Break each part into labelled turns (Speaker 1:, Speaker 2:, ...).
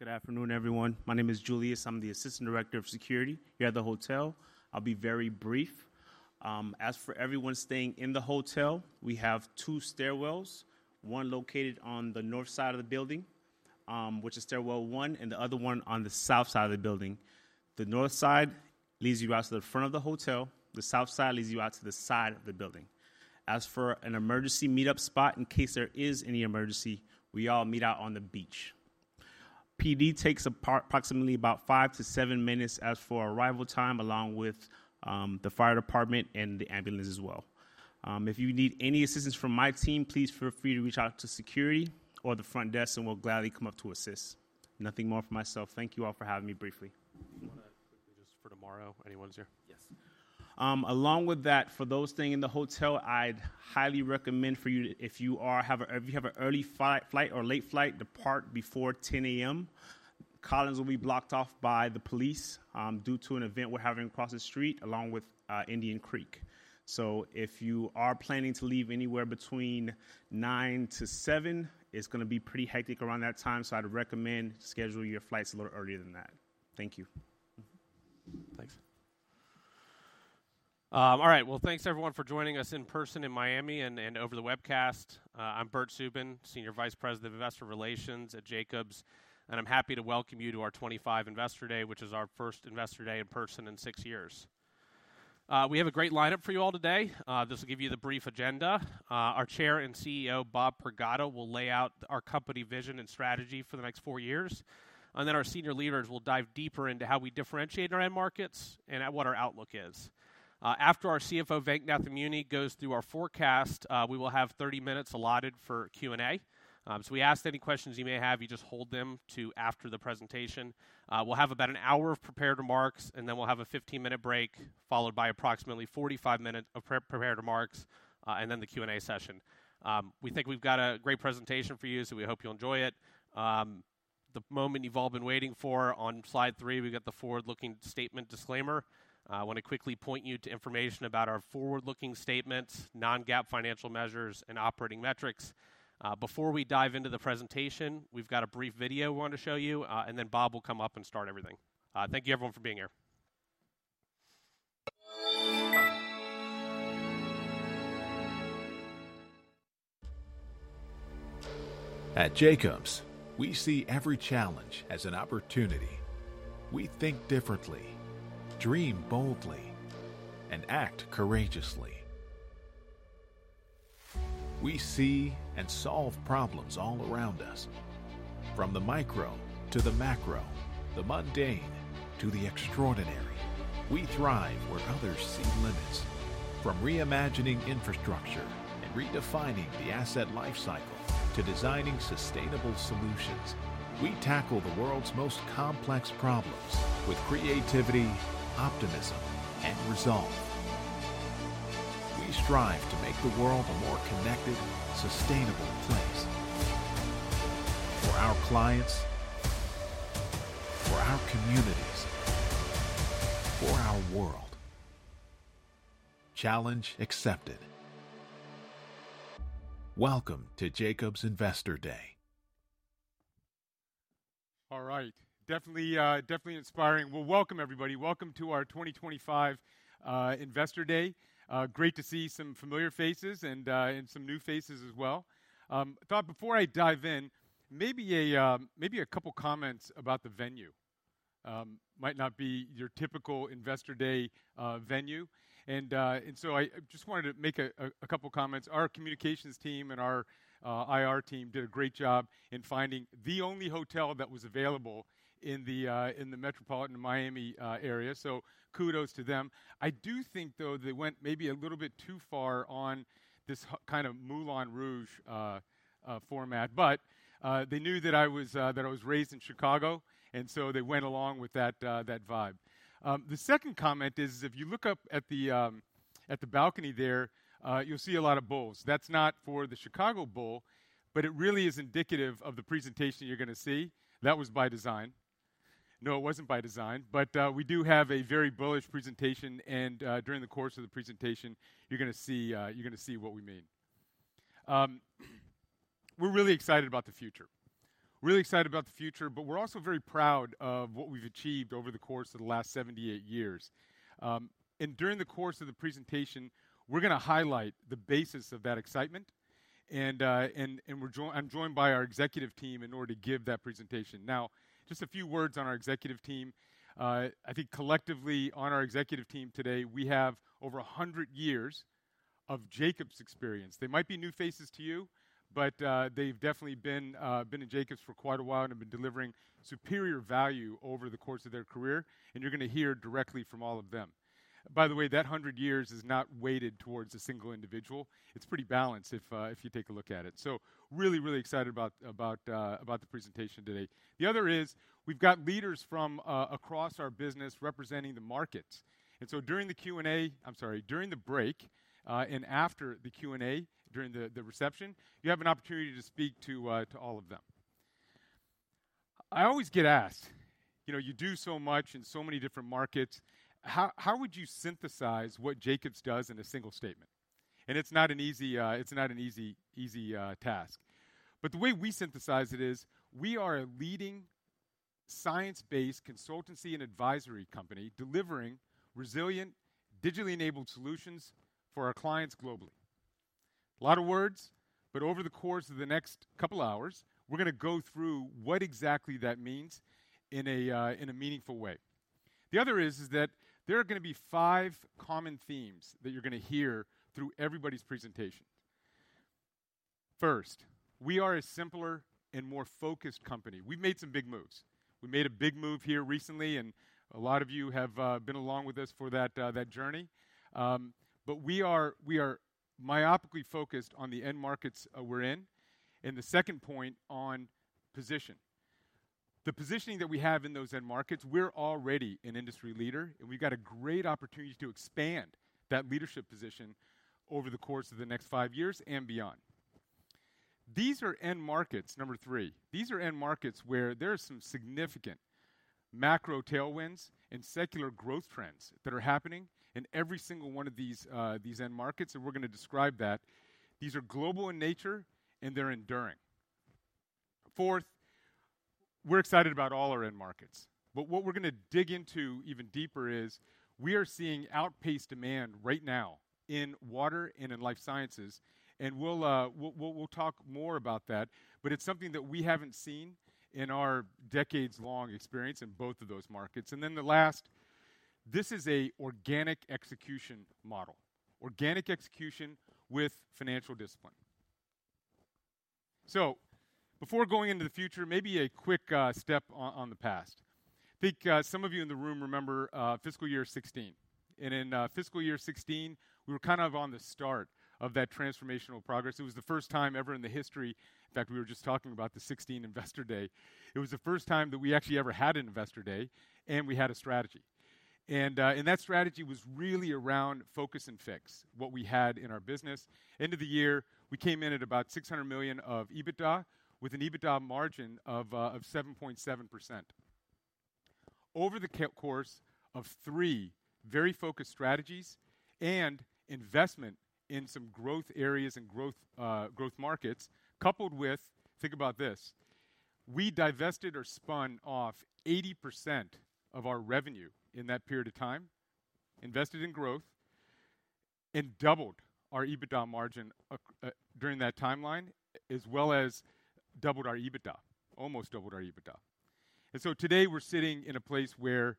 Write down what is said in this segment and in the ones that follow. Speaker 1: Good afternoon, everyone. My name is Julius. I'm the Assistant Director of Security here at the hotel. I'll be very brief. As for everyone staying in the hotel, we have two stairwells, one located on the north side of the building, which is Stairwell One, and the other one on the south side of the building. The north side leads you out to the front of the hotel. The south side leads you out to the side of the building. As for an emergency meet-up spot, in case there is any emergency, we all meet out on the beach. PD takes approximately about five to seven minutes as for arrival time, along with the fire department and the ambulance as well. If you need any assistance from my team, please feel free to reach out to security or the front desk, and we'll gladly come up to assist. Nothing more for myself. Thank you all for having me briefly.
Speaker 2: Do you want to quickly just for tomorrow, anyone's here?
Speaker 1: Yes. Along with that, for those staying in the hotel, I'd highly recommend for you, if you have an early flight or late flight, depart before 10:00 A.M. Collins will be blocked off by the police due to an event we're having across the street along with Indian Creek. So if you are planning to leave anywhere between 9:00 A.M. to 7:00 P.M., it's going to be pretty hectic around that time. So I'd recommend scheduling your flights a little earlier than that. Thank you.
Speaker 2: Thanks. All right. Well, thanks, everyone, for joining us in person in Miami and over the webcast. I'm Bert Subin, Senior Vice President of Investor Relations at Jacobs, and I'm happy to welcome you to our 2025 Investor Day, which is our first Investor Day in person in six years. We have a great lineup for you all today. This will give you the brief agenda. Our Chair and CEO, Bob Pragada, will lay out our company vision and strategy for the next four years. And then our senior leaders will dive deeper into how we differentiate our end markets and what our outlook is. After our CFO, Venk Nathamuni, goes through our forecast, we will have 30 minutes allotted for Q&A. So we ask any questions you may have. You just hold them to after the presentation. We'll have about an hour of prepared remarks, and then we'll have a 15-minute break followed by approximately 45 minutes of prepared remarks, and then the Q&A session. We think we've got a great presentation for you, so we hope you'll enjoy it. The moment you've all been waiting for, on slide three, we've got the forward-looking statement disclaimer. I want to quickly point you to information about our forward-looking statements, non-GAAP financial measures, and operating metrics. Before we dive into the presentation, we've got a brief video we want to show you, and then Bob will come up and start everything. Thank you, everyone, for being here.
Speaker 3: At Jacobs, we see every challenge as an opportunity. We think differently, dream boldly, and act courageously. We see and solve problems all around us, from the micro to the macro, the mundane to the extraordinary. We thrive where others see limits. From reimagining infrastructure and redefining the asset lifecycle to designing sustainable solutions, we tackle the world's most complex problems with creativity, optimism, and resolve. We strive to make the world a more connected, sustainable place for our clients, for our communities, for our world. Challenge accepted. Welcome to Jacobs Investor Day.
Speaker 4: All right. Definitely inspiring. Welcome, everybody. Welcome to our 2025 Investor Day. Great to see some familiar faces and some new faces as well. I thought before I dive in, maybe a couple of comments about the venue. It might not be your typical Investor Day venue. I just wanted to make a couple of comments. Our communications team and our IR team did a great job in finding the only hotel that was available in the metropolitan Miami area. So kudos to them. I do think, though, they went maybe a little bit too far on this kind of Moulin Rouge format, but they knew that I was raised in Chicago, and so they went along with that vibe. The second comment is, if you look up at the balcony there, you'll see a lot of bulls. That's not for the Chicago Bulls, but it really is indicative of the presentation you're going to see. That was by design. No, it wasn't by design, but we do have a very bullish presentation, and during the course of the presentation, you're going to see what we mean. We're really excited about the future. Really excited about the future, but we're also very proud of what we've achieved over the course of the last 78 years, and during the course of the presentation, we're going to highlight the basis of that excitement, and I'm joined by our executive team in order to give that presentation. Now, just a few words on our executive team. I think collectively on our executive team today, we have over 100 years of Jacobs experience. They might be new faces to you, but they've definitely been at Jacobs for quite a while and have been delivering superior value over the course of their career. And you're going to hear directly from all of them. By the way, that 100 years is not weighted towards a single individual. It's pretty balanced if you take a look at it. So really, really excited about the presentation today. The other is, we've got leaders from across our business representing the markets. And so during the Q&A, I'm sorry, during the break and after the Q&A, during the reception, you have an opportunity to speak to all of them. I always get asked, you do so much in so many different markets, how would you synthesize what Jacobs does in a single statement? And it's not an easy task. But the way we synthesize it is, we are a leading science-based consultancy and advisory company delivering resilient, digitally-enabled solutions for our clients globally. A lot of words, but over the course of the next couple of hours, we're going to go through what exactly that means in a meaningful way. The other is that there are going to be five common themes that you're going to hear through everybody's presentation. First, we are a simpler and more focused company. We've made some big moves. We made a big move here recently, and a lot of you have been along with us for that journey. But we are myopically focused on the end markets we're in. And the second point on position. The positioning that we have in those end markets, we're already an industry leader, and we've got a great opportunity to expand that leadership position over the course of the next five years and beyond. These are end markets, number three. These are end markets where there are some significant macro tailwinds and secular growth trends that are happening in every single one of these end markets, and we're going to describe that. These are global in nature, and they're enduring. Fourth, we're excited about all our end markets, but what we're going to dig into even deeper is, we are seeing outpaced demand right now in water and in life sciences, and we'll talk more about that, but it's something that we haven't seen in our decades-long experience in both of those markets, and then the last, this is an organic execution model. Organic execution with financial discipline. So before going into the future, maybe a quick step on the past. I think some of you in the room remember fiscal year 2016. And in fiscal year 2016, we were kind of on the start of that transformational progress. It was the first time ever in the history, in fact, we were just talking about the 2016 Investor Day. It was the first time that we actually ever had an Investor Day, and we had a strategy. And that strategy was really around focus and fix, what we had in our business. End of the year, we came in at about $600 million of EBITDA with an EBITDA margin of 7.7%. Over the course of three very focused strategies and investment in some growth areas and growth markets, coupled with, think about this, we divested or spun off 80% of our revenue in that period of time, invested in growth, and doubled our EBITDA margin during that timeline, as well as doubled our EBITDA, almost doubled our EBITDA, and so today, we're sitting in a place where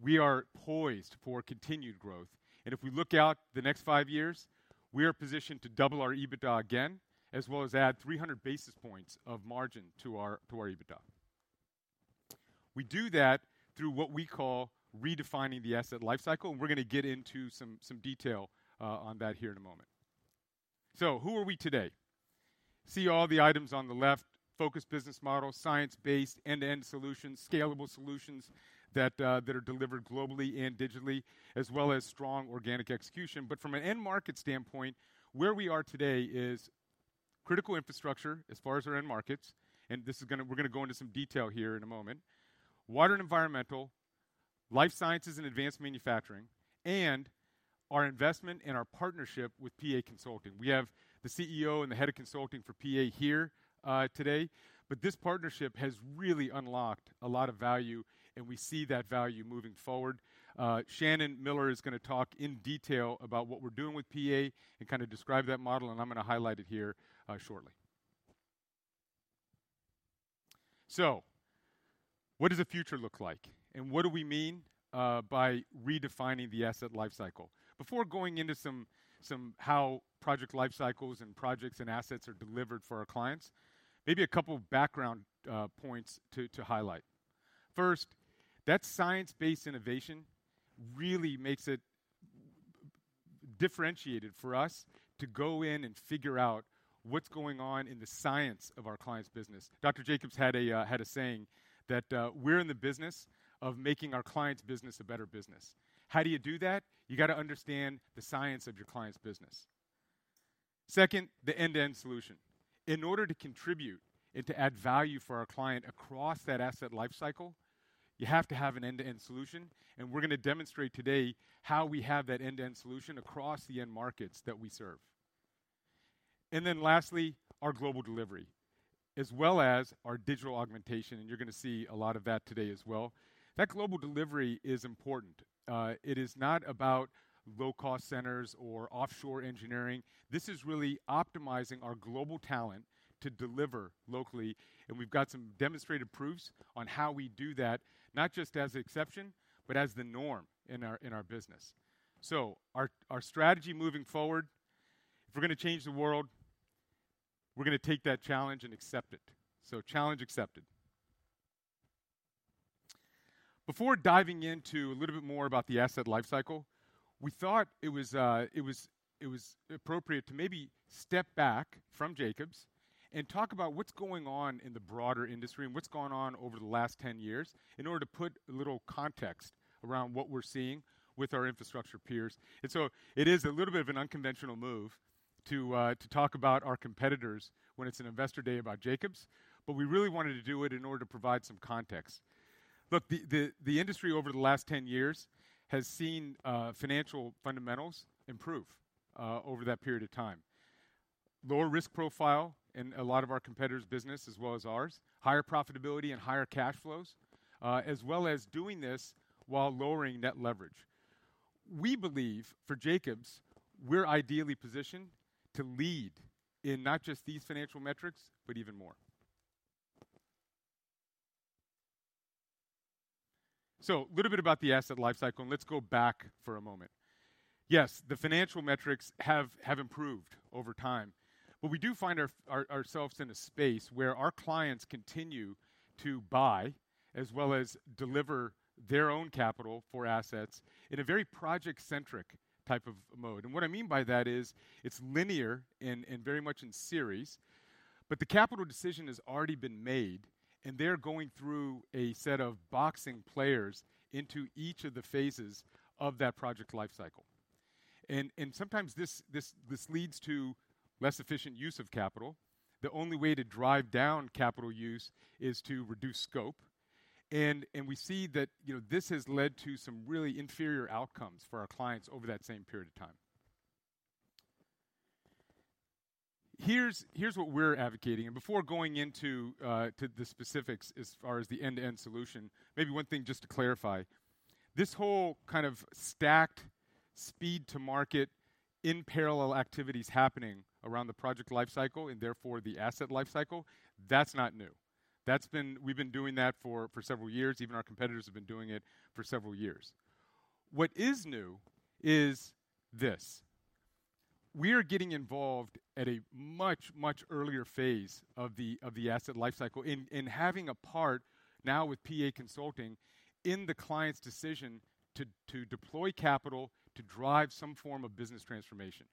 Speaker 4: we are poised for continued growth, and if we look out the next five years, we are positioned to double our EBITDA again, as well as add 300 basis points of margin to our EBITDA. We do that through what we call redefining the asset lifecycle, and we're going to get into some detail on that here in a moment, so who are we today? See all the items on the left: focused business model, science-based end-to-end solutions, scalable solutions that are delivered globally and digitally, as well as strong organic execution. But from an end market standpoint, where we are today is critical infrastructure as far as our end markets. And we're going to go into some detail here in a moment: water and environmental, life sciences, and advanced manufacturing, and our investment and our partnership with PA Consulting. We have the CEO and the head of consulting for PA here today. But this partnership has really unlocked a lot of value, and we see that value moving forward. Shannon Miller is going to talk in detail about what we're doing with PA and kind of describe that model. And I'm going to highlight it here shortly. So what does the future look like? And what do we mean by redefining the asset lifecycle? Before going into somehow project lifecycles and projects and assets are delivered for our clients, maybe a couple of background points to highlight. First, that science-based innovation really makes it differentiated for us to go in and figure out what's going on in the science of our client's business. Dr. Jacobs had a saying that we're in the business of making our client's business a better business. How do you do that? You got to understand the science of your client's business. Second, the end-to-end solution. In order to contribute and to add value for our client across that asset lifecycle, you have to have an end-to-end solution. And we're going to demonstrate today how we have that end-to-end solution across the end markets that we serve. And then lastly, our global delivery, as well as our digital augmentation. You're going to see a lot of that today as well. That global delivery is important. It is not about low-cost centers or offshore engineering. This is really optimizing our global talent to deliver locally. We've got some demonstrated proofs on how we do that, not just as exception, but as the norm in our business. Our strategy moving forward, if we're going to change the world, we're going to take that challenge and accept it. Challenge accepted. Before diving into a little bit more about the asset lifecycle, we thought it was appropriate to maybe step back from Jacobs and talk about what's going on in the broader industry and what's gone on over the last 10 years in order to put a little context around what we're seeing with our infrastructure peers. And so it is a little bit of an unconventional move to talk about our competitors when it's an Investor Day about Jacobs. But we really wanted to do it in order to provide some context. Look, the industry over the last 10 years has seen financial fundamentals improve over that period of time. Lower risk profile in a lot of our competitors' business, as well as ours. Higher profitability and higher cash flows, as well as doing this while lowering net leverage. We believe for Jacobs, we're ideally positioned to lead in not just these financial metrics, but even more. So a little bit about the asset lifecycle. And let's go back for a moment. Yes, the financial metrics have improved over time. We do find ourselves in a space where our clients continue to buy, as well as deliver their own capital for assets in a very project-centric type of mode. What I mean by that is it's linear and very much in series. The capital decision has already been made, and they're going through a set of boxing players into each of the phases of that project lifecycle. Sometimes this leads to less efficient use of capital. The only way to drive down capital use is to reduce scope. We see that this has led to some really inferior outcomes for our clients over that same period of time. Here's what we're advocating. Before going into the specifics as far as the end-to-end solution, maybe one thing just to clarify. This whole kind of stacked speed-to-market in parallel activities happening around the project lifecycle and therefore the asset lifecycle, that's not new. We've been doing that for several years. Even our competitors have been doing it for several years. What is new is this. We are getting involved at a much, much earlier phase of the asset lifecycle and having a part now with PA Consulting in the client's decision to deploy capital to drive some form of business transformation.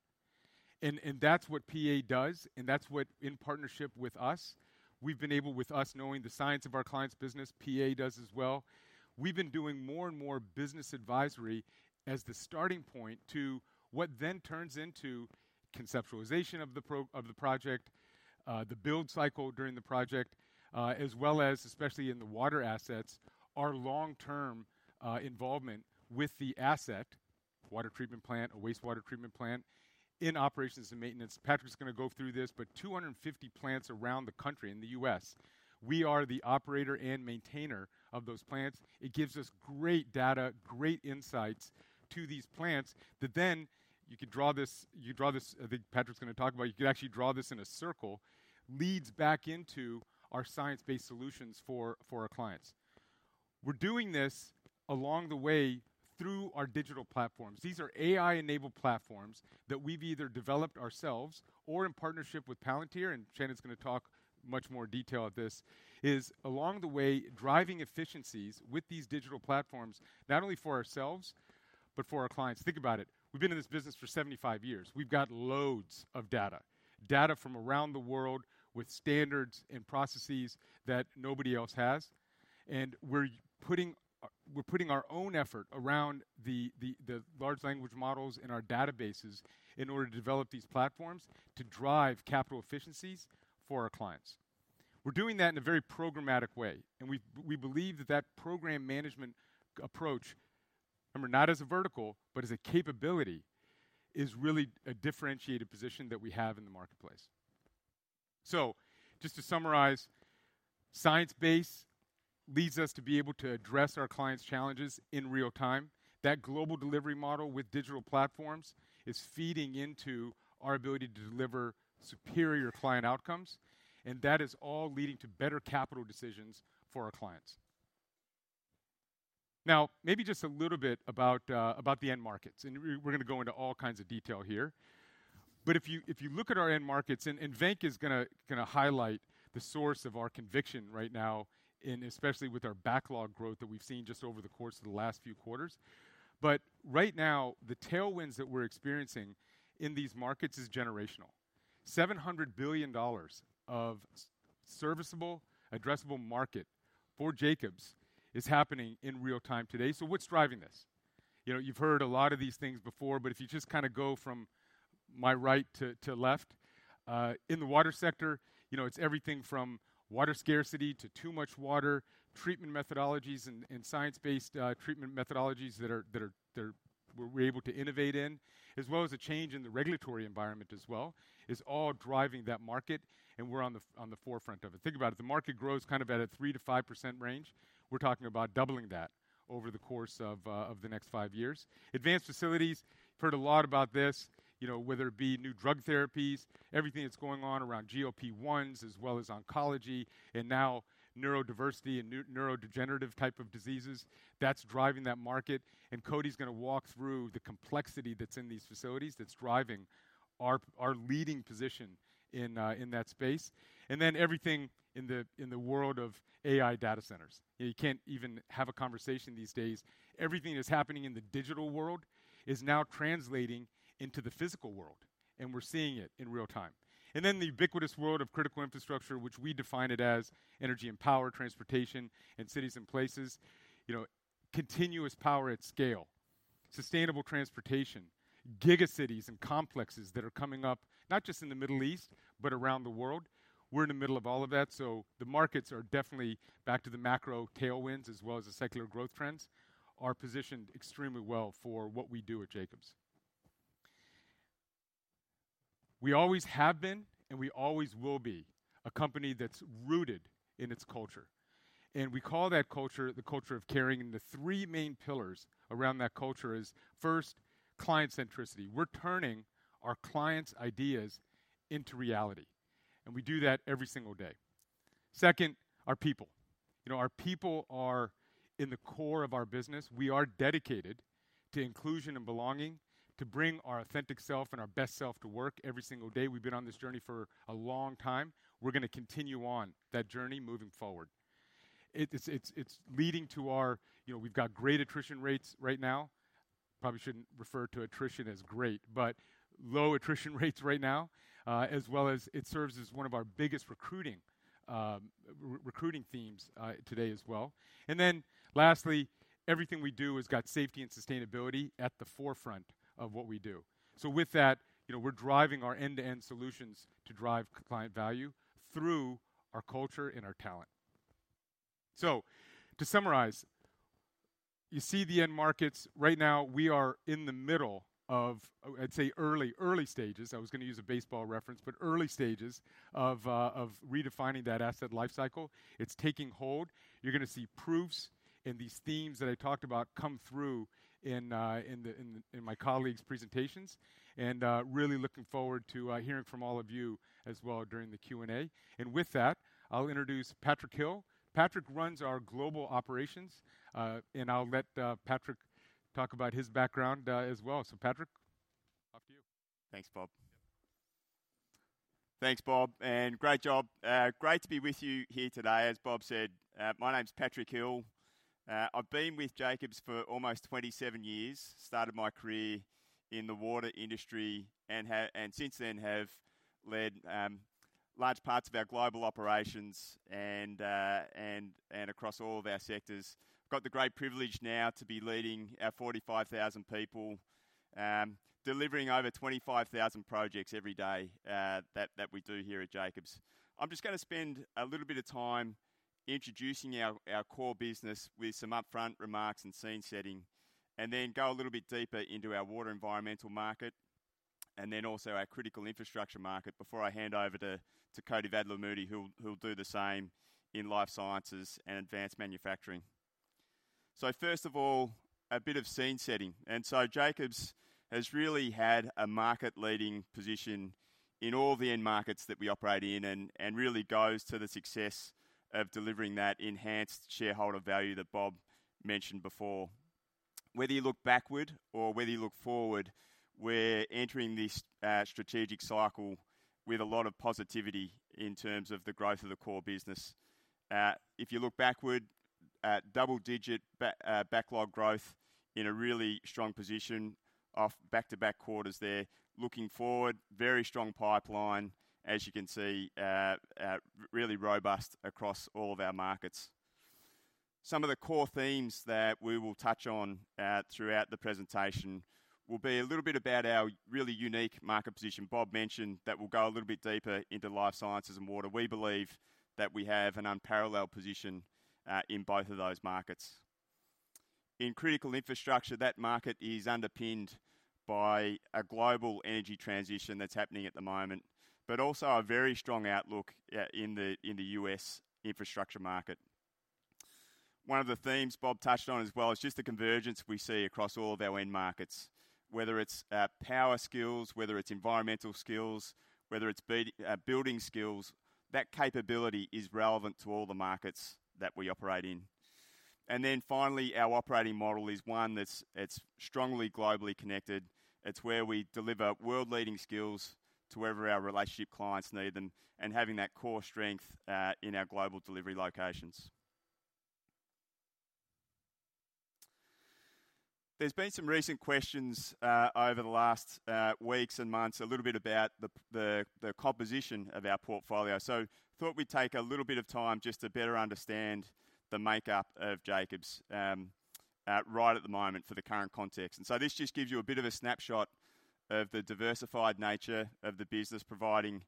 Speaker 4: And that's what PA does. And that's what, in partnership with us, we've been able, with us knowing the science of our client's business, PA does as well. We've been doing more and more business advisory as the starting point to what then turns into conceptualization of the project, the build cycle during the project, as well as, especially in the water assets, our long-term involvement with the asset, water treatment plant, a wastewater treatment plant in operations and maintenance. Patrick's going to go through this. But 250 plants around the country in the U.S., we are the operator and maintainer of those plants. It gives us great data, great insights to these plants that then you can draw this. I think Patrick's going to talk about it. You can actually draw this in a circle. It leads back into our science-based solutions for our clients. We're doing this along the way through our digital platforms. These are AI-enabled platforms that we've either developed ourselves or in partnership with Palantir. And Shannon's going to talk much more detail of this. Along the way, driving efficiencies with these digital platforms, not only for ourselves, but for our clients. Think about it. We've been in this business for 75 years. We've got loads of data, data from around the world with standards and processes that nobody else has, and we're putting our own effort around the large language models and our databases in order to develop these platforms to drive capital efficiencies for our clients. We're doing that in a very programmatic way, and we believe that that program management approach, not as a vertical, but as a capability, is really a differentiated position that we have in the marketplace, so just to summarize, science-based leads us to be able to address our clients' challenges in real time. That global delivery model with digital platforms is feeding into our ability to deliver superior client outcomes. And that is all leading to better capital decisions for our clients. Now, maybe just a little bit about the end markets. And we're going to go into all kinds of detail here. But if you look at our end markets, and Venk is going to highlight the source of our conviction right now, especially with our backlog growth that we've seen just over the course of the last few quarters. But right now, the tailwinds that we're experiencing in these markets is generational. $700 billion of serviceable, addressable market for Jacobs is happening in real time today. So what's driving this? You've heard a lot of these things before. But if you just kind of go from my right to left, in the water sector, it's everything from water scarcity to too much water, treatment methodologies, and science-based treatment methodologies that we're able to innovate in, as well as a change in the regulatory environment as well, is all driving that market. And we're on the forefront of it. Think about it. The market grows kind of at a 3%-5% range. We're talking about doubling that over the course of the next five years. Advanced facilities, you've heard a lot about this, whether it be new drug therapies, everything that's going on around GLP-1s, as well as oncology, and now neurodiversity and neurodegenerative type of diseases. That's driving that market. And Koti's going to walk through the complexity that's in these facilities that's driving our leading position in that space. And then everything in the world of AI data centers. You can't even have a conversation these days. Everything that's happening in the digital world is now translating into the physical world. And we're seeing it in real time. And then the ubiquitous world of critical infrastructure, which we define it as energy and power, transportation, and cities and places, continuous power at scale, sustainable transportation, giga cities, and complexes that are coming up not just in the Middle East, but around the world. We're in the middle of all of that. So the markets are definitely back to the macro tailwinds, as well as the secular growth trends, are positioned extremely well for what we do at Jacobs. We always have been, and we always will be a company that's rooted in its culture. And we call that culture the culture of caring. The three main pillars around that culture are, first, client-centricity. We're turning our clients' ideas into reality. We do that every single day. Second, our people. Our people are in the core of our business. We are dedicated to inclusion and belonging, to bring our authentic self and our best self to work every single day. We've been on this journey for a long time. We're going to continue on that journey moving forward. It's leading to our, we've got great attrition rates right now. Probably shouldn't refer to attrition as great, but low attrition rates right now, as well as it serves as one of our biggest recruiting themes today as well. Then lastly, everything we do has got safety and sustainability at the forefront of what we do. With that, we're driving our end-to-end solutions to drive client value through our culture and our talent. So, to summarize, you see the end markets. Right now, we are in the middle of, I'd say, early stages. I was going to use a baseball reference, but early stages of redefining that asset lifecycle. It's taking hold. You're going to see proofs and these themes that I talked about come through in my colleagues' presentations. And really looking forward to hearing from all of you as well during the Q&A. And with that, I'll introduce Patrick Hill. Patrick runs our global operations. And I'll let Patrick talk about his background as well. So Patrick, off to you.
Speaker 2: Thanks, Bob.
Speaker 5: Thanks, Bob. And great job. Great to be with you here today. As Bob said, my name's Patrick Hill. I've been with Jacobs for almost 27 years. started my career in the water industry and since then have led large parts of our global operations and across all of our sectors. I've got the great privilege now to be leading our 45,000 people, delivering over 25,000 projects every day that we do here at Jacobs. I'm just going to spend a little bit of time introducing our core business with some upfront remarks and scene setting, and then go a little bit deeper into our water and environmental market, and then also our critical infrastructure market before I hand over to Koti Vadlamudi, who'll do the same in life sciences and advanced manufacturing. So first of all, a bit of scene setting, and so Jacobs has really had a market-leading position in all the end markets that we operate in and really goes to the success of delivering that enhanced shareholder value that Bob mentioned before. Whether you look backward or whether you look forward, we're entering this strategic cycle with a lot of positivity in terms of the growth of the core business. If you look backward, double-digit backlog growth in a really strong position of back-to-back quarters there. Looking forward, very strong pipeline, as you can see, really robust across all of our markets. Some of the core themes that we will touch on throughout the presentation will be a little bit about our really unique market position. Bob mentioned that we'll go a little bit deeper into life sciences and water. We believe that we have an unparalleled position in both of those markets. In critical infrastructure, that market is underpinned by a global energy transition that's happening at the moment, but also a very strong outlook in the U.S. infrastructure market. One of the themes Bob touched on as well is just the convergence we see across all of our end markets, whether it's power skills, whether it's environmental skills, whether it's building skills. That capability is relevant to all the markets that we operate in, and then finally, our operating model is one that's strongly globally connected. It's where we deliver world-leading skills to wherever our relationship clients need them and having that core strength in our global delivery locations. There's been some recent questions over the last weeks and months, a little bit about the composition of our portfolio, so I thought we'd take a little bit of time just to better understand the makeup of Jacobs right at the moment for the current context. And so this just gives you a bit of a snapshot of the diversified nature of the business, providing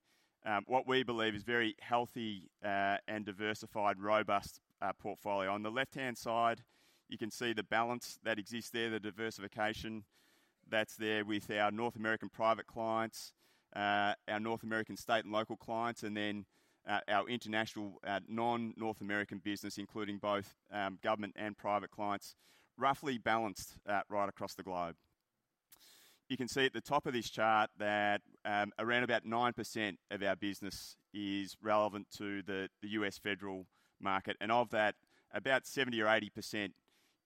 Speaker 5: what we believe is very healthy and diversified, robust portfolio. On the left-hand side, you can see the balance that exists there, the diversification that's there with our North American private clients, our North American state and local clients, and then our international non-North American business, including both government and private clients, roughly balanced right across the globe. You can see at the top of this chart that around about 9% of our business is relevant to the U.S. federal market. And of that, about 70% or 80%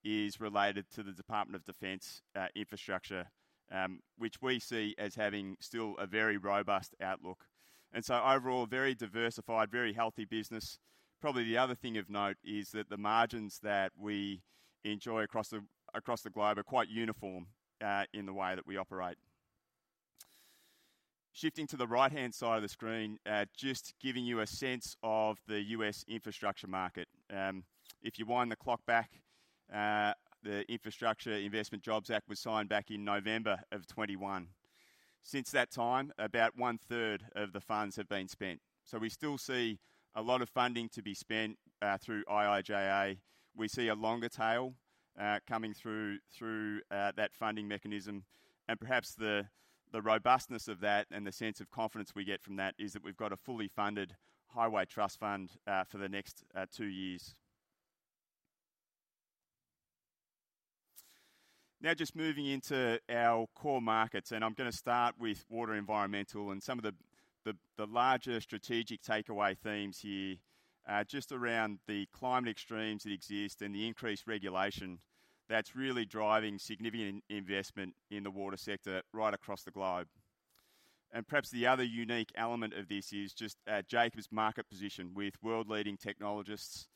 Speaker 5: is related to the Department of Defense infrastructure, which we see as having still a very robust outlook. And so overall, very diversified, very healthy business. Probably the other thing of note is that the margins that we enjoy across the globe are quite uniform in the way that we operate. Shifting to the right-hand side of the screen, just giving you a sense of the U.S. infrastructure market. If you wind the clock back, the Infrastructure Investment and Jobs Act was signed back in November of 2021. Since that time, about one-third of the funds have been spent. So we still see a lot of funding to be spent through IIJA. We see a longer tail coming through that funding mechanism. And perhaps the robustness of that and the sense of confidence we get from that is that we've got a fully funded Highway Trust Fund for the next two years. Now, just moving into our core markets. And I'm going to start with water environmental and some of the larger strategic takeaway themes here, just around the climate extremes that exist and the increased regulation that's really driving significant investment in the water sector right across the globe. And perhaps the other unique element of this is just Jacobs' market position with world-leading technologists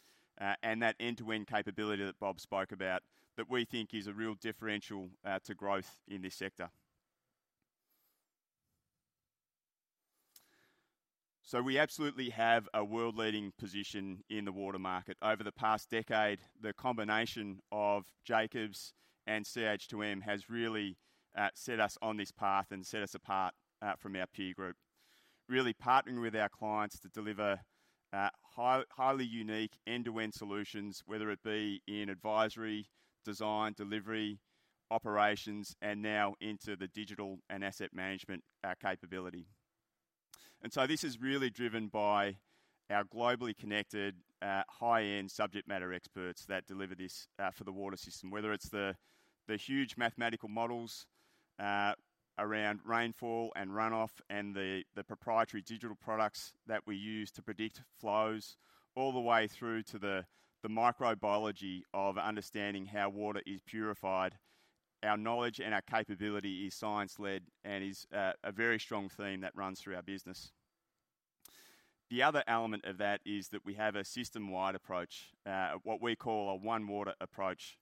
Speaker 5: and that end-to-end capability that Bob spoke about that we think is a real differential to growth in this sector. So we absolutely have a world-leading position in the water market. Over the past decade, the combination of Jacobs and CH2M has really set us on this path and set us apart from our peer group, really partnering with our clients to deliver highly unique end-to-end solutions, whether it be in advisory, design, delivery, operations, and now into the digital and asset management capability. And so this is really driven by our globally connected high-end subject matter experts that deliver this for the water system, whether it's the huge mathematical models around rainfall and runoff and the proprietary digital products that we use to predict flows, all the way through to the microbiology of understanding how water is purified. Our knowledge and our capability is science-led and is a very strong theme that runs through our business. The other element of that is that we have a system-wide approach, what we call a One Water approach,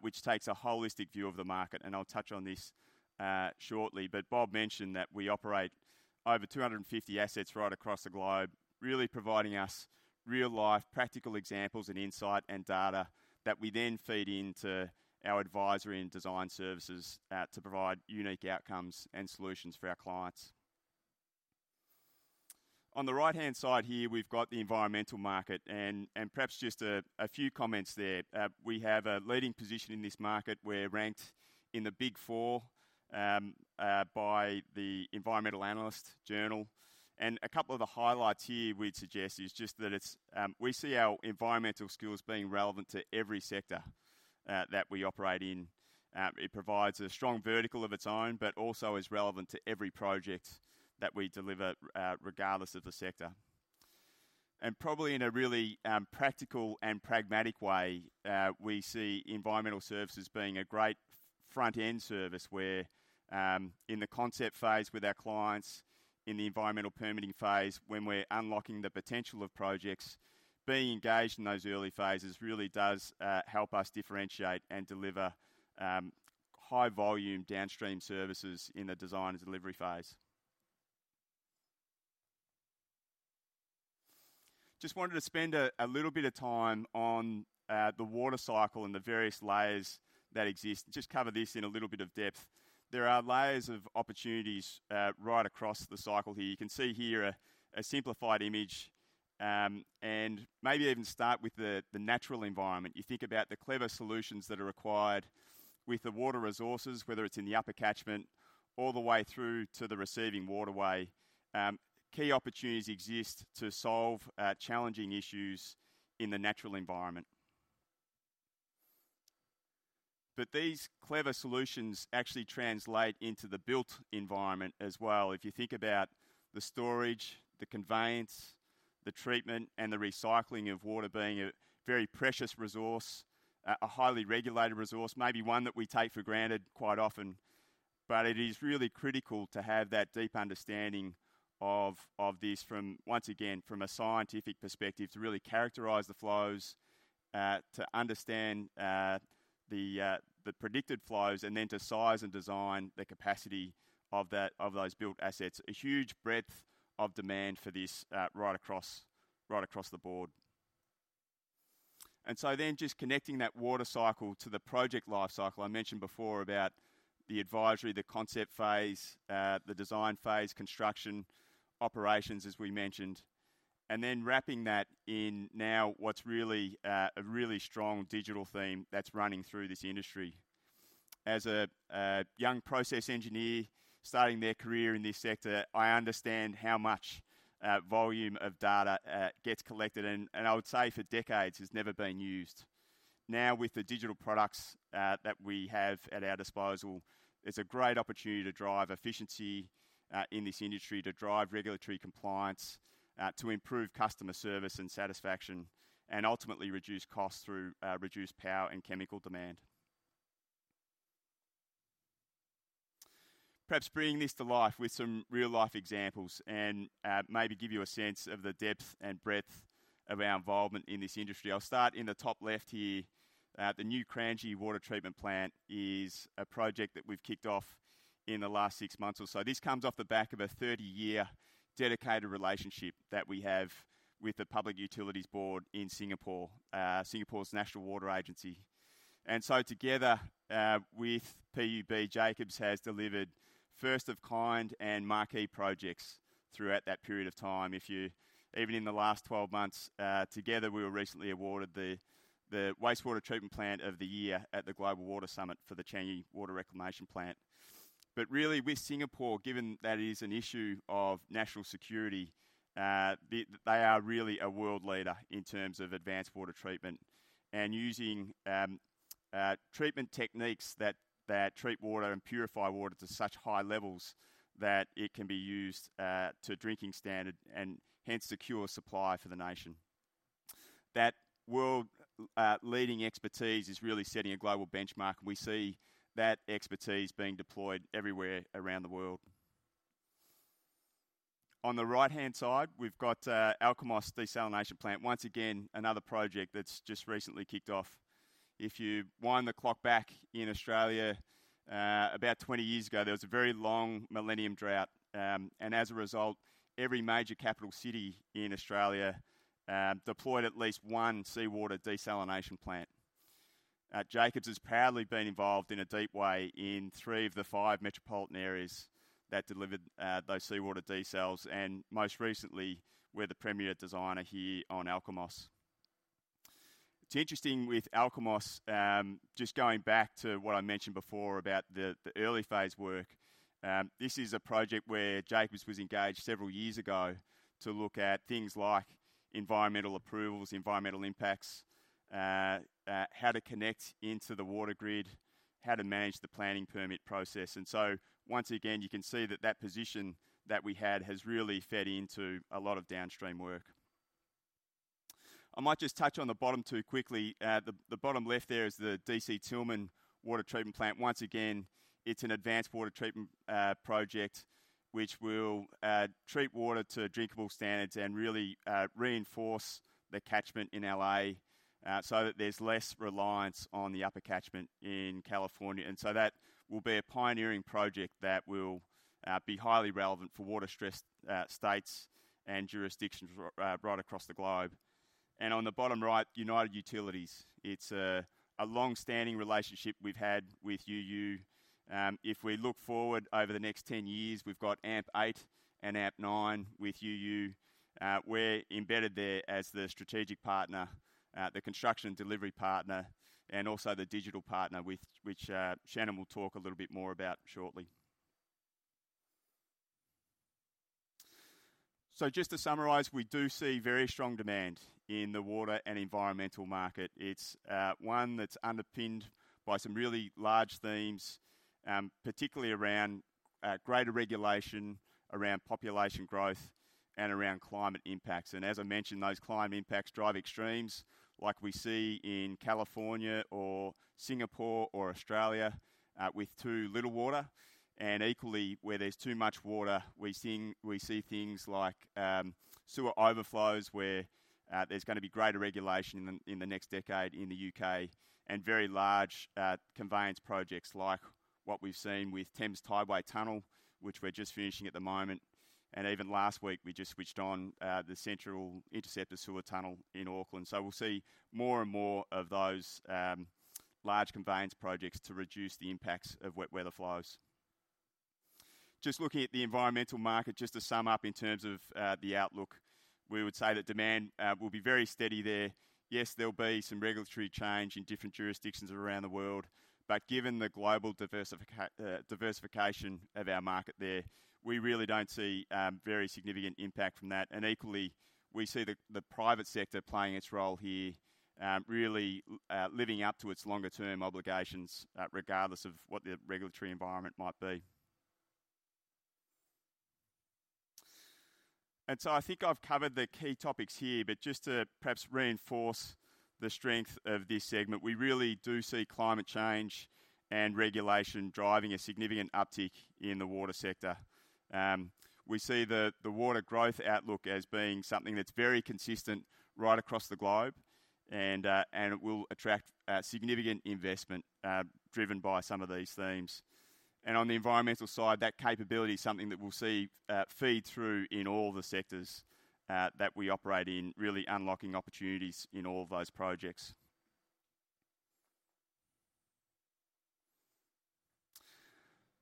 Speaker 5: which takes a holistic view of the market. And I'll touch on this shortly. But Bob mentioned that we operate over 250 assets right across the globe, really providing us real-life practical examples and insight and data that we then feed into our advisory and design services to provide unique outcomes and solutions for our clients. On the right-hand side here, we've got the environmental market, and perhaps just a few comments there. We have a leading position in this market. We're ranked in the Big Four by the Environmental Analyst Journal, and a couple of the highlights here we'd suggest is just that we see our environmental skills being relevant to every sector that we operate in. It provides a strong vertical of its own, but also is relevant to every project that we deliver, regardless of the sector, and probably in a really practical and pragmatic way, we see environmental services being a great front-end service where, in the concept phase with our clients, in the environmental permitting phase, when we're unlocking the potential of projects, being engaged in those early phases really does help us differentiate and deliver high-volume downstream services in the design and delivery phase. Just wanted to spend a little bit of time on the water cycle and the various layers that exist. Just cover this in a little bit of depth. There are layers of opportunities right across the cycle here. You can see here a simplified image, and maybe even start with the natural environment. You think about the clever solutions that are required with the water resources, whether it's in the upper catchment all the way through to the receiving waterway. Key opportunities exist to solve challenging issues in the natural environment, but these clever solutions actually translate into the built environment as well. If you think about the storage, the conveyance, the treatment, and the recycling of water being a very precious resource, a highly regulated resource, maybe one that we take for granted quite often. But it is really critical to have that deep understanding of this, once again, from a scientific perspective, to really characterize the flows, to understand the predicted flows, and then to size and design the capacity of those built assets. A huge breadth of demand for this right across the board, and so then just connecting that water cycle to the project life cycle. I mentioned before about the advisory, the concept phase, the design phase, construction operations, as we mentioned, and then wrapping that in now what's really a really strong digital theme that's running through this industry. As a young process engineer starting their career in this sector, I understand how much volume of data gets collected, and I would say for decades has never been used. Now, with the digital products that we have at our disposal, it's a great opportunity to drive efficiency in this industry, to drive regulatory compliance, to improve customer service and satisfaction, and ultimately reduce costs through reduced power and chemical demand. Perhaps bringing this to life with some real-life examples and maybe give you a sense of the depth and breadth of our involvement in this industry. I'll start in the top left here. The new Kranji Water Reclamation Plant is a project that we've kicked off in the last six months or so. This comes off the back of a 30-year dedicated relationship that we have with the Public Utilities Board in Singapore, Singapore's National Water Agency. And so together with PUB, Jacobs has delivered first-of-kind and marquee projects throughout that period of time. Even in the last 12 months, together we were recently awarded the Wastewater Treatment Plant of the Year at the Global Water Summit for the Changi Water Reclamation Plant. But really, with Singapore, given that it is an issue of national security, they are really a world leader in terms of advanced water treatment and using treatment techniques that treat water and purify water to such high levels that it can be used to drinking standard and hence secure supply for the nation. That world-leading expertise is really setting a global benchmark. We see that expertise being deployed everywhere around the world. On the right-hand side, we've got Alkimos Desalination Plant. Once again, another project that's just recently kicked off. If you wind the clock back in Australia, about 20 years ago, there was a very long millennium drought. As a result, every major capital city in Australia deployed at least one seawater desalination plant. Jacobs has proudly been involved in a deep way in three of the five metropolitan areas that delivered those seawater desals, and most recently, we're the premier designer here on Alkimos. It's interesting with Alkimos, just going back to what I mentioned before about the early phase work, this is a project where Jacobs was engaged several years ago to look at things like environmental approvals, environmental impacts, how to connect into the water grid, how to manage the planning permit process. So once again, you can see that that position that we had has really fed into a lot of downstream work. I might just touch on the bottom two quickly. The bottom left there is the D.C. Tillman Water Treatment Plant. Once again, it's an advanced water treatment project which will treat water to drinkable standards and really reinforce the catchment in LA so that there's less reliance on the upper catchment in California. And so that will be a pioneering project that will be highly relevant for water-stressed states and jurisdictions right across the globe. And on the bottom right, United Utilities. It's a long-standing relationship we've had with UU. If we look forward over the next 10 years, we've got AMP8 and AMP9 with UU. We're embedded there as the strategic partner, the construction delivery partner, and also the digital partner, which Shannon will talk a little bit more about shortly. So just to summarize, we do see very strong demand in the water and environmental market. It's one that's underpinned by some really large themes, particularly around greater regulation, around population growth, and around climate impacts. As I mentioned, those climate impacts drive extremes like we see in California or Singapore or Australia with too little water. Equally, where there's too much water, we see things like sewer overflows where there's going to be greater regulation in the next decade in the U.K. and very large conveyance projects like what we've seen with Thames Tideway Tunnel, which we're just finishing at the moment. Even last week, we just switched on the Central Interceptor sewer tunnel in Auckland. We'll see more and more of those large conveyance projects to reduce the impacts of wet weather flows. Just looking at the environmental market, just to sum up in terms of the outlook, we would say that demand will be very steady there. Yes, there'll be some regulatory change in different jurisdictions around the world. But given the global diversification of our market there, we really don't see very significant impact from that. And equally, we see the private sector playing its role here, really living up to its longer-term obligations, regardless of what the regulatory environment might be. And so I think I've covered the key topics here. But just to perhaps reinforce the strength of this segment, we really do see climate change and regulation driving a significant uptick in the water sector. We see the water growth outlook as being something that's very consistent right across the globe, and it will attract significant investment driven by some of these themes. And on the environmental side, that capability is something that we'll see feed through in all the sectors that we operate in, really unlocking opportunities in all of those projects.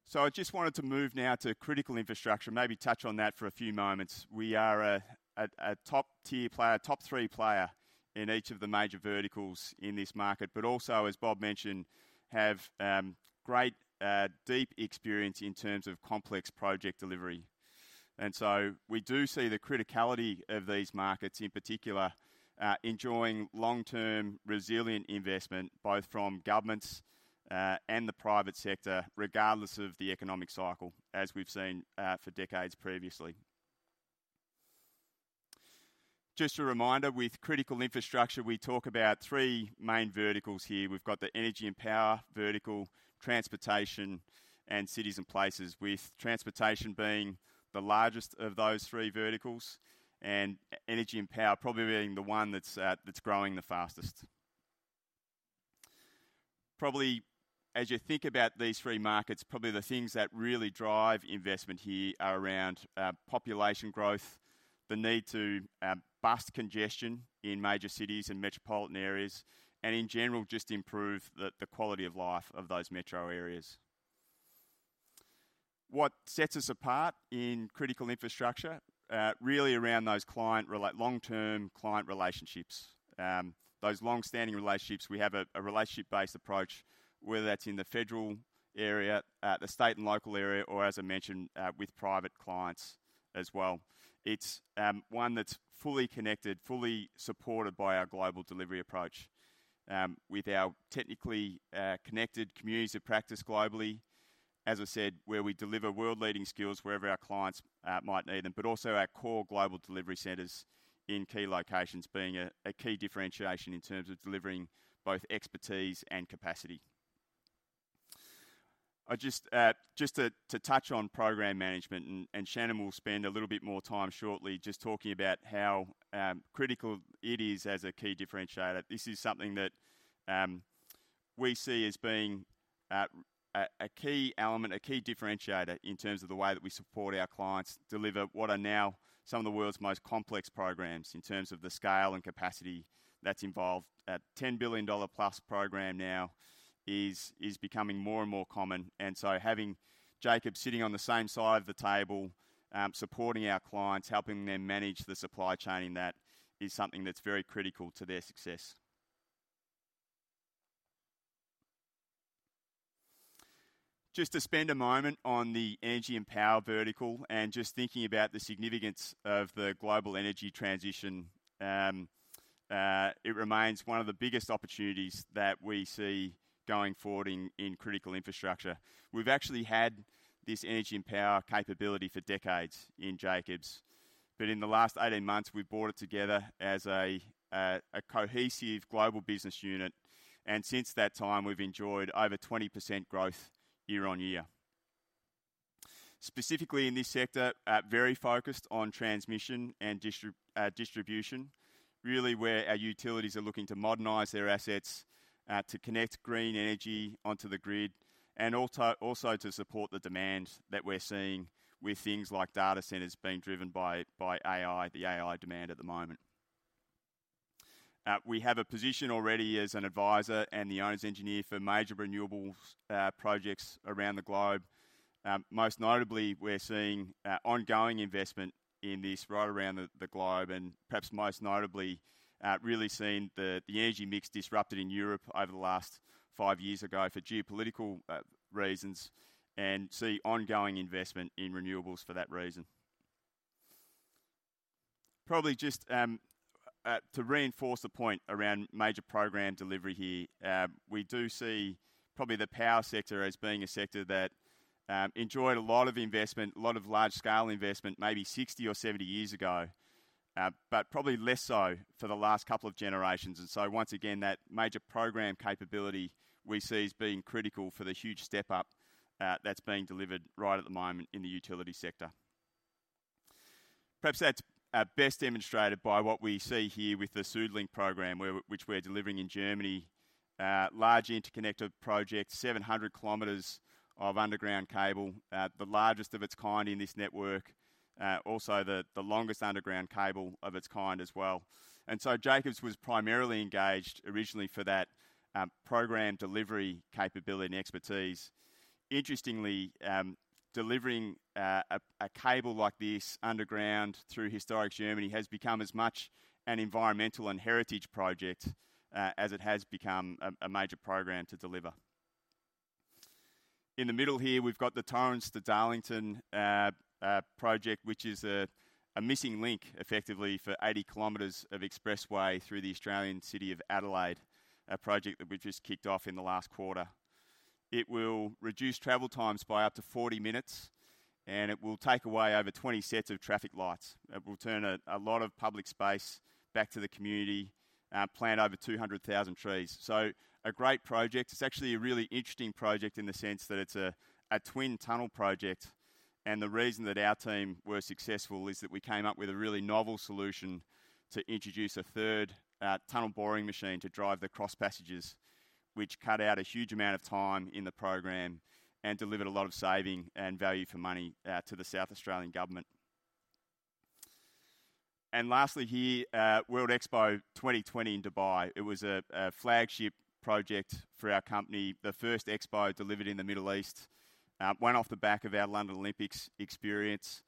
Speaker 5: So I just wanted to move now to critical infrastructure, maybe touch on that for a few moments. We are a top-tier player, top-three player in each of the major verticals in this market, but also, as Bob mentioned, have great deep experience in terms of complex project delivery. And so we do see the criticality of these markets, in particular, enjoying long-term resilient investment, both from governments and the private sector, regardless of the economic cycle, as we've seen for decades previously. Just a reminder, with critical infrastructure, we talk about three main verticals here. We've got the energy and power vertical, transportation, and cities and places, with transportation being the largest of those three verticals and energy and power probably being the one that's growing the fastest. Probably, as you think about these three markets, probably the things that really drive investment here are around population growth, the need to bust congestion in major cities and metropolitan areas, and in general, just improve the quality of life of those metro areas. What sets us apart in critical infrastructure really around those long-term client relationships, those long-standing relationships, we have a relationship-based approach, whether that's in the federal area, the state and local area, or, as I mentioned, with private clients as well. It's one that's fully connected, fully supported by our global delivery approach with our technically connected communities of practice globally, as I said, where we deliver world-leading skills wherever our clients might need them, but also our core global delivery centers in key locations being a key differentiation in terms of delivering both expertise and capacity. Just to touch on program management, and Shannon will spend a little bit more time shortly just talking about how critical it is as a key differentiator. This is something that we see as being a key element, a key differentiator in terms of the way that we support our clients deliver what are now some of the world's most complex programs in terms of the scale and capacity that's involved. A $10 billion-plus program now is becoming more and more common. And so having Jacobs sitting on the same side of the table supporting our clients, helping them manage the supply chain in that is something that's very critical to their success. Just to spend a moment on the energy and power vertical and just thinking about the significance of the global energy transition, it remains one of the biggest opportunities that we see going forward in critical infrastructure. We've actually had this energy and power capability for decades in Jacobs. But in the last 18 months, we've brought it together as a cohesive global business unit. And since that time, we've enjoyed over 20% growth year-on-year. Specifically in this sector, very focused on transmission and distribution, really where our utilities are looking to modernize their assets to connect green energy onto the grid and also to support the demand that we're seeing with things like data centers being driven by AI, the AI demand at the moment. We have a position already as an advisor and the Owner's Engineer for major renewables projects around the globe. Most notably, we're seeing ongoing investment in this right around the globe and perhaps most notably really seeing the energy mix disrupted in Europe over the last five years ago for geopolitical reasons and see ongoing investment in renewables for that reason. Probably just to reinforce the point around major program delivery here, we do see probably the power sector as being a sector that enjoyed a lot of investment, a lot of large-scale investment maybe 60 or 70 years ago, but probably less so for the last couple of generations. Once again, that major program capability we see as being critical for the huge step-up that's being delivered right at the moment in the utility sector. Perhaps that's best demonstrated by what we see here with the SuedLink program, which we're delivering in Germany: large interconnected project, 700 km of underground cable, the largest of its kind in this network, also the longest underground cable of its kind as well. So Jacobs was primarily engaged originally for that program delivery capability and expertise. Interestingly, delivering a cable like this underground through historic Germany has become as much an environmental and heritage project as it has become a major program to deliver. In the middle here, we've got the Torrens to Darlington project, which is a missing link effectively for 80 km of expressway through the Australian city of Adelaide, a project that we've just kicked off in the last quarter. It will reduce travel times by up to 40 minutes, and it will take away over 20 sets of traffic lights. It will turn a lot of public space back to the community, plant over 200,000 trees, so a great project. It's actually a really interesting project in the sense that it's a twin tunnel project, and the reason that our team were successful is that we came up with a really novel solution to introduce a third tunnel boring machine to drive the cross passages, which cut out a huge amount of time in the program and delivered a lot of saving and value for money to the South Australian government, and lastly here, World Expo 2020 in Dubai. It was a flagship project for our company, the first expo delivered in the Middle East, went off the back of our London Olympics experience,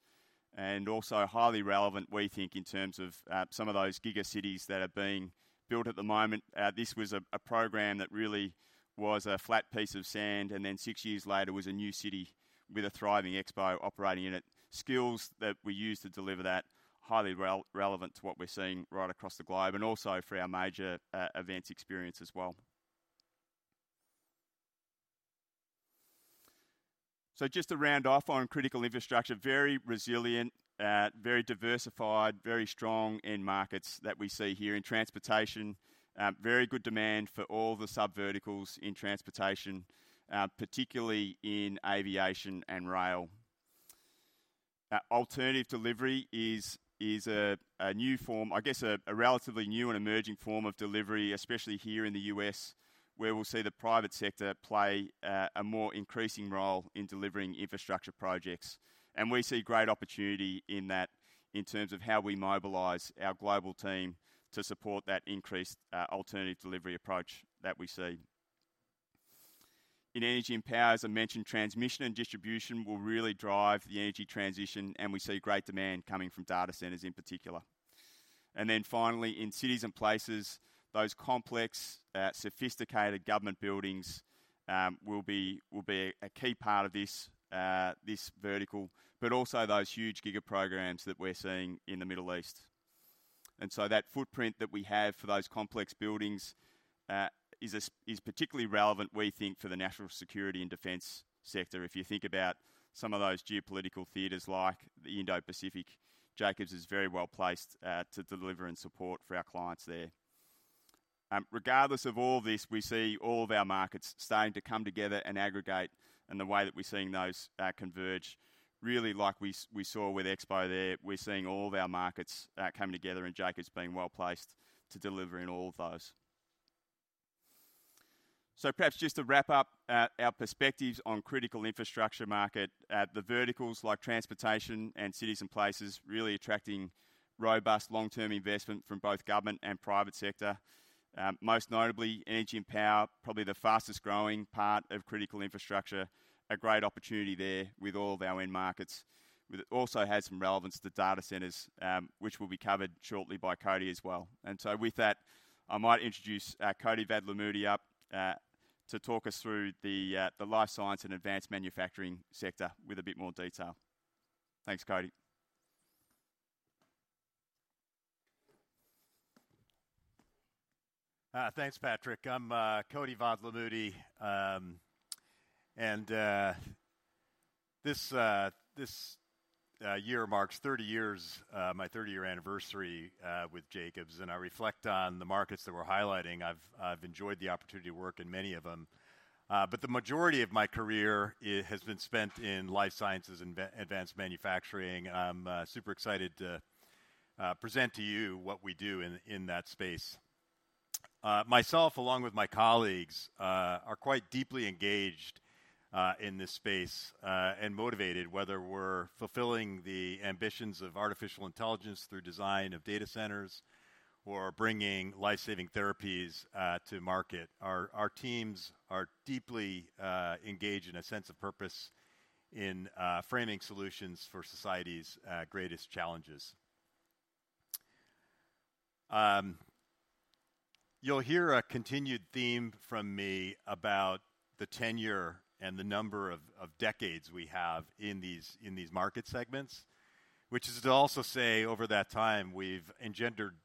Speaker 5: and also highly relevant, we think, in terms of some of those giga cities that are being built at the moment. This was a program that really was a flat piece of sand, and then six years later, it was a new city with a thriving expo operating in it. Skills that we use to deliver that are highly relevant to what we're seeing right across the globe and also for our major events experience as well. So just to round off on critical infrastructure, very resilient, very diversified, very strong in markets that we see here in transportation, very good demand for all the sub-verticals in transportation, particularly in aviation and rail. Alternative delivery is a new form, I guess a relatively new and emerging form of delivery, especially here in the U.S., where we'll see the private sector play a more increasing role in delivering infrastructure projects. We see great opportunity in that in terms of how we mobilize our global team to support that increased alternative delivery approach that we see. In energy and power, as I mentioned, transmission and distribution will really drive the energy transition, and we see great demand coming from data centers in particular. Then finally, in cities and places, those complex, sophisticated government buildings will be a key part of this vertical, but also those huge giga programs that we're seeing in the Middle East. So that footprint that we have for those complex buildings is particularly relevant, we think, for the national security and defense sector. If you think about some of those geopolitical theaters like the Indo-Pacific, Jacobs is very well placed to deliver and support for our clients there. Regardless of all this, we see all of our markets starting to come together and aggregate in the way that we're seeing those converge, really like we saw with Expo there. We're seeing all of our markets coming together, and Jacobs being well placed to deliver in all of those. Perhaps just to wrap up our perspectives on critical infrastructure market, the verticals like transportation and cities and places really attracting robust long-term investment from both government and private sector. Most notably, energy and power, probably the fastest growing part of critical infrastructure, a great opportunity there with all of our end markets. It also has some relevance to data centers, which will be covered shortly by Koti as well. With that, I might introduce Koti Vadlamudi up to talk us through the life sciences and advanced manufacturing sector with a bit more detail. Thanks, Koti.
Speaker 6: Thanks, Patrick. I'm Koti Vadlamudi. And this year marks 30 years, my 30-year anniversary with Jacobs. And I reflect on the markets that we're highlighting. I've enjoyed the opportunity to work in many of them. But the majority of my career has been spent in life sciences and advanced manufacturing. I'm super excited to present to you what we do in that space. Myself, along with my colleagues, are quite deeply engaged in this space and motivated, whether we're fulfilling the ambitions of artificial intelligence through design of data centers or bringing life-saving therapies to market. Our teams are deeply engaged in a sense of purpose in framing solutions for society's greatest challenges. You'll hear a continued theme from me about the tenure and the number of decades we have in these market segments, which is to also say over that time, we've engendered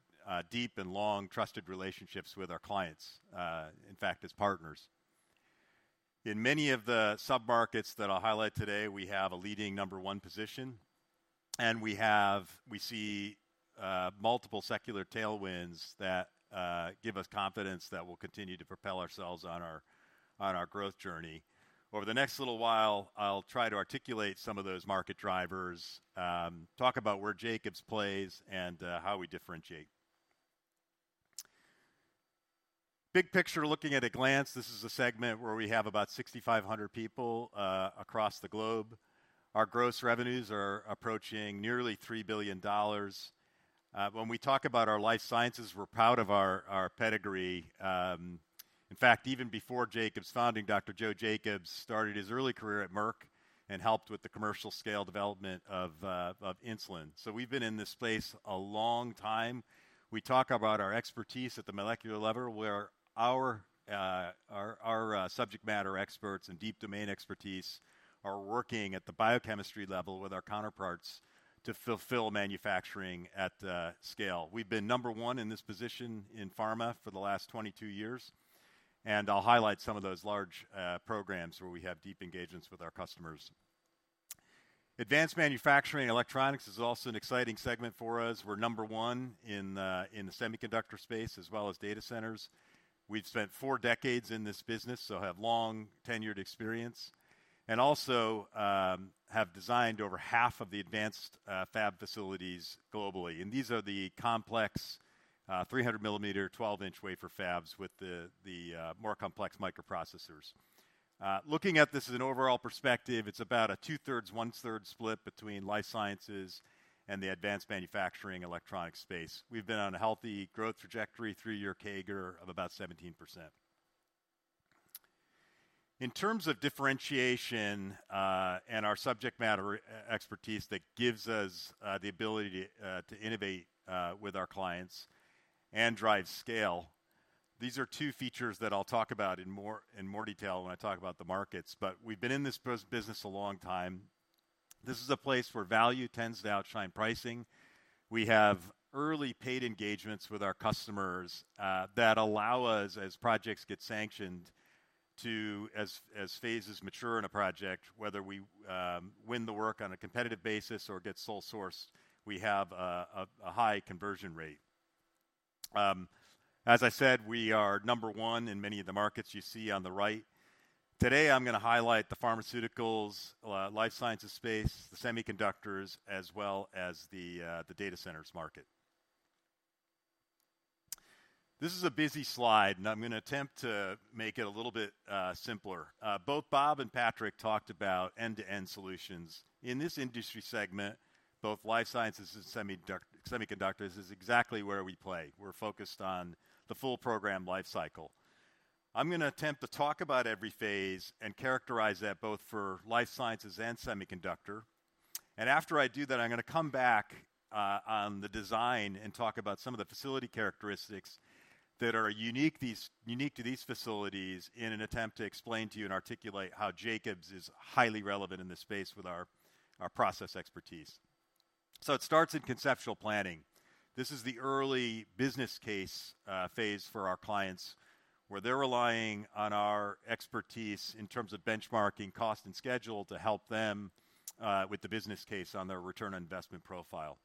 Speaker 6: deep and long trusted relationships with our clients, in fact, as partners. In many of the sub-markets that I'll highlight today, we have a leading number one position, and we see multiple secular tailwinds that give us confidence that we'll continue to propel ourselves on our growth journey. Over the next little while, I'll try to articulate some of those market drivers, talk about where Jacobs plays, and how we differentiate. Big picture, looking at a glance, this is a segment where we have about 6,500 people across the globe. Our gross revenues are approaching nearly $3 billion. When we talk about our life sciences, we're proud of our pedigree. In fact, even before Jacobs founded, Dr. Joe Jacobs started his early career at Merck and helped with the commercial scale development of insulin. So we've been in this space a long time. We talk about our expertise at the molecular level, where our subject matter experts and deep domain expertise are working at the biochemistry level with our counterparts to fulfill manufacturing at scale. We've been number one in this position in pharma for the last 22 years. And I'll highlight some of those large programs where we have deep engagements with our customers. Advanced manufacturing and electronics is also an exciting segment for us. We're number one in the semiconductor space as well as data centers. We've spent four decades in this business, so have long tenured experience, and also have designed over half of the advanced fab facilities globally. And these are the complex 300 mm, 12-inch wafer fabs with the more complex microprocessors. Looking at this in an overall perspective, it's about a two-thirds, one-third split between life sciences and the advanced manufacturing electronics space. We've been on a healthy growth trajectory three-year CAGR of about 17%. In terms of differentiation and our subject matter expertise that gives us the ability to innovate with our clients and drive scale, these are two features that I'll talk about in more detail when I talk about the markets. But we've been in this business a long time. This is a place where value tends to outshine pricing. We have early paid engagements with our customers that allow us, as projects get sanctioned, to, as phases mature in a project, whether we win the work on a competitive basis or get sole sourced, we have a high conversion rate. As I said, we are number one in many of the markets you see on the right. Today, I'm going to highlight the pharmaceuticals, life sciences space, the semiconductors, as well as the data centers market. This is a busy slide, and I'm going to attempt to make it a little bit simpler. Both Bob and Patrick talked about end-to-end solutions. In this industry segment, both life sciences and semiconductors is exactly where we play. We're focused on the full program life cycle. I'm going to attempt to talk about every phase and characterize that both for life sciences and semiconductor. After I do that, I'm going to come back on the design and talk about some of the facility characteristics that are unique to these facilities in an attempt to explain to you and articulate how Jacobs is highly relevant in this space with our process expertise. So it starts in conceptual planning. This is the early business case phase for our clients where they're relying on our expertise in terms of benchmarking, cost, and schedule to help them with the business case on their return on investment profile.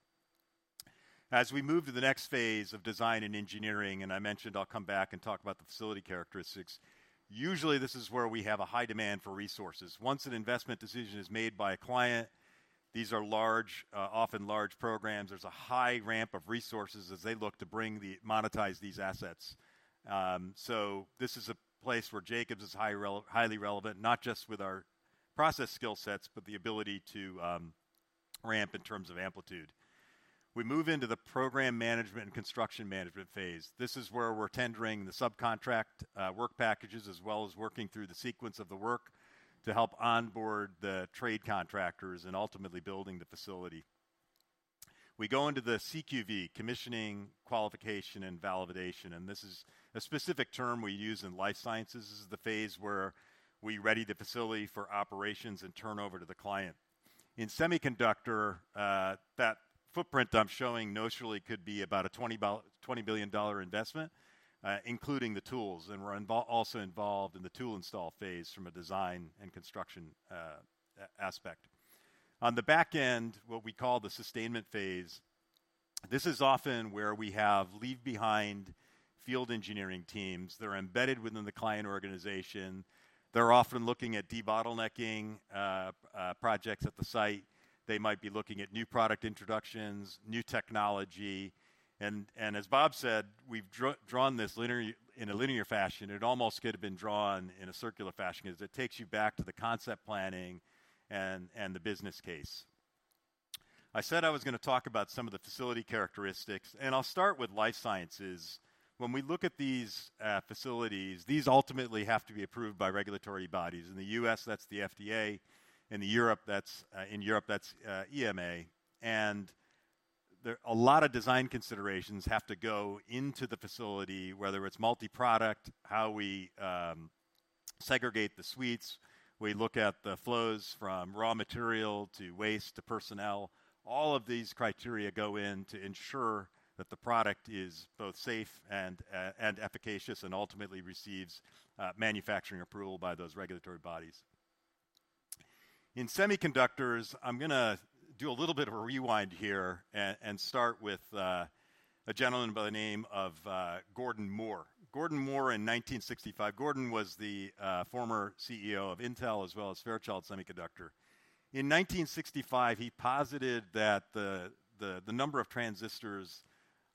Speaker 6: As we move to the next phase of design and engineering, and I mentioned I'll come back and talk about the facility characteristics, usually this is where we have a high demand for resources. Once an investment decision is made by a client, these are large, often large programs. There's a high ramp of resources as they look to monetize these assets. So this is a place where Jacobs is highly relevant, not just with our process skill sets, but the ability to ramp in terms of amplitude. We move into the program management and construction management phase. This is where we're tendering the subcontract work packages as well as working through the sequence of the work to help onboard the trade contractors and ultimately building the facility. We go into the CQV, Commissioning, Qualification, and Validation. And this is a specific term we use in life sciences. This is the phase where we ready the facility for operations and turnover to the client. In semiconductor, that footprint I'm showing notionally could be about a $20 billion investment, including the tools. And we're also involved in the tool install phase from a design and construction aspect. On the back end, what we call the sustainment phase, this is often where we have leave-behind field engineering teams. They're embedded within the client organization. They're often looking at debottlenecking projects at the site. They might be looking at new product introductions, new technology. And as Bob said, we've drawn this in a linear fashion. It almost could have been drawn in a circular fashion because it takes you back to the concept planning and the business case. I said I was going to talk about some of the facility characteristics, and I'll start with life sciences. When we look at these facilities, these ultimately have to be approved by regulatory bodies. In the U.S., that's the FDA. In Europe, that's EMA. And a lot of design considerations have to go into the facility, whether it's multi-product, how we segregate the suites. We look at the flows from raw material to waste to personnel. All of these criteria go in to ensure that the product is both safe and efficacious and ultimately receives manufacturing approval by those regulatory bodies. In semiconductors, I'm going to do a little bit of a rewind here and start with a gentleman by the name of Gordon Moore. Gordon Moore in 1965, Gordon was the former CEO of Intel as well as Fairchild Semiconductor. In 1965, he posited that the number of transistors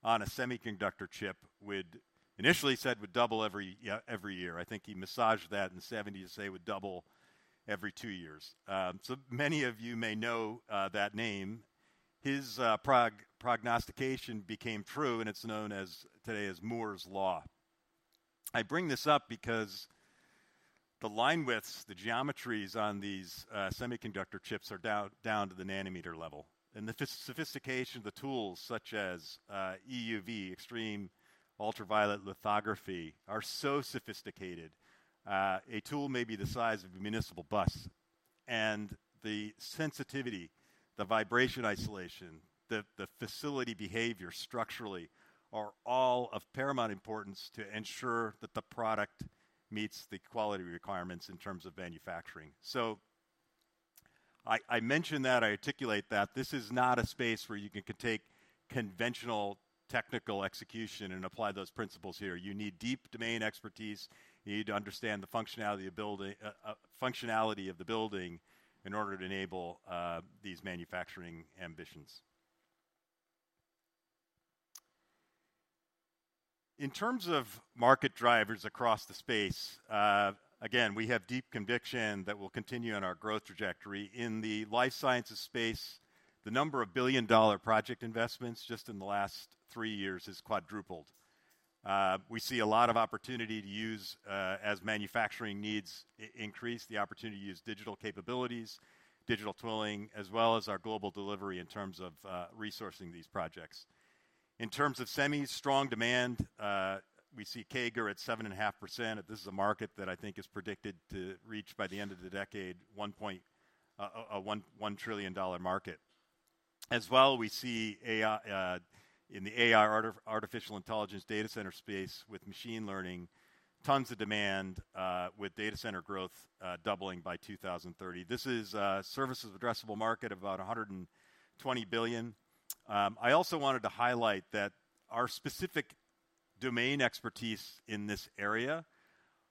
Speaker 6: on a semiconductor chip would, initially he said, would double every year. I think he massaged that in the 1970s to say it would double every two years. So many of you may know that name. His prognostication became true, and it's known today as Moore's Law. I bring this up because the line widths, the geometries on these semiconductor chips are down to the nanometer level, and the sophistication of the tools, such as EUV, Extreme Ultraviolet lithography, are so sophisticated. A tool may be the size of a municipal bus. And the sensitivity, the vibration isolation, the facility behavior structurally are all of paramount importance to ensure that the product meets the quality requirements in terms of manufacturing. So I mention that, I articulate that this is not a space where you can take conventional technical execution and apply those principles here. You need deep domain expertise. You need to understand the functionality of the building in order to enable these manufacturing ambitions. In terms of market drivers across the space, again, we have deep conviction that we'll continue on our growth trajectory. In the life sciences space, the number of billion-dollar project investments just in the last three years has quadrupled. We see a lot of opportunity to use as manufacturing needs increase, the opportunity to use digital capabilities, digital tooling, as well as our global delivery in terms of resourcing these projects. In terms of semis, strong demand. We see CAGR at 7.5%. This is a market that I think is predicted to reach by the end of the decade a $1 trillion market. As well, we see in the AI, artificial intelligence data center space with machine learning, tons of demand with data center growth doubling by 2030. This is a serviceable addressable market of about $120 billion. I also wanted to highlight that our specific domain expertise in this area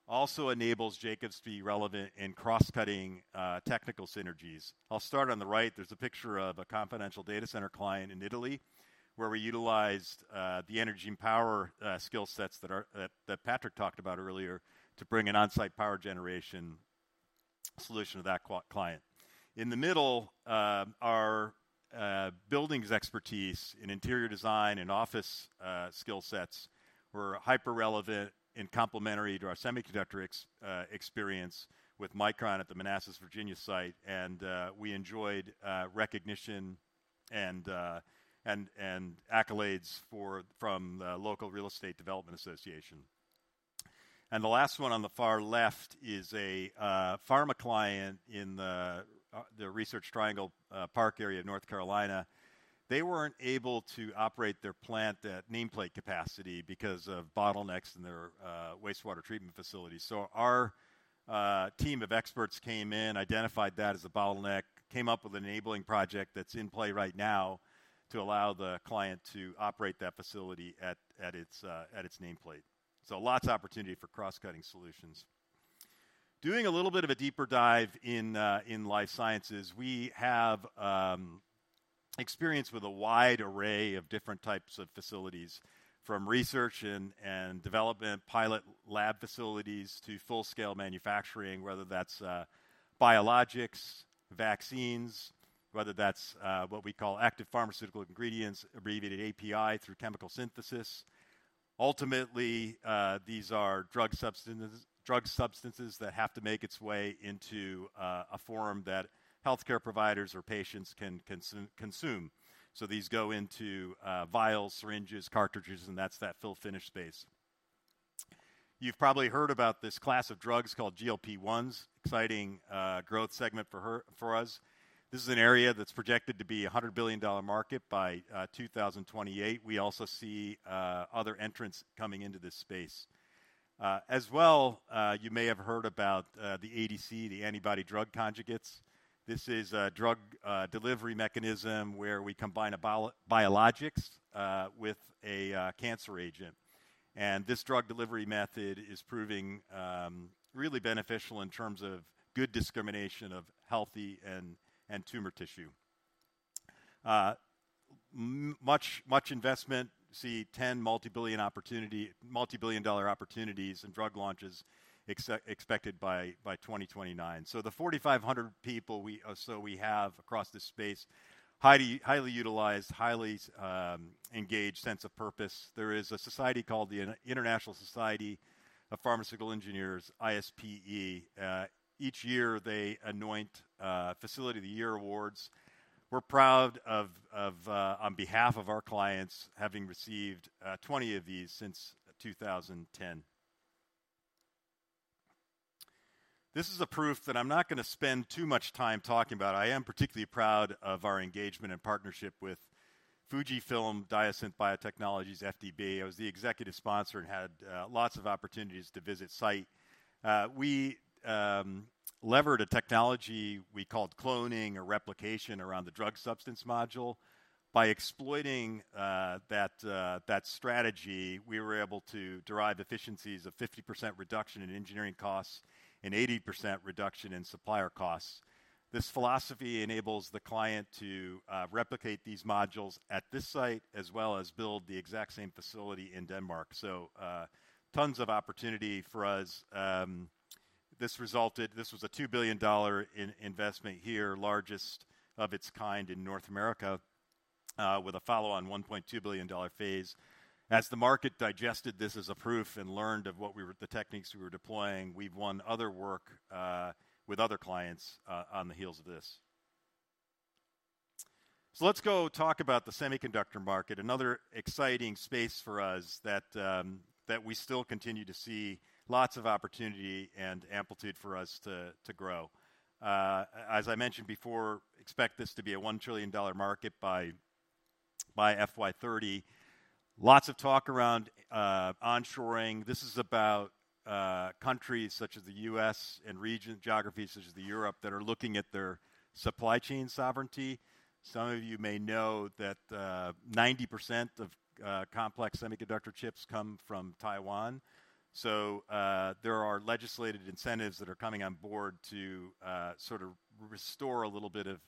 Speaker 6: also enables Jacobs to be relevant in cross-cutting technical synergies. I'll start on the right. There's a picture of a confidential data center client in Italy where we utilized the energy and power skill sets that Patrick talked about earlier to bring an on-site power generation solution to that client. In the middle, our buildings expertise in interior design and office skill sets were hyper-relevant and complementary to our semiconductor experience with Micron at the Manassas, Virginia site. And we enjoyed recognition and accolades from the local real estate development association. And the last one on the far left is a pharma client in the Research Triangle Park area of North Carolina. They weren't able to operate their plant at nameplate capacity because of bottlenecks in their wastewater treatment facility. So our team of experts came in, identified that as a bottleneck, came up with an enabling project that's in play right now to allow the client to operate that facility at its nameplate. So lots of opportunity for cross-cutting solutions. Doing a little bit of a deeper dive in life sciences, we have experience with a wide array of different types of facilities, from research and development, pilot lab facilities to full-scale manufacturing, whether that's biologics, vaccines, whether that's what we call active pharmaceutical ingredients, abbreviated API through chemical synthesis. Ultimately, these are drug substances that have to make its way into a form that healthcare providers or patients can consume. So these go into vials, syringes, cartridges, and that's that fill-finish space. You've probably heard about this class of drugs called GLP-1s, exciting growth segment for us. This is an area that's projected to be a $100 billion market by 2028. We also see other entrants coming into this space. As well, you may have heard about the ADC, the antibody drug conjugates. This is a drug delivery mechanism where we combine biologics with a cancer agent. And this drug delivery method is proving really beneficial in terms of good discrimination of healthy and tumor tissue. Much investment, see $10 multibillion dollar opportunities and drug launches expected by 2029. So the 4,500 people we have across this space, highly utilized, highly engaged sense of purpose. There is a society called the International Society of Pharmaceutical Engineers, ISPE. Each year, they anoint Facility of the Year Awards. We're proud of, on behalf of our clients, having received 20 of these since 2010. This is a proof that I'm not going to spend too much time talking about. I am particularly proud of our engagement and partnership with FUJIFILM Diosynth Biotechnologies, FDB. I was the executive sponsor and had lots of opportunities to visit site. We leveraged a technology we called cloning or replication around the drug substance module. By exploiting that strategy, we were able to derive efficiencies of 50% reduction in engineering costs and 80% reduction in supplier costs. This philosophy enables the client to replicate these modules at this site as well as build the exact same facility in Denmark. So tons of opportunity for us. This resulted in a $2 billion investment here, largest of its kind in North America, with a follow-on $1.2 billion phase. As the market digested this as a proof and learned of the techniques we were deploying, we've won other work with other clients on the heels of this. So let's go talk about the semiconductor market, another exciting space for us that we still continue to see lots of opportunity and amplitude for us to grow. As I mentioned before, expect this to be a $1 trillion market by FY 2030. Lots of talk around onshoring. This is about countries such as the U.S. and region geographies such as Europe that are looking at their supply chain sovereignty. Some of you may know that 90% of complex semiconductor chips come from Taiwan. So there are legislated incentives that are coming on board to sort of restore a little bit of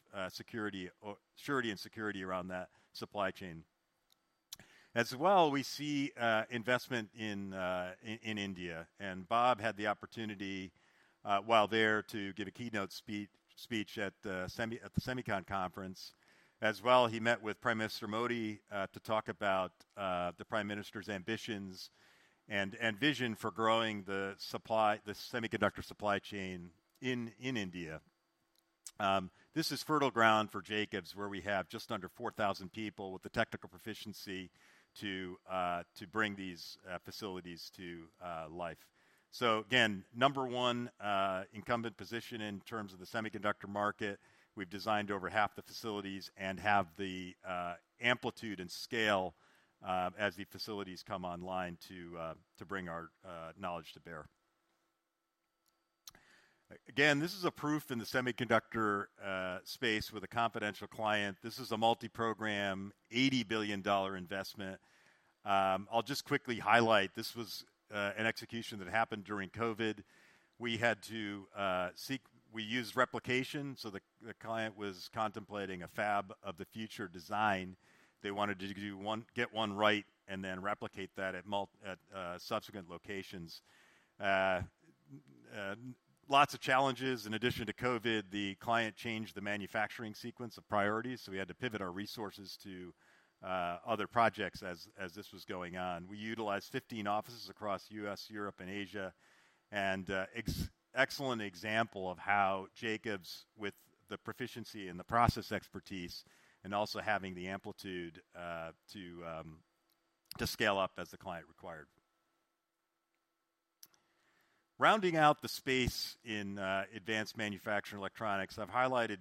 Speaker 6: surety and security around that supply chain. As well, we see investment in India. And Bob had the opportunity while there to give a keynote speech at the SEMICON Conference. As well, he met with Prime Minister Modi to talk about the Prime Minister's ambitions and vision for growing the semiconductor supply chain in India. This is fertile ground for Jacobs, where we have just under 4,000 people with the technical proficiency to bring these facilities to life. So again, number one incumbent position in terms of the semiconductor market. We've designed over half the facilities and have the amplitude and scale as the facilities come online to bring our knowledge to bear. Again, this is a proof in the semiconductor space with a confidential client. This is a multi-program, $80 billion investment. I'll just quickly highlight. This was an execution that happened during COVID. We used replication. So the client was contemplating a fab of the future design. They wanted to get one right and then replicate that at subsequent locations. Lots of challenges. In addition to COVID, the client changed the manufacturing sequence of priorities. So we had to pivot our resources to other projects as this was going on. We utilized 15 offices across the U.S., Europe, and Asia. And excellent example of how Jacobs, with the proficiency and the process expertise, and also having the amplitude to scale up as the client required. Rounding out the space in advanced manufacturing electronics, I've highlighted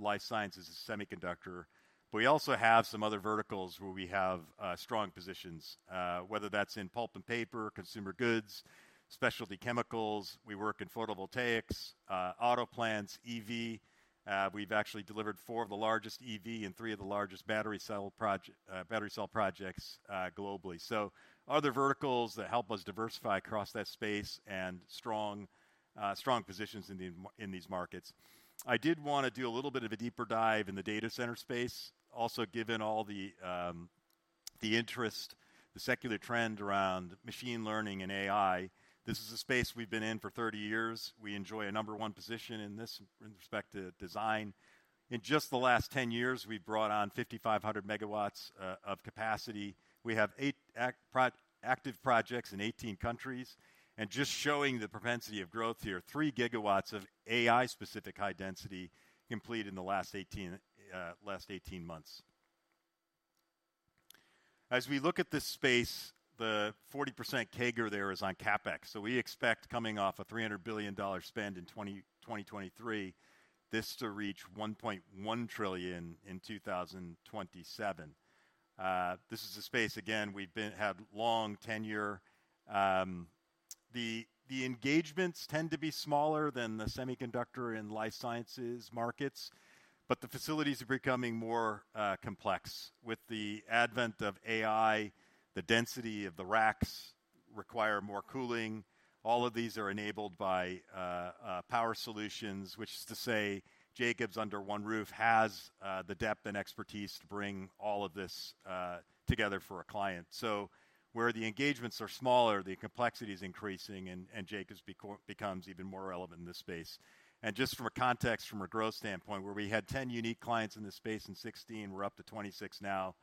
Speaker 6: life sciences and semiconductors. But we also have some other verticals where we have strong positions, whether that's in pulp and paper, consumer goods, specialty chemicals. We work in photovoltaics, auto plants, EV. We've actually delivered four of the largest EV and three of the largest battery cell projects globally. So other verticals that help us diversify across that space and strong positions in these markets. I did want to do a little bit of a deeper dive in the data center space. Also, given all the interest, the secular trend around machine learning and AI, this is a space we've been in for 30 years. We enjoy a number one position in this respect to design. In just the last 10 years, we've brought on 5,500 MW of capacity. We have eight active projects in 18 countries. Just showing the propensity of growth here, 3 GW of AI-specific high density completed in the last 18 months. As we look at this space, the 40% CAGR there is on CapEx. So we expect coming off a $300 billion spend in 2023, this to reach $1.1 trillion in 2027. This is a space, again, we've had a long tenure. The engagements tend to be smaller than the semiconductor and life sciences markets. But the facilities are becoming more complex with the advent of AI. The density of the racks requires more cooling. All of these are enabled by power solutions, which is to say Jacobs under one roof has the depth and expertise to bring all of this together for a client. So where the engagements are smaller, the complexity is increasing, and Jacobs becomes even more relevant in this space. And just from a context, from a growth standpoint, where we had 10 unique clients in this space in 2016, we're up to 26 now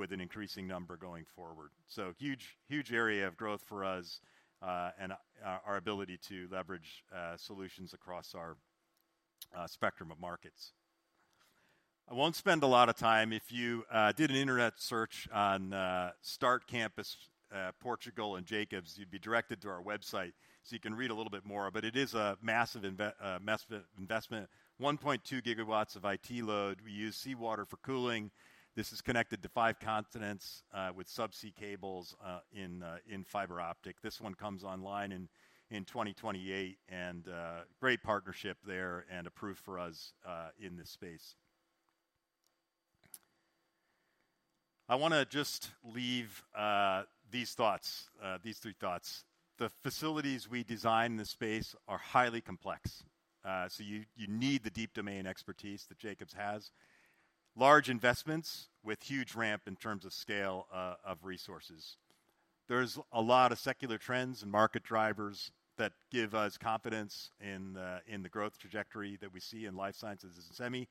Speaker 6: with an increasing number going forward. So huge area of growth for us and our ability to leverage solutions across our spectrum of markets. I won't spend a lot of time. If you did an internet search on Start Campus Portugal and Jacobs, you'd be directed to our website. So you can read a little bit more. But it is a massive investment. 1.2 GW of IT load. We use seawater for cooling. This is connected to five continents with subsea cables in fiber optic. This one comes online in 2028. And great partnership there and a proof for us in this space. I want to just leave these thoughts, these three thoughts. The facilities we design in this space are highly complex. So you need the deep domain expertise that Jacobs has. Large investments with huge ramp in terms of scale of resources. There's a lot of secular trends and market drivers that give us confidence in the growth trajectory that we see in life sciences as a semi.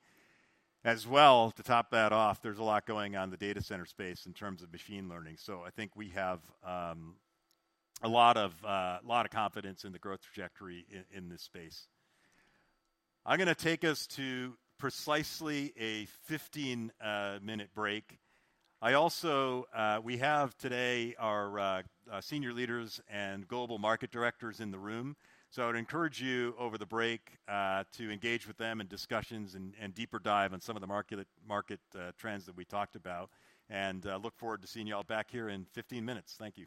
Speaker 6: As well, to top that off, there's a lot going on in the data center space in terms of machine learning. So I think we have a lot of confidence in the growth trajectory in this space. I'm going to take us to precisely a 15-minute break. We have today our senior leaders and global market directors in the room. So I would encourage you over the break to engage with them in discussions and deeper dive on some of the market trends that we talked about. And I look forward to seeing you all back here in 15 minutes. Thank you.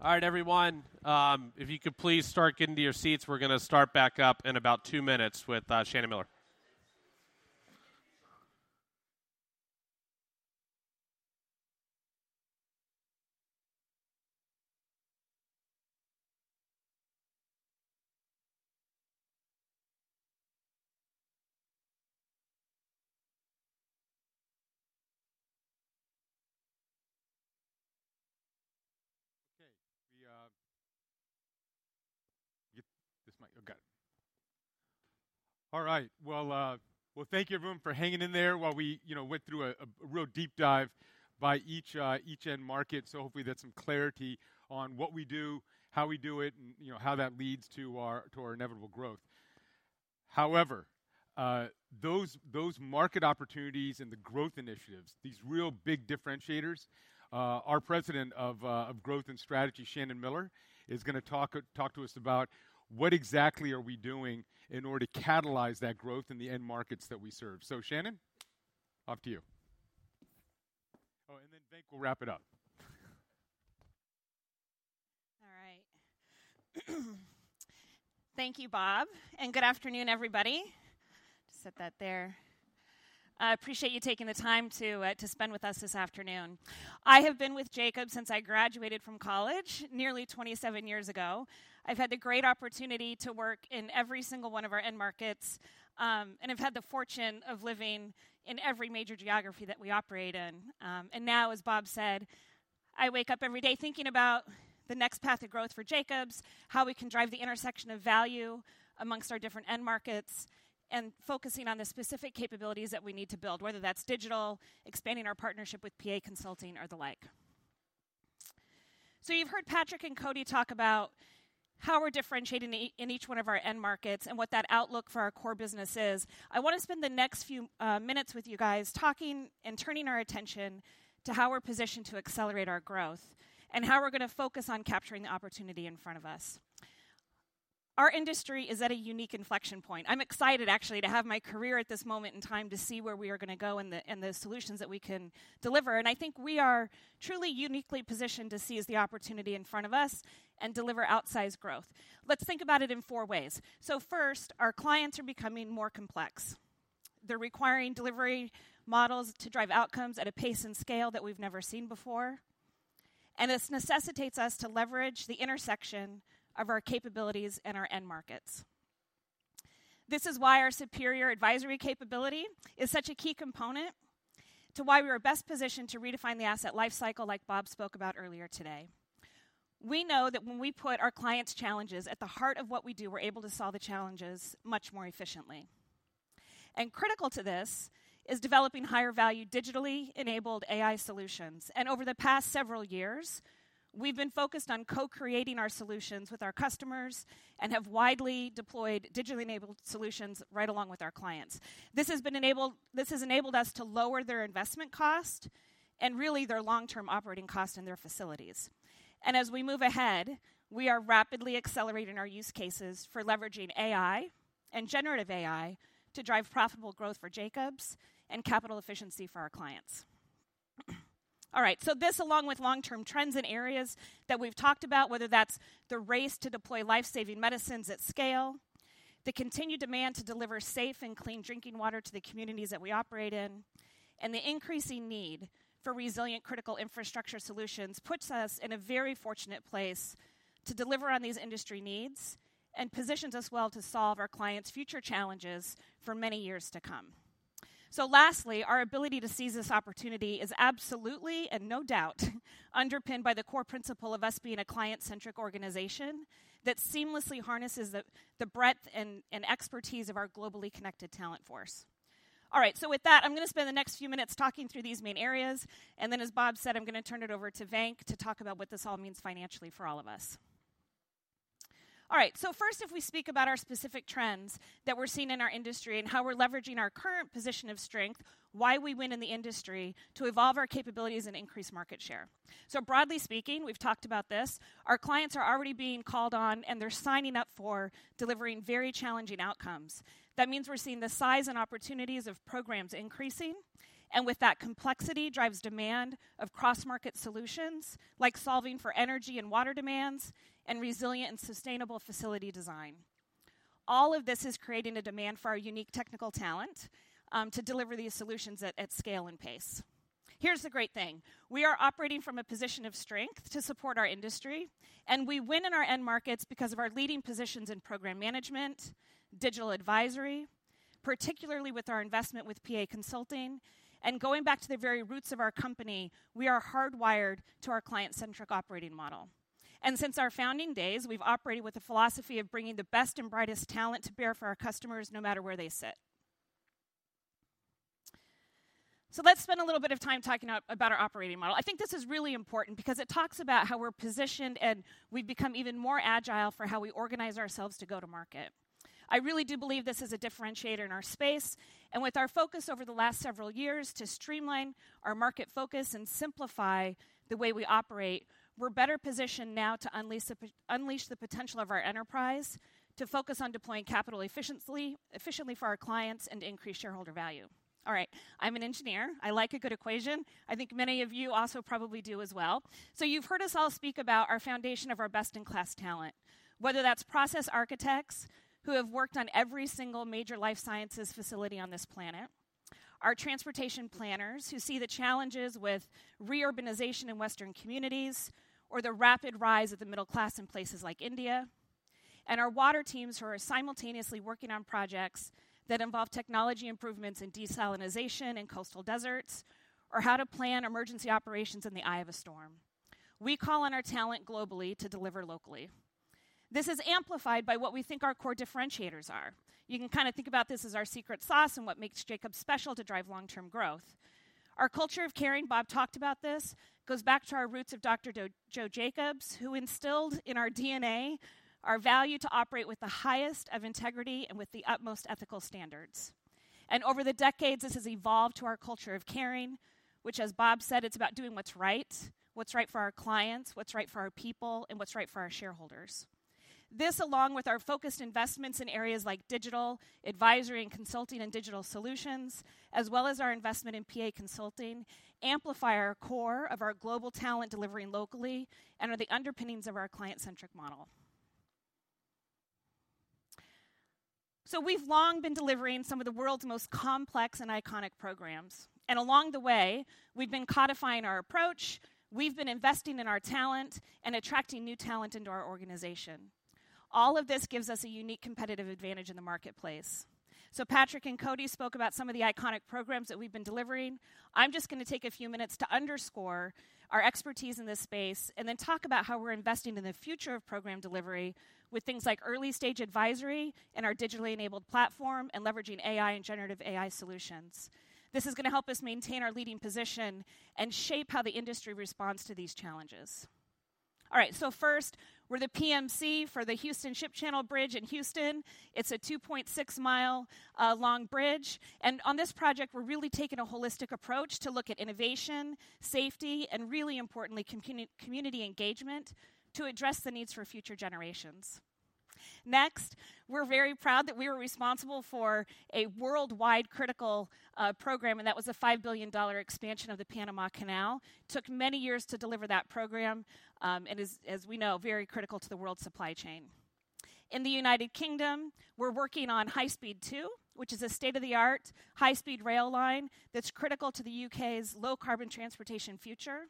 Speaker 2: All right, everyone. If you could please start getting to your seats, we're going to start back up in about two minutes with Shannon Miller.
Speaker 4: OK. This might go good. All right. Well, thank everyone for hanging in there while we went through a real deep dive by each end market. So hopefully that's some clarity on what we do, how we do it, and how that leads to our inevitable growth. However, those market opportunities and the growth initiatives, these real big differentiators, our President of Growth and Strategy, Shannon Miller, is going to talk to us about what exactly are we doing in order to catalyze that growth in the end markets that we serve. So Shannon, off to you. Oh, and then Venk will wrap it up.
Speaker 7: All right. Thank you, Bob. And good afternoon, everybody. Just set that there. I appreciate you taking the time to spend with us this afternoon. I have been with Jacobs since I graduated from college nearly 27 years ago. I've had the great opportunity to work in every single one of our end markets. I've had the fortune of living in every major geography that we operate in. Now, as Bob said, I wake up every day thinking about the next path of growth for Jacobs, how we can drive the intersection of value amongst our different end markets, and focusing on the specific capabilities that we need to build, whether that's digital, expanding our partnership with PA Consulting, or the like. You've heard Patrick and Koti talk about how we're differentiating in each one of our end markets and what that outlook for our core business is. I want to spend the next few minutes with you guys talking and turning our attention to how we're positioned to accelerate our growth and how we're going to focus on capturing the opportunity in front of us. Our industry is at a unique inflection point. I'm excited, actually, to have my career at this moment in time to see where we are going to go and the solutions that we can deliver. And I think we are truly uniquely positioned to seize the opportunity in front of us and deliver outsized growth. Let's think about it in four ways. So first, our clients are becoming more complex. They're requiring delivery models to drive outcomes at a pace and scale that we've never seen before. And this necessitates us to leverage the intersection of our capabilities and our end markets. This is why our superior advisory capability is such a key component to why we are best positioned to redefine the asset lifecycle, like Bob spoke about earlier today. We know that when we put our clients' challenges at the heart of what we do, we're able to solve the challenges much more efficiently. And critical to this is developing higher value digitally enabled AI solutions. And over the past several years, we've been focused on co-creating our solutions with our customers and have widely deployed digitally enabled solutions right along with our clients. This has enabled us to lower their investment cost and really their long-term operating cost and their facilities. And as we move ahead, we are rapidly accelerating our use cases for leveraging AI and generative AI to drive profitable growth for Jacobs and capital efficiency for our clients. All right. So this, along with long-term trends and areas that we've talked about, whether that's the race to deploy life-saving medicines at scale, the continued demand to deliver safe and clean drinking water to the communities that we operate in, and the increasing need for resilient critical infrastructure solutions puts us in a very fortunate place to deliver on these industry needs and positions us well to solve our clients' future challenges for many years to come. So lastly, our ability to seize this opportunity is absolutely and no doubt underpinned by the core principle of us being a client-centric organization that seamlessly harnesses the breadth and expertise of our globally connected talent force. All right. So with that, I'm going to spend the next few minutes talking through these main areas. And then, as Bob said, I'm going to turn it over to Venk to talk about what this all means financially for all of us. All right. So first, if we speak about our specific trends that we're seeing in our industry and how we're leveraging our current position of strength, why we win in the industry to evolve our capabilities and increase market share. So broadly speaking, we've talked about this. Our clients are already being called on, and they're signing up for delivering very challenging outcomes. That means we're seeing the size and opportunities of programs increasing. And with that, complexity drives demand of cross-market solutions like solving for energy and water demands and resilient and sustainable facility design. All of this is creating a demand for our unique technical talent to deliver these solutions at scale and pace. Here's the great thing. We are operating from a position of strength to support our industry, and we win in our end markets because of our leading positions in program management, digital advisory, particularly with our investment with PA Consulting, and going back to the very roots of our company, we are hardwired to our client-centric operating model, and since our founding days, we've operated with a philosophy of bringing the best and brightest talent to bear for our customers no matter where they sit, so let's spend a little bit of time talking about our operating model. I think this is really important because it talks about how we're positioned and we've become even more agile for how we organize ourselves to go to market. I really do believe this is a differentiator in our space. With our focus over the last several years to streamline our market focus and simplify the way we operate, we're better positioned now to unleash the potential of our enterprise to focus on deploying capital efficiently for our clients and increase shareholder value. All right. I'm an engineer. I like a good equation. I think many of you also probably do as well. So you've heard us all speak about our foundation of our best-in-class talent, whether that's process architects who have worked on every single major life sciences facility on this planet, our transportation planners who see the challenges with reurbanization in western communities or the rapid rise of the middle class in places like India, and our water teams who are simultaneously working on projects that involve technology improvements in desalination in coastal deserts or how to plan emergency operations in the eye of a storm. We call on our talent globally to deliver locally. This is amplified by what we think our core differentiators are. You can kind of think about this as our secret sauce and what makes Jacobs special to drive long-term growth. Our culture of caring, Bob talked about this, goes back to our roots of Dr. Joe Jacobs, who instilled in our DNA our value to operate with the highest of integrity and with the utmost ethical standards, and over the decades, this has evolved to our culture of caring, which, as Bob said, it's about doing what's right, what's right for our clients, what's right for our people, and what's right for our shareholders. This, along with our focused investments in areas like digital advisory and consulting and digital solutions, as well as our investment in PA Consulting, amplify our core of our global talent delivering locally and are the underpinnings of our client-centric model, so we've long been delivering some of the world's most complex and iconic programs, and along the way, we've been codifying our approach. We've been investing in our talent and attracting new talent into our organization, all of this gives us a unique competitive advantage in the marketplace, so Patrick and Koti spoke about some of the iconic programs that we've been delivering. I'm just going to take a few minutes to underscore our expertise in this space and then talk about how we're investing in the future of program delivery with things like early-stage advisory and our digitally enabled platform and leveraging AI and generative AI solutions. This is going to help us maintain our leading position and shape how the industry responds to these challenges. All right. So first, we're the PMC for the Houston Ship Channel Bridge in Houston. It's a 2.6-mile-long bridge, and on this project, we're really taking a holistic approach to look at innovation, safety, and really importantly, community engagement to address the needs for future generations. Next, we're very proud that we were responsible for a worldwide critical program, and that was a $5 billion expansion of the Panama Canal. It took many years to deliver that program and is, as we know, very critical to the world supply chain. In the United Kingdom, we're working on High Speed 2, which is a state-of-the-art high-speed rail line that's critical to the U.K.'s low-carbon transportation future.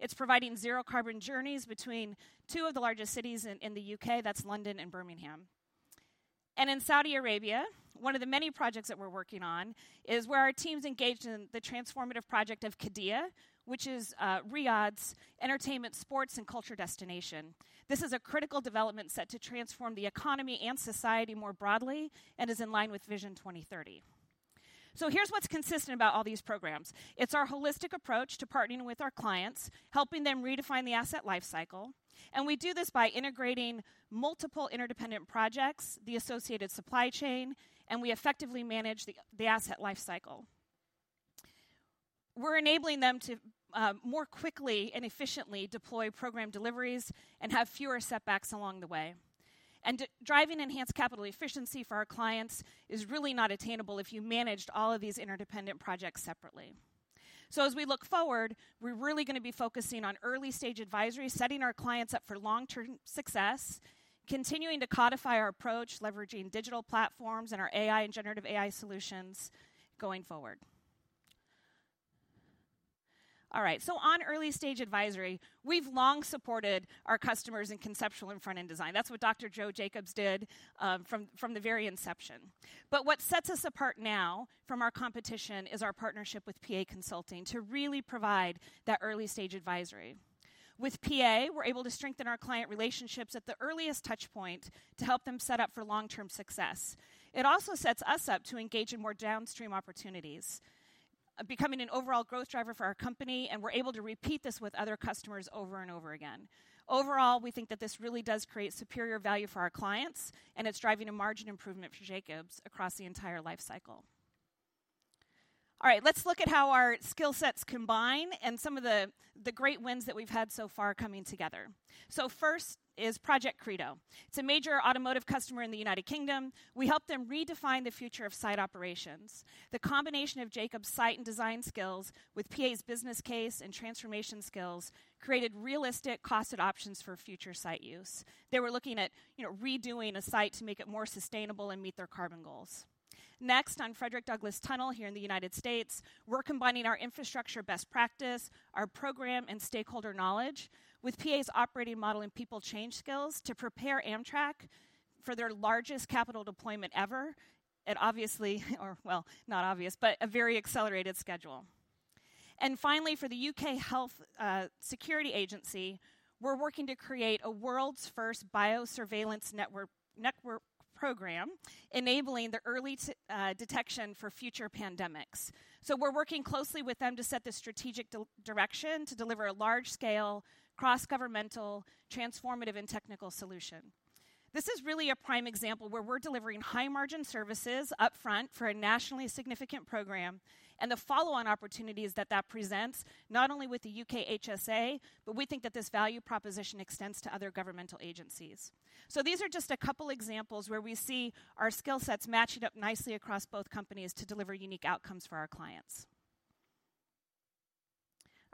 Speaker 7: It's providing zero-carbon journeys between two of the largest cities in the U.K. that's London and Birmingham. And in Saudi Arabia, one of the many projects that we're working on is where our teams engaged in the transformative project of Qiddiya, which is Riyadh's entertainment, sports, and culture destination. This is a critical development set to transform the economy and society more broadly and is in line with Vision 2030, so here's what's consistent about all these programs. It's our holistic approach to partnering with our clients, helping them redefine the asset lifecycle, and we do this by integrating multiple interdependent projects, the associated supply chain, and we effectively manage the asset lifecycle. We're enabling them to more quickly and efficiently deploy program deliveries and have fewer setbacks along the way, and driving enhanced capital efficiency for our clients is really not attainable if you managed all of these interdependent projects separately. So as we look forward, we're really going to be focusing on early-stage advisory, setting our clients up for long-term success, continuing to codify our approach, leveraging digital platforms and our AI and generative AI solutions going forward. All right. So on early-stage advisory, we've long supported our customers in conceptual and front-end design. That's what Dr. Joe Jacobs did from the very inception. But what sets us apart now from our competition is our partnership with PA Consulting to really provide that early-stage advisory. With PA, we're able to strengthen our client relationships at the earliest touchpoint to help them set up for long-term success. It also sets us up to engage in more downstream opportunities, becoming an overall growth driver for our company. And we're able to repeat this with other customers over and over again. Overall, we think that this really does create superior value for our clients, and it's driving a margin improvement for Jacobs across the entire lifecycle. All right. Let's look at how our skill sets combine and some of the great wins that we've had so far coming together. So first is Project CReDo. It's a major automotive customer in the United Kingdom. We helped them redefine the future of site operations. The combination of Jacobs' site and design skills with PA's business case and transformation skills created realistic costed options for future site use. They were looking at redoing a site to make it more sustainable and meet their carbon goals. Next, on Frederick Douglass Tunnel here in the United States, we're combining our infrastructure best practice, our program, and stakeholder knowledge with PA's operating model and people change skills to prepare Amtrak for their largest capital deployment ever at obviously, or well, not obvious, but a very accelerated schedule. And finally, for the U.K. Health Security Agency, we're working to create a world's first biosurveillance network program, enabling the early detection for future pandemics. So we're working closely with them to set the strategic direction to deliver a large-scale, cross-governmental, transformative, and technical solution. This is really a prime example where we're delivering high-margin services upfront for a nationally significant program and the follow-on opportunities that that presents, not only with the U.K. HSA, but we think that this value proposition extends to other governmental agencies. So these are just a couple of examples where we see our skill sets matching up nicely across both companies to deliver unique outcomes for our clients.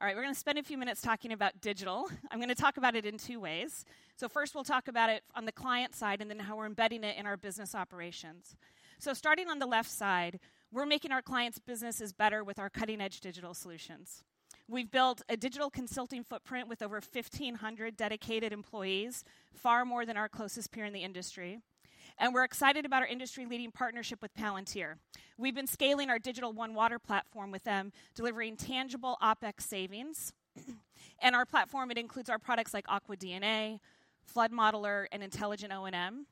Speaker 7: All right. We're going to spend a few minutes talking about digital. I'm going to talk about it in two ways. So first, we'll talk about it on the client side and then how we're embedding it in our business operations. So starting on the left side, we're making our clients' businesses better with our cutting-edge digital solutions. We've built a digital consulting footprint with over 1,500 dedicated employees, far more than our closest peer in the industry. And we're excited about our industry-leading partnership with Palantir. We've been scaling our Digital OneWater platform with them, delivering tangible OpEx savings. And our platform, it includes our products like Aqua DNA, Flood Modeler, and Intelligent O&M.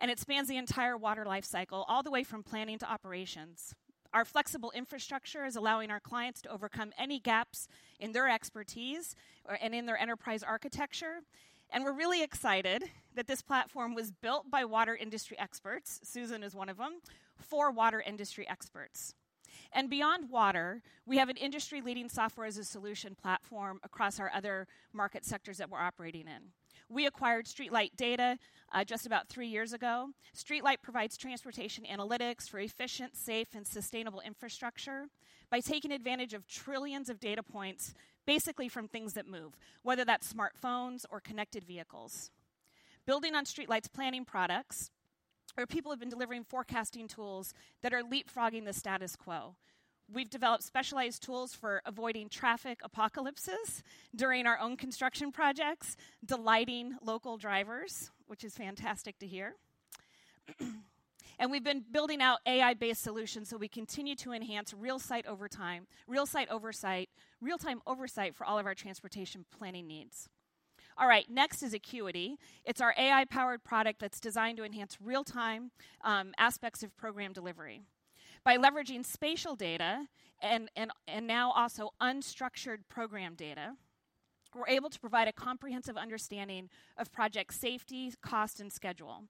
Speaker 7: And it spans the entire water lifecycle all the way from planning to operations. Our flexible infrastructure is allowing our clients to overcome any gaps in their expertise and in their enterprise architecture. And we're really excited that this platform was built by water industry experts. Susan is one of them, four water industry experts. And beyond water, we have an industry-leading software as a solution platform across our other market sectors that we're operating in. We acquired StreetLight Data just about three years ago. StreetLight provides transportation analytics for efficient, safe, and sustainable infrastructure by taking advantage of trillions of data points basically from things that move, whether that's smartphones or connected vehicles. Building on StreetLight's planning products, our people have been delivering forecasting tools that are leapfrogging the status quo. We've developed specialized tools for avoiding traffic apocalypses during our own construction projects, delighting local drivers, which is fantastic to hear, and we've been building out AI-based solutions so we continue to enhance real-time oversight for all of our transportation planning needs. All right. Next is Acuity. It's our AI-powered product that's designed to enhance real-time aspects of program delivery. By leveraging spatial data and now also unstructured program data, we're able to provide a comprehensive understanding of project safety, cost, and schedule,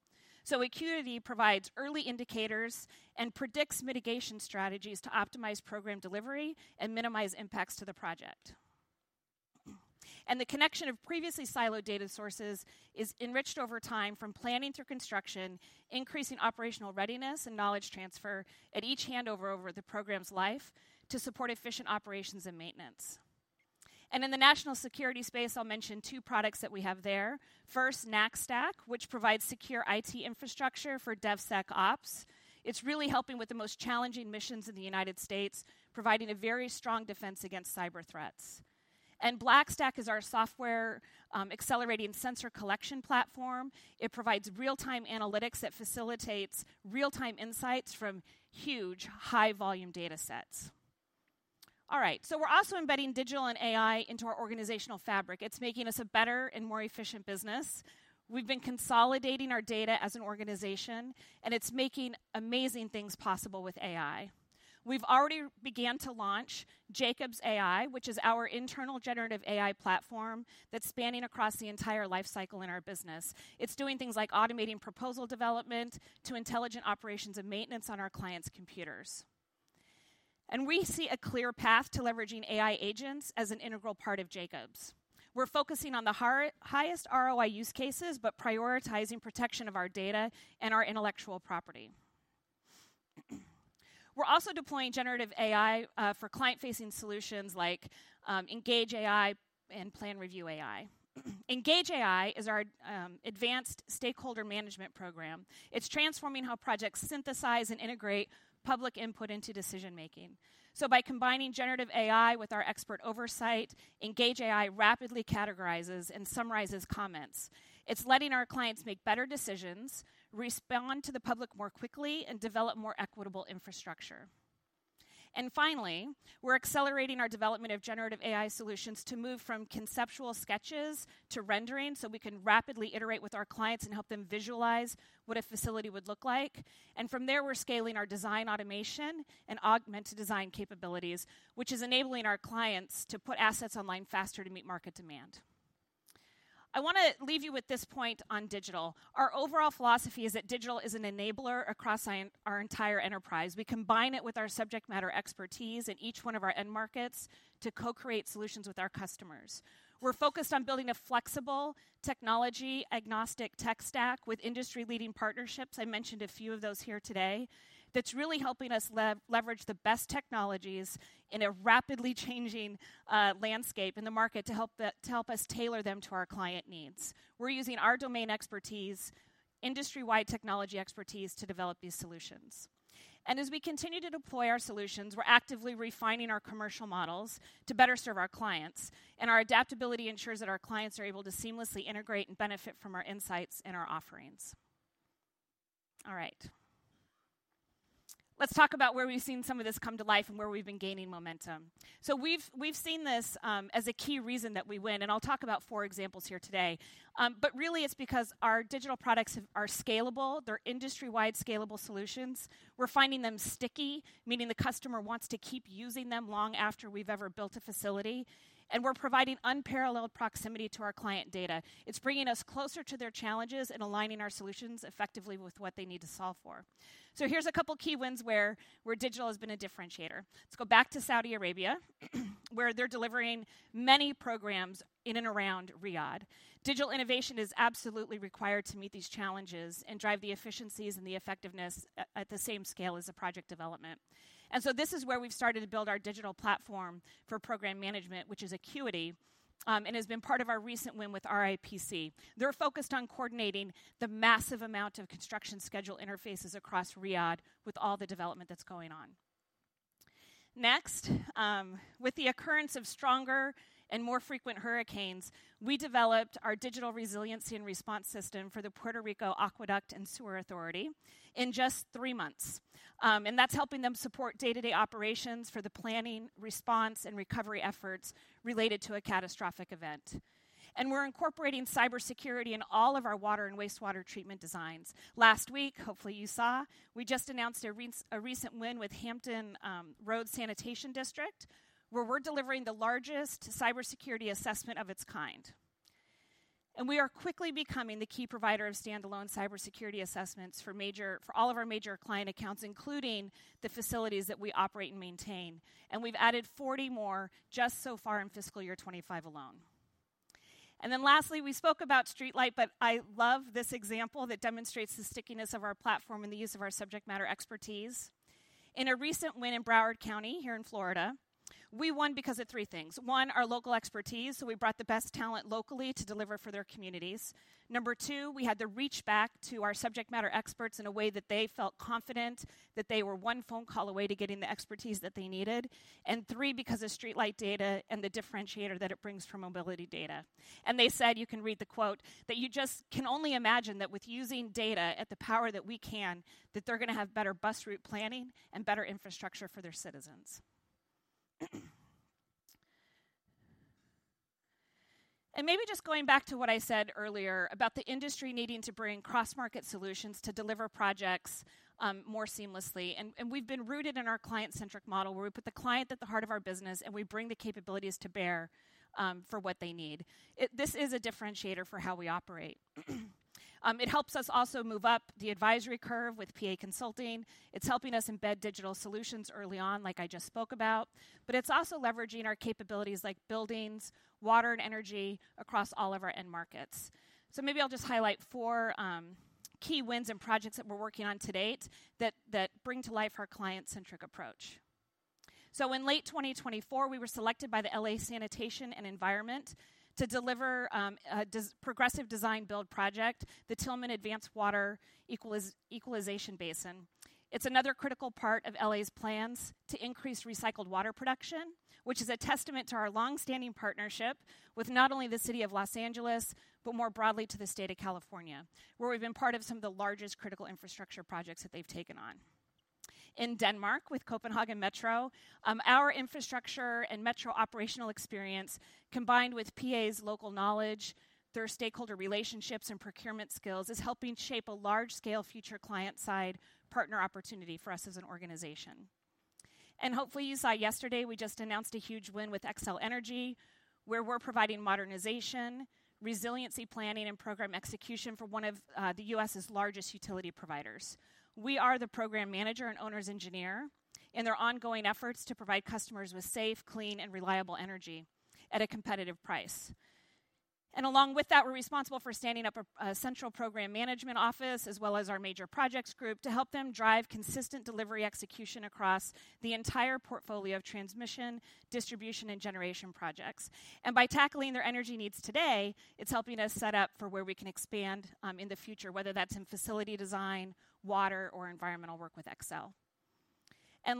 Speaker 7: so Acuity provides early indicators and predicts mitigation strategies to optimize program delivery and minimize impacts to the project, and the connection of previously siloed data sources is enriched over time from planning to construction, increasing operational readiness and knowledge transfer at each handover over the program's life to support efficient operations and maintenance. And in the national security space, I'll mention two products that we have there. First, KnackStack, which provides secure IT infrastructure for DevSecOps. It's really helping with the most challenging missions in the United States, providing a very strong defense against cyber threats. And BlackStack is our software accelerating sensor collection platform. It provides real-time analytics that facilitates real-time insights from huge, high-volume data sets. All right. So we're also embedding digital and AI into our organizational fabric. It's making us a better and more efficient business. We've been consolidating our data as an organization, and it's making amazing things possible with AI. We've already begun to launch Jacobs AI, which is our internal generative AI platform that's spanning across the entire lifecycle in our business. It's doing things like automating proposal development to intelligent operations and maintenance on our clients' computers. We see a clear path to leveraging AI agents as an integral part of Jacobs. We're focusing on the highest ROI use cases, but prioritizing protection of our data and our intellectual property. We're also deploying generative AI for client-facing solutions like Engage AI and PlanReview AI. Engage AI is our advanced stakeholder management program. It's transforming how projects synthesize and integrate public input into decision-making. By combining generative AI with our expert oversight, Engage AI rapidly categorizes and summarizes comments. It's letting our clients make better decisions, respond to the public more quickly, and develop more equitable infrastructure. Finally, we're accelerating our development of generative AI solutions to move from conceptual sketches to rendering so we can rapidly iterate with our clients and help them visualize what a facility would look like. And from there, we're scaling our design automation and augmented design capabilities, which is enabling our clients to put assets online faster to meet market demand. I want to leave you with this point on digital. Our overall philosophy is that digital is an enabler across our entire enterprise. We combine it with our subject matter expertise in each one of our end markets to co-create solutions with our customers. We're focused on building a flexible technology-agnostic tech stack with industry-leading partnerships. I mentioned a few of those here today. That's really helping us leverage the best technologies in a rapidly changing landscape in the market to help us tailor them to our client needs. We're using our domain expertise, industry-wide technology expertise to develop these solutions. And as we continue to deploy our solutions, we're actively refining our commercial models to better serve our clients. Our adaptability ensures that our clients are able to seamlessly integrate and benefit from our insights and our offerings. All right. Let's talk about where we've seen some of this come to life and where we've been gaining momentum. We've seen this as a key reason that we win. I'll talk about four examples here today. Really, it's because our digital products are scalable. They're industry-wide scalable solutions. We're finding them sticky, meaning the customer wants to keep using them long after we've ever built a facility. We're providing unparalleled proximity to our client data. It's bringing us closer to their challenges and aligning our solutions effectively with what they need to solve for. Here's a couple of key wins where digital has been a differentiator. Let's go back to Saudi Arabia, where they're delivering many programs in and around Riyadh. Digital innovation is absolutely required to meet these challenges and drive the efficiencies and the effectiveness at the same scale as the project development, and so this is where we've started to build our digital platform for program management, which is Acuity, and has been part of our recent win with RIPC. They're focused on coordinating the massive amount of construction schedule interfaces across Riyadh with all the development that's going on. Next, with the occurrence of stronger and more frequent hurricanes, we developed our digital resiliency and response system for the Puerto Rico Aqueduct and Sewer Authority in just three months, and that's helping them support day-to-day operations for the planning, response, and recovery efforts related to a catastrophic event, and we're incorporating cybersecurity in all of our water and wastewater treatment designs. Last week, hopefully you saw, we just announced a recent win with Hampton Roads Sanitation District, where we're delivering the largest cybersecurity assessment of its kind, and we are quickly becoming the key provider of standalone cybersecurity assessments for all of our major client accounts, including the facilities that we operate and maintain, and we've added 40 more just so far in fiscal year 2025 alone, and then lastly, we spoke about StreetLight, but I love this example that demonstrates the stickiness of our platform and the use of our subject matter expertise. In a recent win in Broward County here in Florida, we won because of three things. One, our local expertise. So we brought the best talent locally to deliver for their communities. Number two, we had to reach back to our subject matter experts in a way that they felt confident that they were one phone call away to getting the expertise that they needed. And three, because of StreetLight Data and the differentiator that it brings from mobility data. And they said, you can read the quote, that you just can only imagine that with using data at the power that we can, that they're going to have better bus route planning and better infrastructure for their citizens. And maybe just going back to what I said earlier about the industry needing to bring cross-market solutions to deliver projects more seamlessly. And we've been rooted in our client-centric model where we put the client at the heart of our business, and we bring the capabilities to bear for what they need. This is a differentiator for how we operate. It helps us also move up the advisory curve with PA Consulting. It's helping us embed digital solutions early on, like I just spoke about. But it's also leveraging our capabilities like buildings, water, and energy across all of our end markets. So maybe I'll just highlight four key wins and projects that we're working on to date that bring to life our client-centric approach. So in late 2024, we were selected by the LA Sanitation and Environment to deliver a progressive design-build project, the Tillman Advanced Water Equalization Basins. It's another critical part of LA's plans to increase recycled water production, which is a testament to our long-standing partnership with not only the city of Los Angeles, but more broadly to the state of California, where we've been part of some of the largest critical infrastructure projects that they've taken on. In Denmark with Copenhagen Metro, our infrastructure and metro operational experience combined with PA's local knowledge, their stakeholder relationships, and procurement skills is helping shape a large-scale future client-side partner opportunity for us as an organization, and hopefully you saw yesterday, we just announced a huge win with Xcel Energy, where we're providing modernization, resiliency planning, and program execution for one of the U.S.'s largest utility providers. We are the program manager and owner's engineer in their ongoing efforts to provide customers with safe, clean, and reliable energy at a competitive price, and along with that, we're responsible for standing up a central program management office as well as our major projects group to help them drive consistent delivery execution across the entire portfolio of transmission, distribution, and generation projects. By tackling their energy needs today, it's helping us set up for where we can expand in the future, whether that's in facility design, water, or environmental work with Xcel.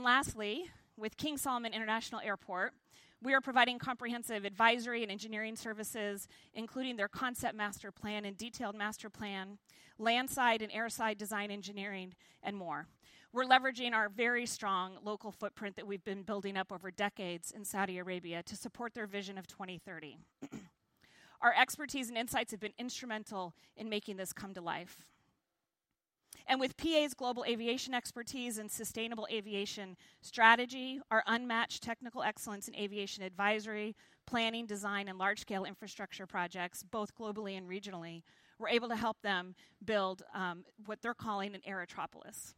Speaker 7: Lastly, with King Salman International Airport, we are providing comprehensive advisory and engineering services, including their concept master plan and detailed master plan, landside and airside design engineering, and more. We're leveraging our very strong local footprint that we've been building up over decades in Saudi Arabia to support their vision of 2030. Our expertise and insights have been instrumental in making this come to life. With PA's global aviation expertise and sustainable aviation strategy, our unmatched technical excellence in aviation advisory, planning, design, and large-scale infrastructure projects, both globally and regionally, we're able to help them build what they're calling an aerotropolis.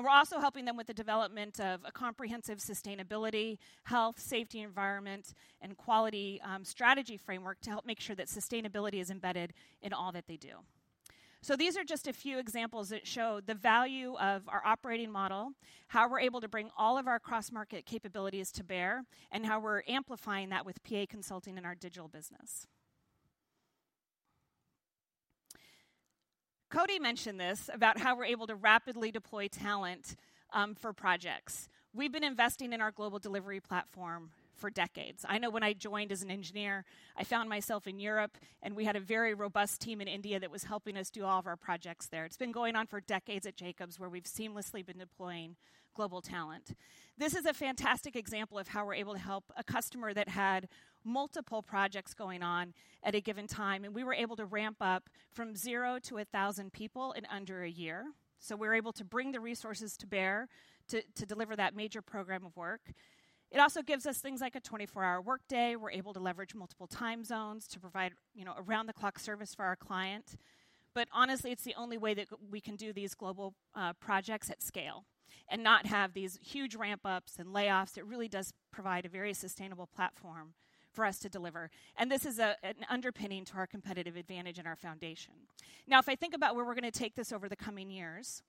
Speaker 7: We're also helping them with the development of a comprehensive sustainability, health, safety, environment, and quality strategy framework to help make sure that sustainability is embedded in all that they do. These are just a few examples that show the value of our operating model, how we're able to bring all of our cross-market capabilities to bear, and how we're amplifying that with PA Consulting in our digital business. Koti mentioned this about how we're able to rapidly deploy talent for projects. We've been investing in our global delivery platform for decades. I know when I joined as an engineer, I found myself in Europe, and we had a very robust team in India that was helping us do all of our projects there. It's been going on for decades at Jacobs, where we've seamlessly been deploying global talent. This is a fantastic example of how we're able to help a customer that had multiple projects going on at a given time, and we were able to ramp up from 0 to 1,000 people in under a year, so we're able to bring the resources to bear to deliver that major program of work. It also gives us things like a 24-hour workday. We're able to leverage multiple time zones to provide around-the-clock service for our client, but honestly, it's the only way that we can do these global projects at scale and not have these huge ramp-ups and layoffs. It really does provide a very sustainable platform for us to deliver, and this is an underpinning to our competitive advantage and our foundation. Now, if I think about where we're going to take this over the coming years,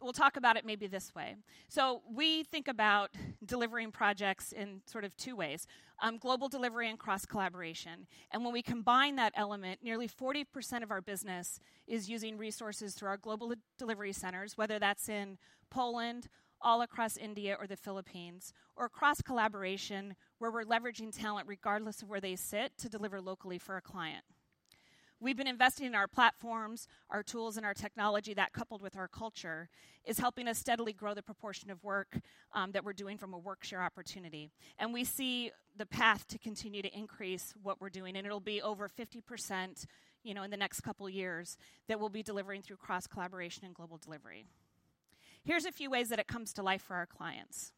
Speaker 7: we'll talk about it maybe this way. So we think about delivering projects in sort of two ways: global delivery and cross-collaboration. And when we combine that element, nearly 40% of our business is using resources through our global delivery centers, whether that's in Poland, all across India, or the Philippines, or cross-collaboration where we're leveraging talent regardless of where they sit to deliver locally for a client. We've been investing in our platforms, our tools, and our technology that, coupled with our culture, is helping us steadily grow the proportion of work that we're doing from a work-share opportunity. And we see the path to continue to increase what we're doing. And it'll be over 50% in the next couple of years that we'll be delivering through cross-collaboration and global delivery. Here's a few ways that it comes to life for our clients.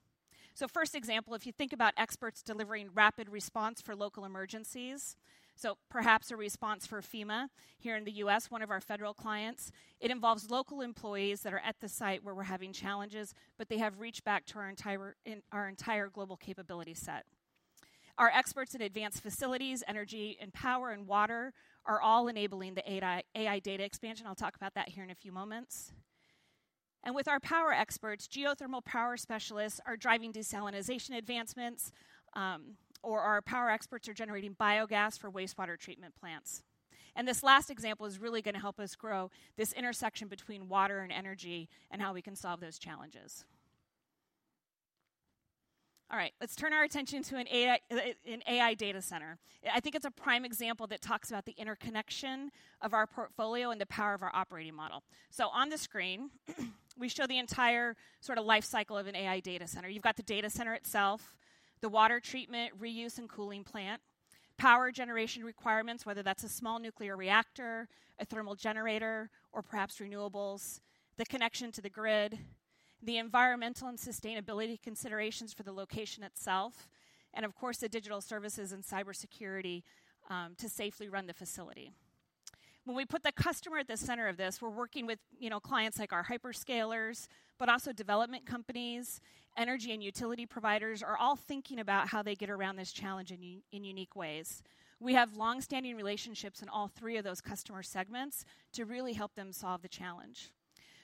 Speaker 7: So first example, if you think about experts delivering rapid response for local emergencies, so perhaps a response for FEMA here in the U.S., one of our federal clients, it involves local employees that are at the site where we're having challenges, but they have reached back to our entire global capability set. Our experts in advanced facilities, energy, and power, and water are all enabling the AI data expansion. I'll talk about that here in a few moments. And with our power experts, geothermal power specialists are driving desalination advancements, or our power experts are generating biogas for wastewater treatment plants. And this last example is really going to help us grow this intersection between water and energy and how we can solve those challenges. All right, let's turn our attention to an AI data center. I think it's a prime example that talks about the interconnection of our portfolio and the power of our operating model. So on the screen, we show the entire sort of life cycle of an AI data center. You've got the data center itself, the water treatment, reuse, and cooling plant, power generation requirements, whether that's a small nuclear reactor, a thermal generator, or perhaps renewables, the connection to the grid, the environmental and sustainability considerations for the location itself, and of course, the digital services and cybersecurity to safely run the facility. When we put the customer at the center of this, we're working with clients like our hyperscalers, but also development companies, energy and utility providers are all thinking about how they get around this challenge in unique ways. We have long-standing relationships in all three of those customer segments to really help them solve the challenge.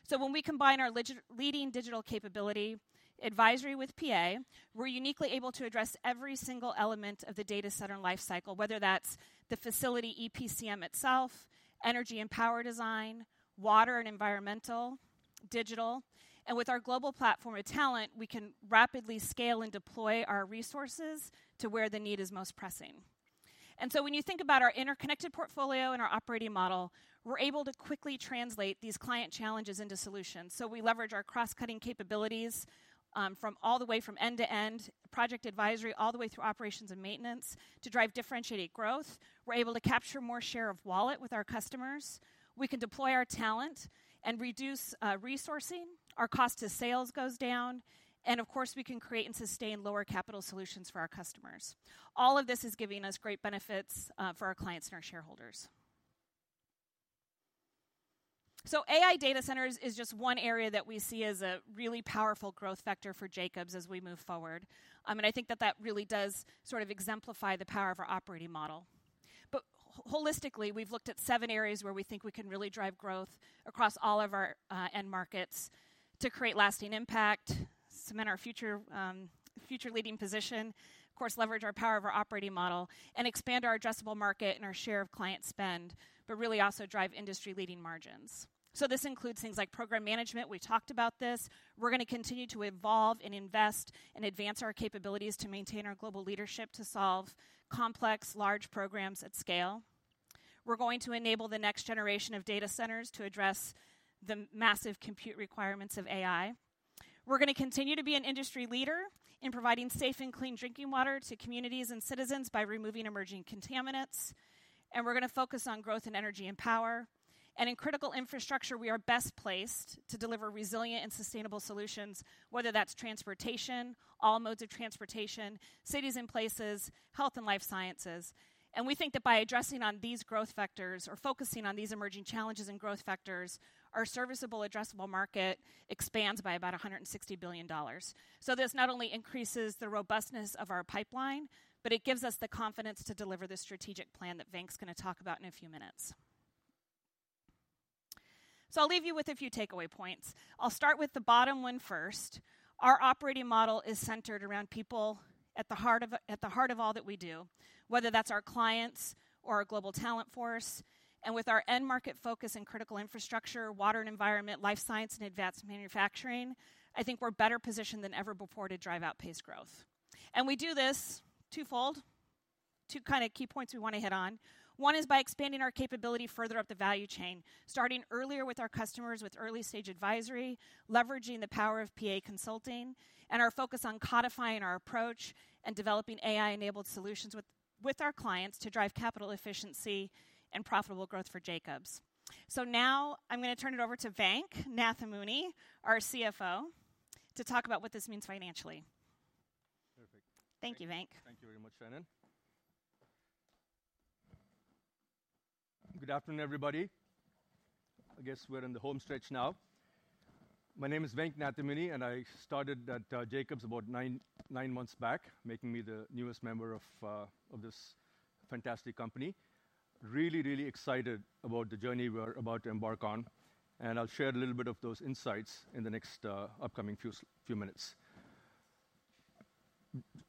Speaker 7: So when we combine our leading digital capability advisory with PA, we're uniquely able to address every single element of the data center life cycle, whether that's the facility EPCM itself, energy and power design, water and environmental, digital. And with our global platform of talent, we can rapidly scale and deploy our resources to where the need is most pressing. And so when you think about our interconnected portfolio and our operating model, we're able to quickly translate these client challenges into solutions. So we leverage our cross-cutting capabilities from all the way from end-to-end project advisory, all the way through operations and maintenance to drive differentiated growth. We're able to capture more share of wallet with our customers. We can deploy our talent and reduce resourcing. Our cost to sales goes down. And of course, we can create and sustain lower capital solutions for our customers. All of this is giving us great benefits for our clients and our shareholders. So AI data centers is just one area that we see as a really powerful growth factor for Jacobs as we move forward. And I think that that really does sort of exemplify the power of our operating model. But holistically, we've looked at seven areas where we think we can really drive growth across all of our end markets to create lasting impact, cement our future leading position, of course, leverage our power of our operating model, and expand our addressable market and our share of client spend, but really also drive industry-leading margins. So this includes things like program management. We talked about this. We're going to continue to evolve and invest and advance our capabilities to maintain our global leadership to solve complex, large programs at scale. We're going to enable the next generation of data centers to address the massive compute requirements of AI. We're going to continue to be an industry leader in providing safe and clean drinking water to communities and citizens by removing emerging contaminants. And we're going to focus on growth in energy and power. And in critical infrastructure, we are best placed to deliver resilient and sustainable solutions, whether that's transportation, all modes of transportation, cities and places, health and life sciences. And we think that by addressing these growth factors or focusing on these emerging challenges and growth factors, our serviceable, addressable market expands by about $160 billion. So this not only increases the robustness of our pipeline, but it gives us the confidence to deliver the strategic plan that Venk's going to talk about in a few minutes. So I'll leave you with a few takeaway points. I'll start with the bottom one first. Our operating model is centered around people at the heart of all that we do, whether that's our clients or our global talent force, and with our end market focus in critical infrastructure, water and environment, life science, and advanced manufacturing, I think we're better positioned than ever before to drive out pace growth, and we do this twofold. Two kind of key points we want to hit on. One is by expanding our capability further up the value chain, starting earlier with our customers with early-stage advisory, leveraging the power of PA Consulting, and our focus on codifying our approach and developing AI-enabled solutions with our clients to drive capital efficiency and profitable growth for Jacobs. So now I'm going to turn it over to Venk Nathamuni, our CFO, to talk about what this means financially.
Speaker 8: Perfect.
Speaker 7: Thank you, Venk.
Speaker 8: Thank you very much, Shannon. Good afternoon, everybody. I guess we're in the home stretch now. My name is Venk Nathamuni, and I started at Jacobs about nine months back, making me the newest member of this fantastic company. Really, really excited about the journey we're about to embark on. And I'll share a little bit of those insights in the next upcoming few minutes.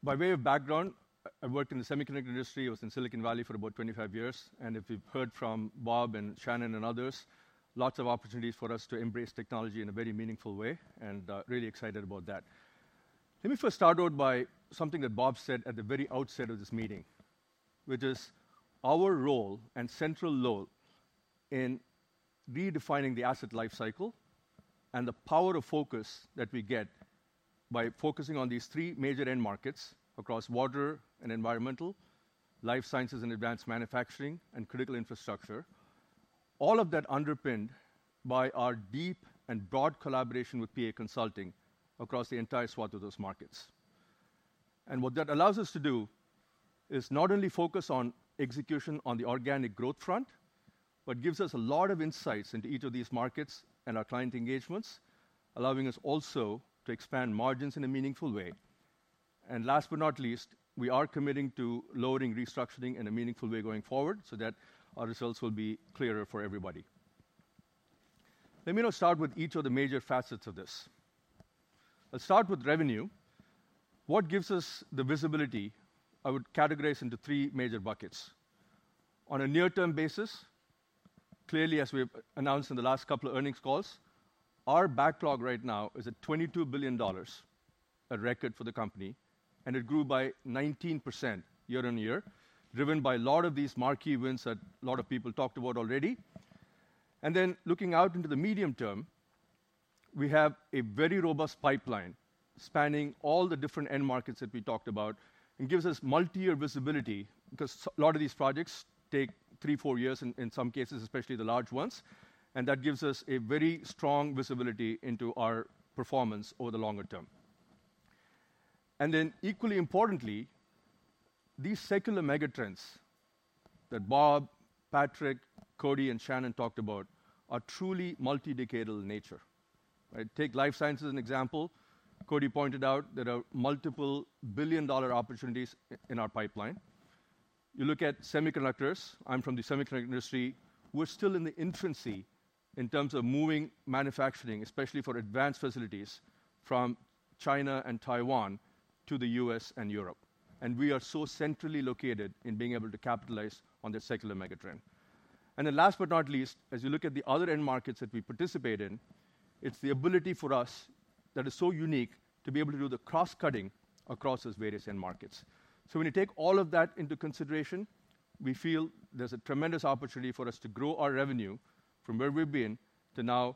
Speaker 8: By way of background, I've worked in the semiconductor industry. I was in Silicon Valley for about 25 years. And if you've heard from Bob and Shannon and others, lots of opportunities for us to embrace technology in a very meaningful way. And really excited about that. Let me first start out by something that Bob said at the very outset of this meeting, which is our role and central role in redefining the asset life cycle and the power of focus that we get by focusing on these three major end markets across water and environmental, life sciences and advanced manufacturing, and critical infrastructure, all of that underpinned by our deep and broad collaboration with PA Consulting across the entire swath of those markets. And what that allows us to do is not only focus on execution on the organic growth front, but gives us a lot of insights into each of these markets and our client engagements, allowing us also to expand margins in a meaningful way. And last but not least, we are committing to lowering restructuring in a meaningful way going forward so that our results will be clearer for everybody. Let me now start with each of the major facets of this. Let's start with revenue. What gives us the visibility? I would categorize into three major buckets. On a near-term basis, clearly, as we announced in the last couple of earnings calls, our backlog right now is at $22 billion, a record for the company. And it grew by 19% year-on-year, driven by a lot of these marquee wins that a lot of people talked about already. And then looking out into the medium term, we have a very robust pipeline spanning all the different end markets that we talked about. It gives us multi-year visibility because a lot of these projects take three, four years in some cases, especially the large ones. And that gives us a very strong visibility into our performance over the longer term. And then equally importantly, these secular megatrends that Bob, Patrick, Koti, and Shannon talked about are truly multi-decadal nature. Take life sciences as an example. Koti pointed out there are multiple billion-dollar opportunities in our pipeline. You look at semiconductors. I'm from the semiconductor industry. We're still in the infancy in terms of moving manufacturing, especially for advanced facilities, from China and Taiwan to the U.S. and Europe. And we are so centrally located in being able to capitalize on the secular megatrend. And then last but not least, as you look at the other end markets that we participate in, it's the ability for us that is so unique to be able to do the cross-cutting across those various end markets. So when you take all of that into consideration, we feel there's a tremendous opportunity for us to grow our revenue from where we've been to now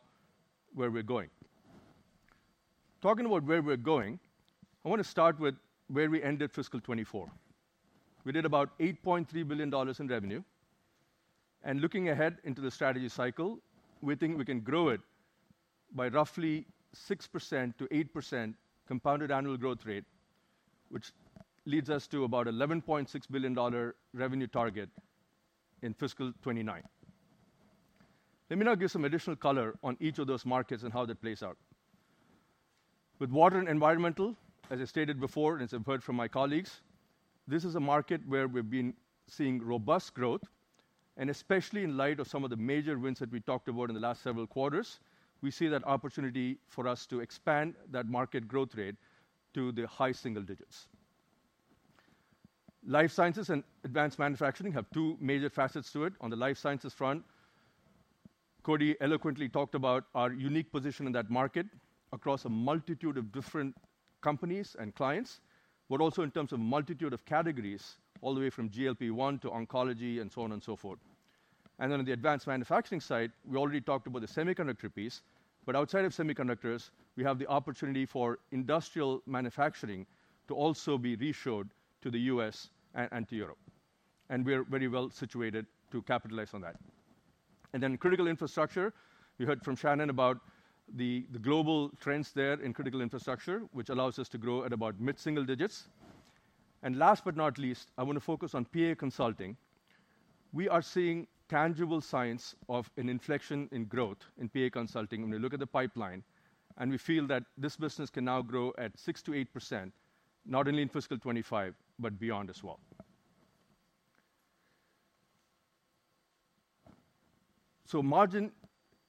Speaker 8: where we're going. Talking about where we're going, I want to start with where we ended fiscal 2024. We did about $8.3 billion in revenue. And looking ahead into the strategy cycle, we think we can grow it by roughly 6%-8% compounded annual growth rate, which leads us to about a $11.6 billion revenue target in fiscal 2029. Let me now give some additional color on each of those markets and how that plays out. With water and environmental, as I stated before, and as I've heard from my colleagues, this is a market where we've been seeing robust growth. And especially in light of some of the major wins that we talked about in the last several quarters, we see that opportunity for us to expand that market growth rate to the high single digits. Life sciences and advanced manufacturing have two major facets to it. On the life sciences front, Koti eloquently talked about our unique position in that market across a multitude of different companies and clients, but also in terms of a multitude of categories all the way from GLP-1 to oncology and so on and so forth. And then on the advanced manufacturing side, we already talked about the semiconductor piece. But outside of semiconductors, we have the opportunity for industrial manufacturing to also be reshored to the U.S. and to Europe. And we're very well situated to capitalize on that. And then critical infrastructure, you heard from Shannon about the global trends there in critical infrastructure, which allows us to grow at about mid-single digits. And last but not least, I want to focus on PA consulting. We are seeing tangible signs of an inflection in growth in PA consulting when we look at the pipeline. And we feel that this business can now grow at 6%-8%, not only in fiscal 2025, but beyond as well. So margin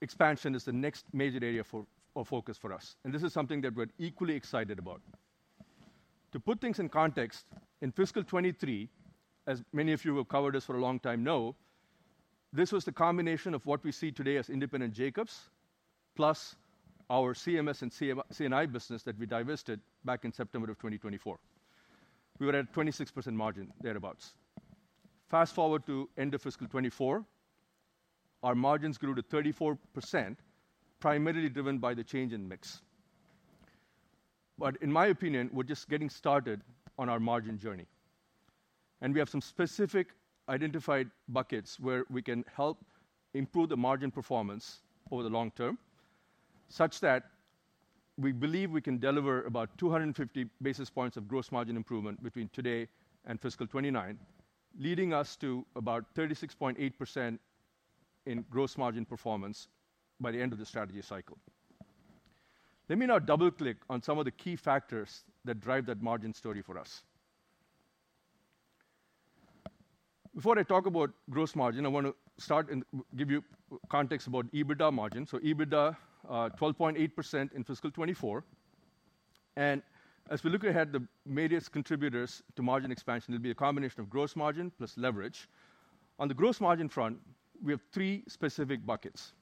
Speaker 8: expansion is the next major area of focus for us. And this is something that we're equally excited about. To put things in context, in fiscal 2023, as many of you who covered us for a long time know, this was the combination of what we see today as independent Jacobs, plus our CMS and C&I business that we divested back in September of 2024. We were at a 26% margin, thereabouts. Fast forward to end of fiscal 2024, our margins grew to 34%, primarily driven by the change in mix. But in my opinion, we're just getting started on our margin journey. And we have some specific identified buckets where we can help improve the margin performance over the long term, such that we believe we can deliver about 250 basis points of gross margin improvement between today and fiscal 2029, leading us to about 36.8% in gross margin performance by the end of the strategy cycle. Let me now double-click on some of the key factors that drive that margin story for us. Before I talk about gross margin, I want to start and give you context about EBITDA margin. So EBITDA, 12.8% in fiscal 2024. As we look ahead, the major contributors to margin expansion will be a combination of gross margin plus leverage. On the gross margin front, we have three specific buckets.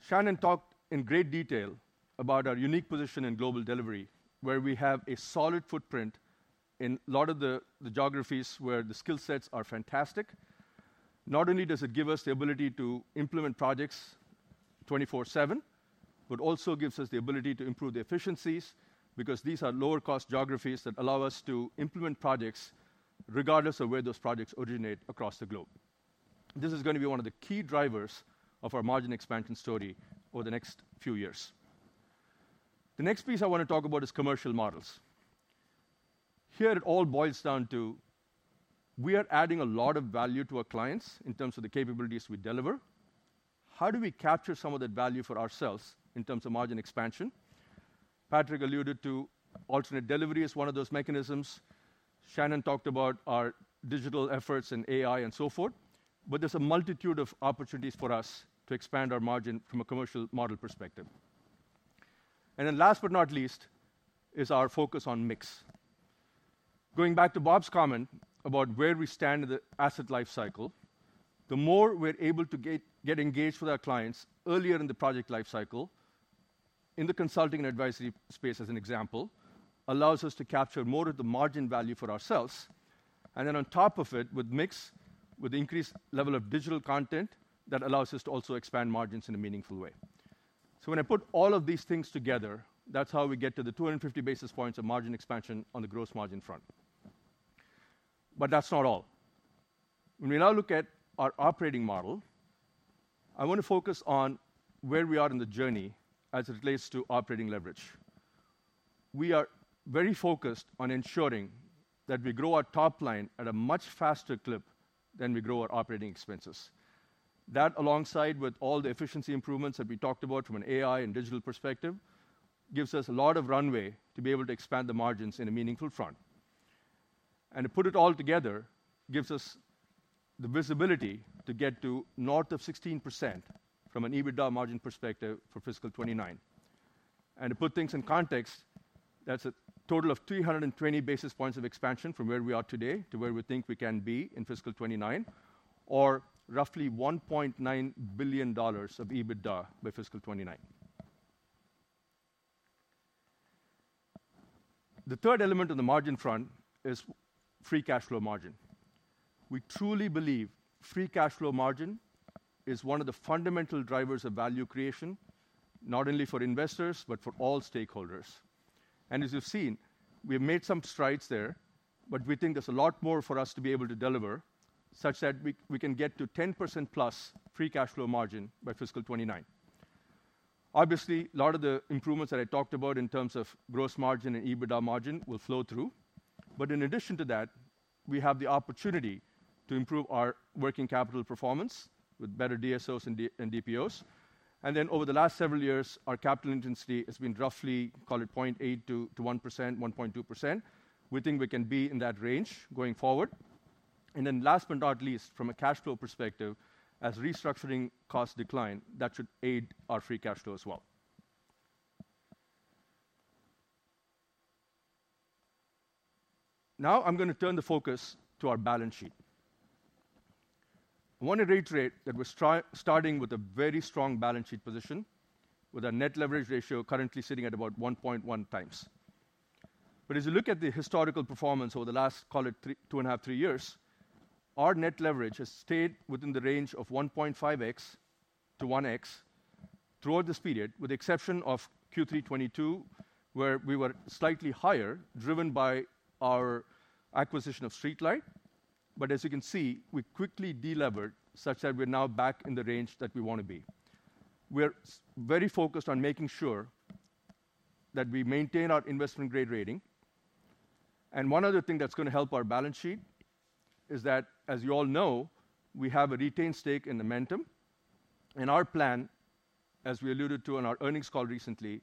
Speaker 8: Shannon talked in great detail about our unique position in global delivery, where we have a solid footprint in a lot of the geographies where the skill sets are fantastic. Not only does it give us the ability to implement projects 24/7, but also gives us the ability to improve the efficiencies because these are lower-cost geographies that allow us to implement projects regardless of where those projects originate across the globe. This is going to be one of the key drivers of our margin expansion story over the next few years. The next piece I want to talk about is commercial models. Here, it all boils down to we are adding a lot of value to our clients in terms of the capabilities we deliver. How do we capture some of that value for ourselves in terms of margin expansion? Patrick alluded to alternative delivery as one of those mechanisms. Shannon talked about our digital efforts and AI and so forth. But there's a multitude of opportunities for us to expand our margin from a commercial model perspective. And then last but not least is our focus on mix. Going back to Bob's comment about where we stand in the asset life cycle, the more we're able to get engaged with our clients earlier in the project life cycle, in the consulting and advisory space, as an example, allows us to capture more of the margin value for ourselves. And then on top of it, with mix, with the increased level of digital content, that allows us to also expand margins in a meaningful way. So when I put all of these things together, that's how we get to the 250 basis points of margin expansion on the gross margin front. But that's not all. When we now look at our operating model, I want to focus on where we are in the journey as it relates to operating leverage. We are very focused on ensuring that we grow our top line at a much faster clip than we grow our operating expenses. That, alongside with all the efficiency improvements that we talked about from an AI and digital perspective, gives us a lot of runway to be able to expand the margins in a meaningful front. To put it all together, gives us the visibility to get to north of 16% from an EBITDA margin perspective for fiscal 2029. To put things in context, that's a total of 320 basis points of expansion from where we are today to where we think we can be in fiscal 2029, or roughly $1.9 billion of EBITDA by fiscal 2029. The third element of the margin front is free cash flow margin. We truly believe free cash flow margin is one of the fundamental drivers of value creation, not only for investors, but for all stakeholders. As you've seen, we have made some strides there, but we think there's a lot more for us to be able to deliver, such that we can get to 10%+ free cash flow margin by fiscal 2029. Obviously, a lot of the improvements that I talked about in terms of gross margin and EBITDA margin will flow through. But in addition to that, we have the opportunity to improve our working capital performance with better DSOs and DPOs. And then over the last several years, our capital intensity has been roughly, call it 0.8%-1.2%. We think we can be in that range going forward. And then last but not least, from a cash flow perspective, as restructuring costs decline, that should aid our free cash flow as well. Now I'm going to turn the focus to our balance sheet. I want to reiterate that we're starting with a very strong balance sheet position, with our net leverage ratio currently sitting at about 1.1x As you look at the historical performance over the last, call it 2.5, 3 `years, our net leverage has stayed within the range of 1.5x-1x throughout this period, with the exception of Q3 2022, where we were slightly higher, driven by our acquisition of StreetLight. As you can see, we quickly deleveraged, such that we're now back in the range that we want to be. We're very focused on making sure that we maintain our investment-grade rating. One other thing that's going to help our balance sheet is that, as you all know, we have a retained stake in Amentum. Our plan, as we alluded to in our earnings call recently,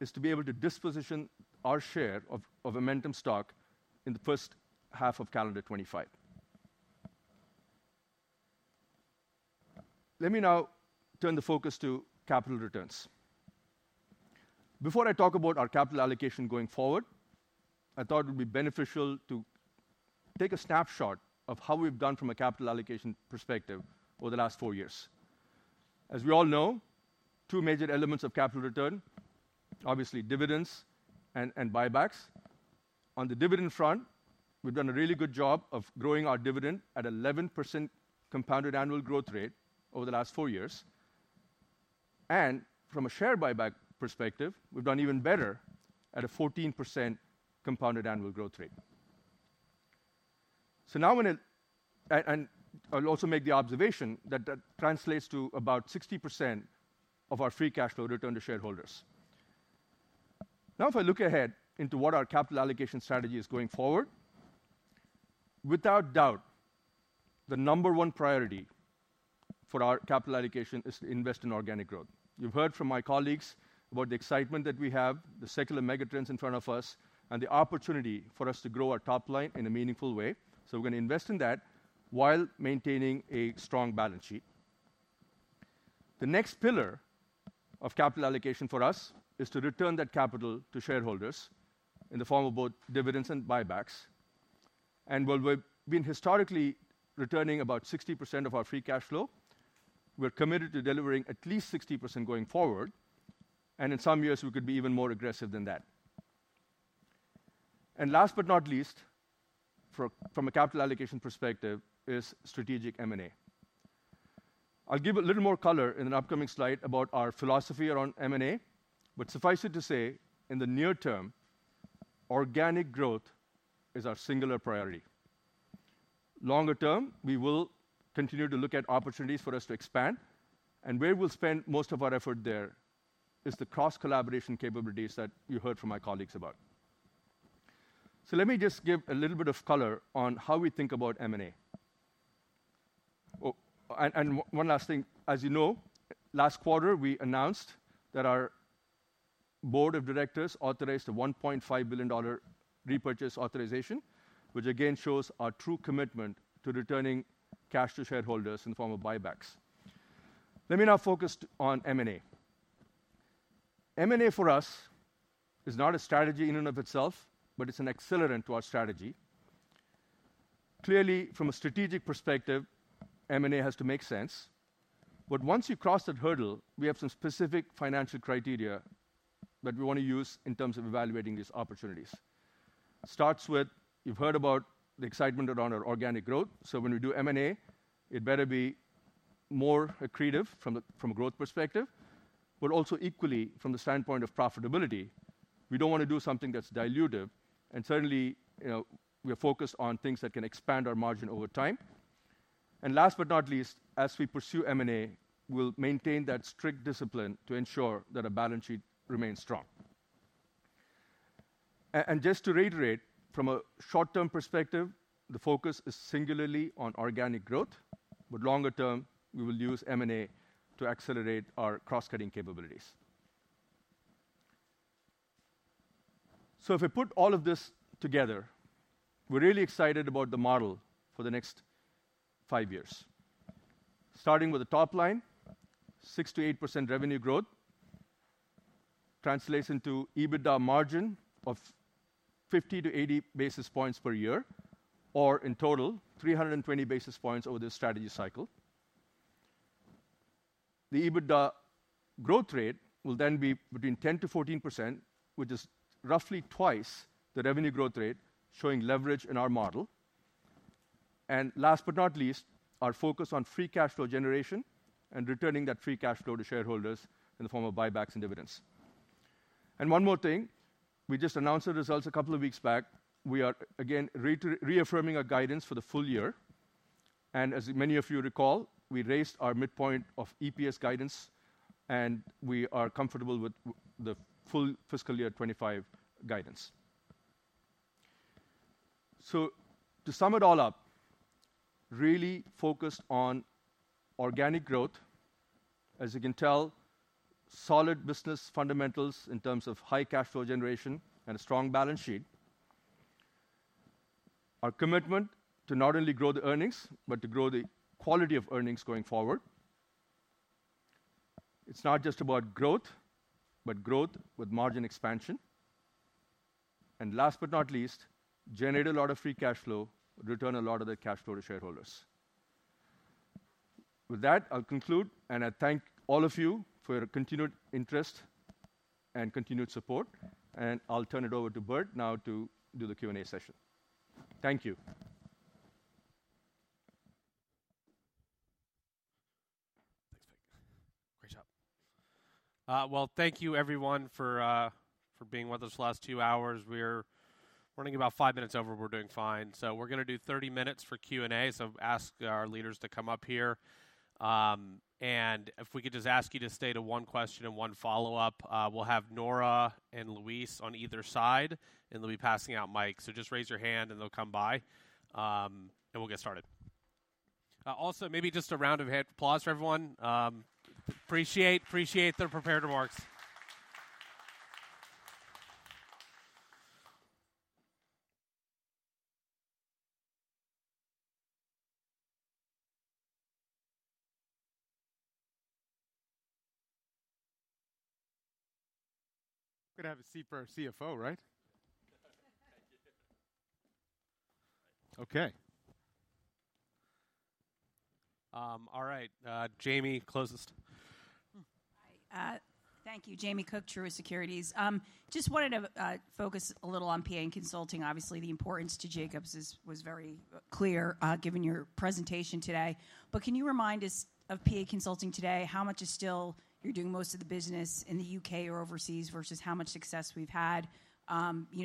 Speaker 8: is to be able to disposition our share of Amentum stock in the first half of calendar 2025. Let me now turn the focus to capital returns. Before I talk about our capital allocation going forward, I thought it would be beneficial to take a snapshot of how we've done from a capital allocation perspective over the last four years. As we all know, two major elements of capital return, obviously dividends and buybacks. On the dividend front, we've done a really good job of growing our dividend at 11% compounded annual growth rate over the last four years. And from a share buyback perspective, we've done even better at a 14% compounded annual growth rate. So now I'm going to, and I'll also make the observation that that translates to about 60% of our free cash flow returned to shareholders. Now, if I look ahead into what our capital allocation strategy is going forward, without doubt, the number one priority for our capital allocation is to invest in organic growth. You've heard from my colleagues about the excitement that we have, the secular megatrends in front of us, and the opportunity for us to grow our top line in a meaningful way. So we're going to invest in that while maintaining a strong balance sheet. The next pillar of capital allocation for us is to return that capital to shareholders in the form of both dividends and buybacks. And while we've been historically returning about 60% of our free cash flow, we're committed to delivering at least 60% going forward. And in some years, we could be even more aggressive than that. And last but not least, from a capital allocation perspective, is strategic M&A. I'll give a little more color in an upcoming slide about our philosophy around M&A. But suffice it to say, in the near term, organic growth is our singular priority. Longer term, we will continue to look at opportunities for us to expand, and where we'll spend most of our effort there is the cross-collaboration capabilities that you heard from my colleagues about. Let me just give a little bit of color on how we think about M&A, and one last thing. As you know, last quarter, we announced that our board of directors authorized a $1.5 billion repurchase authorization, which again shows our true commitment to returning cash to shareholders in the form of buybacks. Let me now focus on M&A. M&A for us is not a strategy in and of itself, but it's an accelerant to our strategy. Clearly, from a strategic perspective, M&A has to make sense. But once you cross that hurdle, we have some specific financial criteria that we want to use in terms of evaluating these opportunities. starts with, you've heard about the excitement around our organic growth. So when we do M&A, it better be more accretive from a growth perspective, but also equally from the standpoint of profitability. We don't want to do something that's dilutive. And certainly, we are focused on things that can expand our margin over time. And last but not least, as we pursue M&A, we'll maintain that strict discipline to ensure that our balance sheet remains strong. And just to reiterate, from a short-term perspective, the focus is singularly on organic growth. But longer term, we will use M&A to accelerate our cross-cutting capabilities. So if we put all of this together, we're really excited about the model for the next five years. Starting with the top line, 6%-8% revenue growth translates into EBITDA margin of 50-80 basis points per year, or in total, 320 basis points over this strategy cycle. The EBITDA growth rate will then be between 10%-14%, which is roughly twice the revenue growth rate showing leverage in our model. And last but not least, our focus on free cash flow generation and returning that free cash flow to shareholders in the form of buybacks and dividends. And one more thing, we just announced the results a couple of weeks back. We are again reaffirming our guidance for the full year. And as many of you recall, we raised our midpoint of EPS guidance, and we are comfortable with the full fiscal year 2025 guidance. So to sum it all up, really focused on organic growth. As you can tell, solid business fundamentals in terms of high cash flow generation and a strong balance sheet. Our commitment to not only grow the earnings, but to grow the quality of earnings going forward. It's not just about growth, but growth with margin expansion. And last but not least, generate a lot of free cash flow, return a lot of the cash flow to shareholders. With that, I'll conclude, and I thank all of you for your continued interest and continued support. And I'll turn it over to Bert now to do the Q&A session. Thank you.
Speaker 2: Thanks, Venk. Great job. Well, thank you, everyone, for being with us last two hours. We're running about five minutes over. We're doing fine. So we're going to do 30 minutes for Q&A. So ask our leaders to come up here. And if we could just ask you to stay to one question and one follow-up, we'll have Nora and Luis on either side, and they'll be passing out mics. So just raise your hand, and they'll come by, and we'll get started. Also, maybe just a round of applause for everyone. Appreciate the prepared remarks.
Speaker 4: We're going to have a seat for our CFO, right? Okay.
Speaker 2: All right. Jamie, closest.
Speaker 9: Thank you. Jamie Cook, Truist Securities. Just wanted to focus a little on PA Consulting. Obviously, the importance to Jacobs was very clear given your presentation today. But can you remind us of PA Consulting today? How much is still you're doing most of the business in the U.K. or overseas versus how much success we've had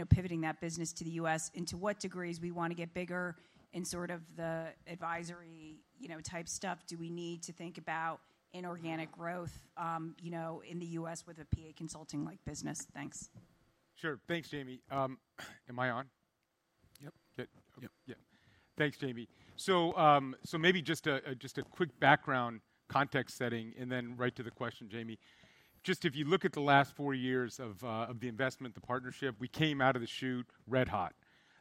Speaker 9: pivoting that business to the U.S.? And to what degree do we want to get bigger in sort of the advisory type stuff? Do we need to think about inorganic growth in the U.S. with a PA Consulting-like business? Thanks.
Speaker 4: Sure. Thanks, Jamie. Am I on?
Speaker 2: Yep. Yep.
Speaker 4: Thanks, Jamie. So maybe just a quick background context setting, and then right to the question, Jamie. Just if you look at the last four years of the investment, the partnership, we came out of the chute red hot.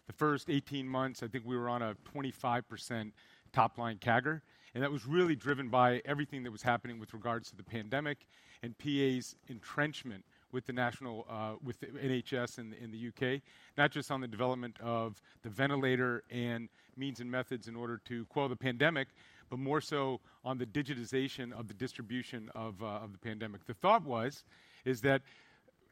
Speaker 4: The first 18 months, I think we were on a 25% top line CAGR. And that was really driven by everything that was happening with regards to the pandemic and PA's entrenchment with the national NHS in the U.K., not just on the development of the ventilator and means and methods in order to quell the pandemic, but more so on the digitization of the distribution of the pandemic. The thought was that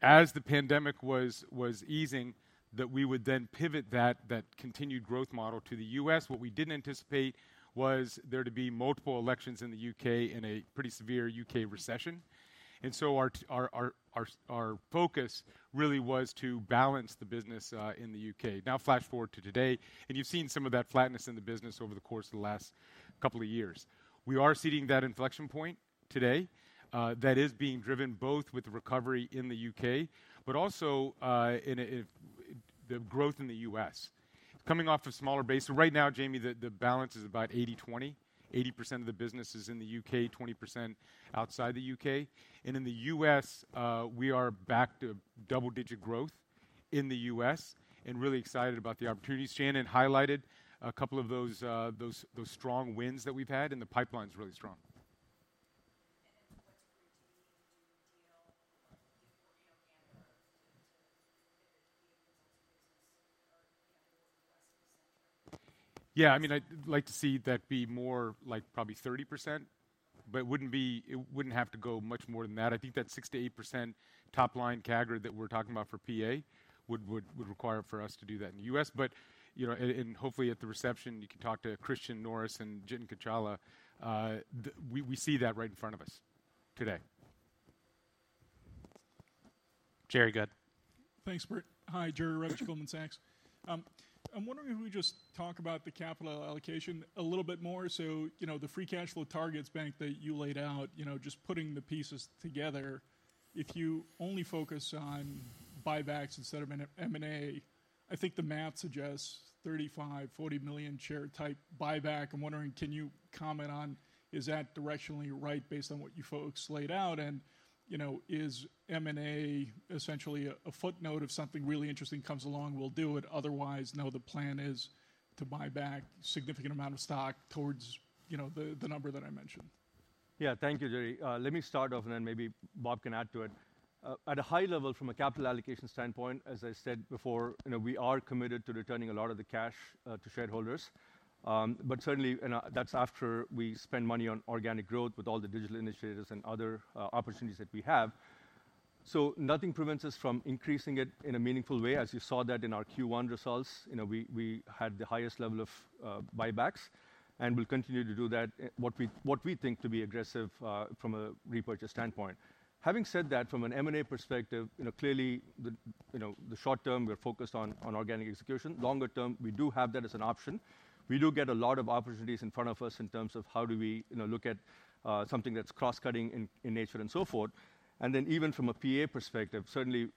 Speaker 4: as the pandemic was easing, that we would then pivot that continued growth model to the U.S.. What we didn't anticipate was there to be multiple elections in the U.K. and a pretty severe U.K. recession, and so our focus really was to balance the business in the U.K. Now, flash forward to today, and you've seen some of that flatness in the business over the course of the last couple of years. We are seeing that inflection point today that is being driven both with the recovery in the U.K., but also the growth in the U.S. coming off a smaller base, so right now, Jamie, the balance is about 80%-20%. 80% of the business is in the U.K., 20% outside the U.K., and in the U.S., we are back to double-digit growth in the U.S. and really excited about the opportunities. Shannon highlighted a couple of those strong wins that we've had, and the pipeline is really strong.
Speaker 9: To what degree do you think you need to do a deal to pivot to the U.S.-centric?
Speaker 4: Yeah. I mean, I'd like to see that be more like probably 30%, but it wouldn't have to go much more than that. I think that 6%-8% top line CAGR that we're talking about for PA would require for us to do that in the U.S.. But hopefully, at the reception, you can talk to Christian Norris and Jitin Kachhela. We see that right in front of us today.
Speaker 2: Jerry Revich.
Speaker 10: Thanks, Bert. Hi, Jerry Revich, Goldman Sachs. I'm wondering if we just talk about the capital allocation a little bit more. So the free cash flow targets that you laid out, just putting the pieces together, if you only focus on buybacks instead of M&A, I think the math suggests 35-40 million share type buyback. I'm wondering, can you comment on, is that directionally right based on what you folks laid out? And is M&A essentially a footnote of something really interesting comes along, we'll do it? Otherwise, no, the plan is to buy back a significant amount of stock towards the number that I mentioned.
Speaker 8: Yeah. Thank you, Jerry. Let me start off, and then maybe Bob can add to it. At a high level, from a capital allocation standpoint, as I said before, we are committed to returning a lot of the cash to shareholders. But certainly, that's after we spend money on organic growth with all the digital initiatives and other opportunities that we have. So nothing prevents us from increasing it in a meaningful way. As you saw that in our Q1 results, we had the highest level of buybacks and will continue to do that, what we think to be aggressive from a repurchase standpoint. Having said that, from an M&A perspective, clearly, the short term, we're focused on organic execution. Longer term, we do have that as an option. We do get a lot of opportunities in front of us in terms of how do we look at something that's cross-cutting in nature and so forth. And then even from a PA perspective, certainly,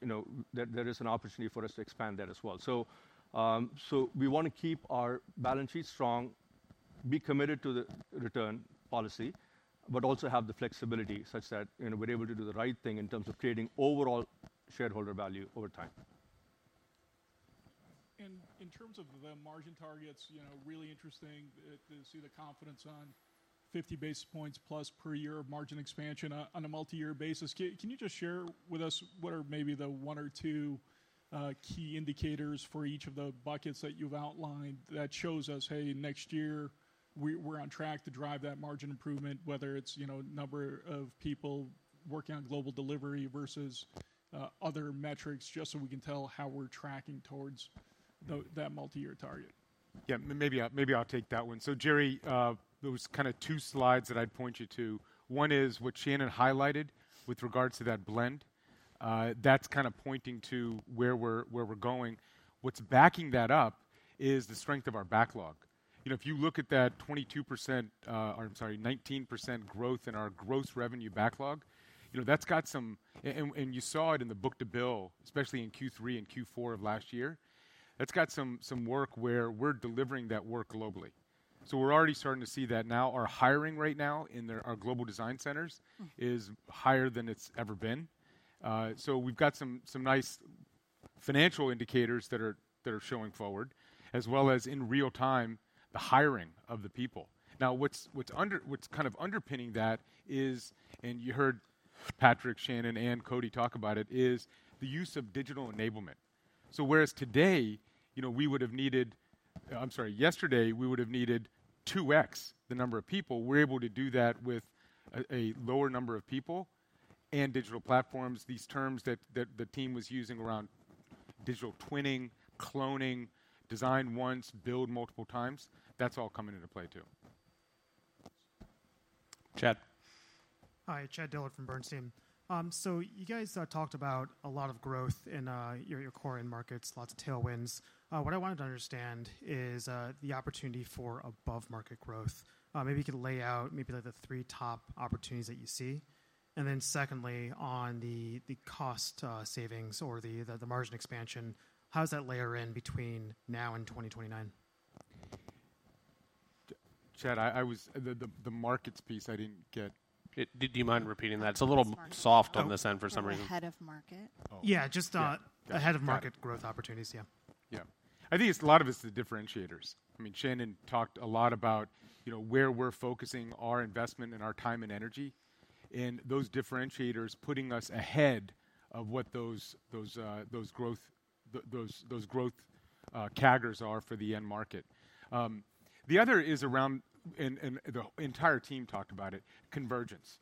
Speaker 8: there is an opportunity for us to expand that as well. So we want to keep our balance sheet strong, be committed to the return policy, but also have the flexibility such that we're able to do the right thing in terms of creating overall shareholder value over time.
Speaker 10: And in terms of the margin targets, really interesting to see the confidence on 50 basis points plus per year of margin expansion on a multi-year basis. Can you just share with us what are maybe the one or two key indicators for each of the buckets that you've outlined that shows us, hey, next year, we're on track to drive that margin improvement, whether it's number of people working on global delivery versus other metrics, just so we can tell how we're tracking towards that multi-year target?
Speaker 4: Yeah. Maybe I'll take that one. So Jerry, those kind of two slides that I'd point you to, one is what Shannon highlighted with regards to that blend. That's kind of pointing to where we're going. What's backing that up is the strength of our backlog. If you look at that 22%, or I'm sorry, 19% growth in our gross revenue backlog, that's got some, and you saw it in the book to bill, especially in Q3 and Q4 of last year. That's got some work where we're delivering that work globally. So we're already starting to see that now. Our hiring right now in our global design centers is higher than it's ever been. So we've got some nice financial indicators that are showing forward, as well as in real time, the hiring of the people. Now, what's kind of underpinning that is, and you heard Patrick, Shannon, and Koti talk about it, is the use of digital enablement. So whereas today, we would have needed, I'm sorry, yesterday, we would have needed 2x the number of people, we're able to do that with a lower number of people and digital platforms. These terms that the team was using around digital twinning, cloning, design once, build multiple times, that's all coming into play too.
Speaker 2: Chad.
Speaker 11: Hi. Chad Dillard from Bernstein. So you guys talked about a lot of growth in your core end markets, lots of tailwinds. What I wanted to understand is the opportunity for above-market growth. Maybe you could lay out maybe the three top opportunities that you see. And then secondly, on the cost savings or the margin expansion, how does that layer in between now and 2029?
Speaker 4: Chad, the markets piece, I didn't get. Do you mind repeating that? It's a little soft on this end for some reason.
Speaker 7: Ahead of market.
Speaker 11: Yeah. Just ahead of market growth opportunities, yeah.
Speaker 4: Yeah. I think a lot of it's the differentiators. I mean, Shannon talked a lot about where we're focusing our investment and our time and energy, and those differentiators putting us ahead of what those growth CAGRs are for the end market. The other is around, and the entire team talked about it, convergence.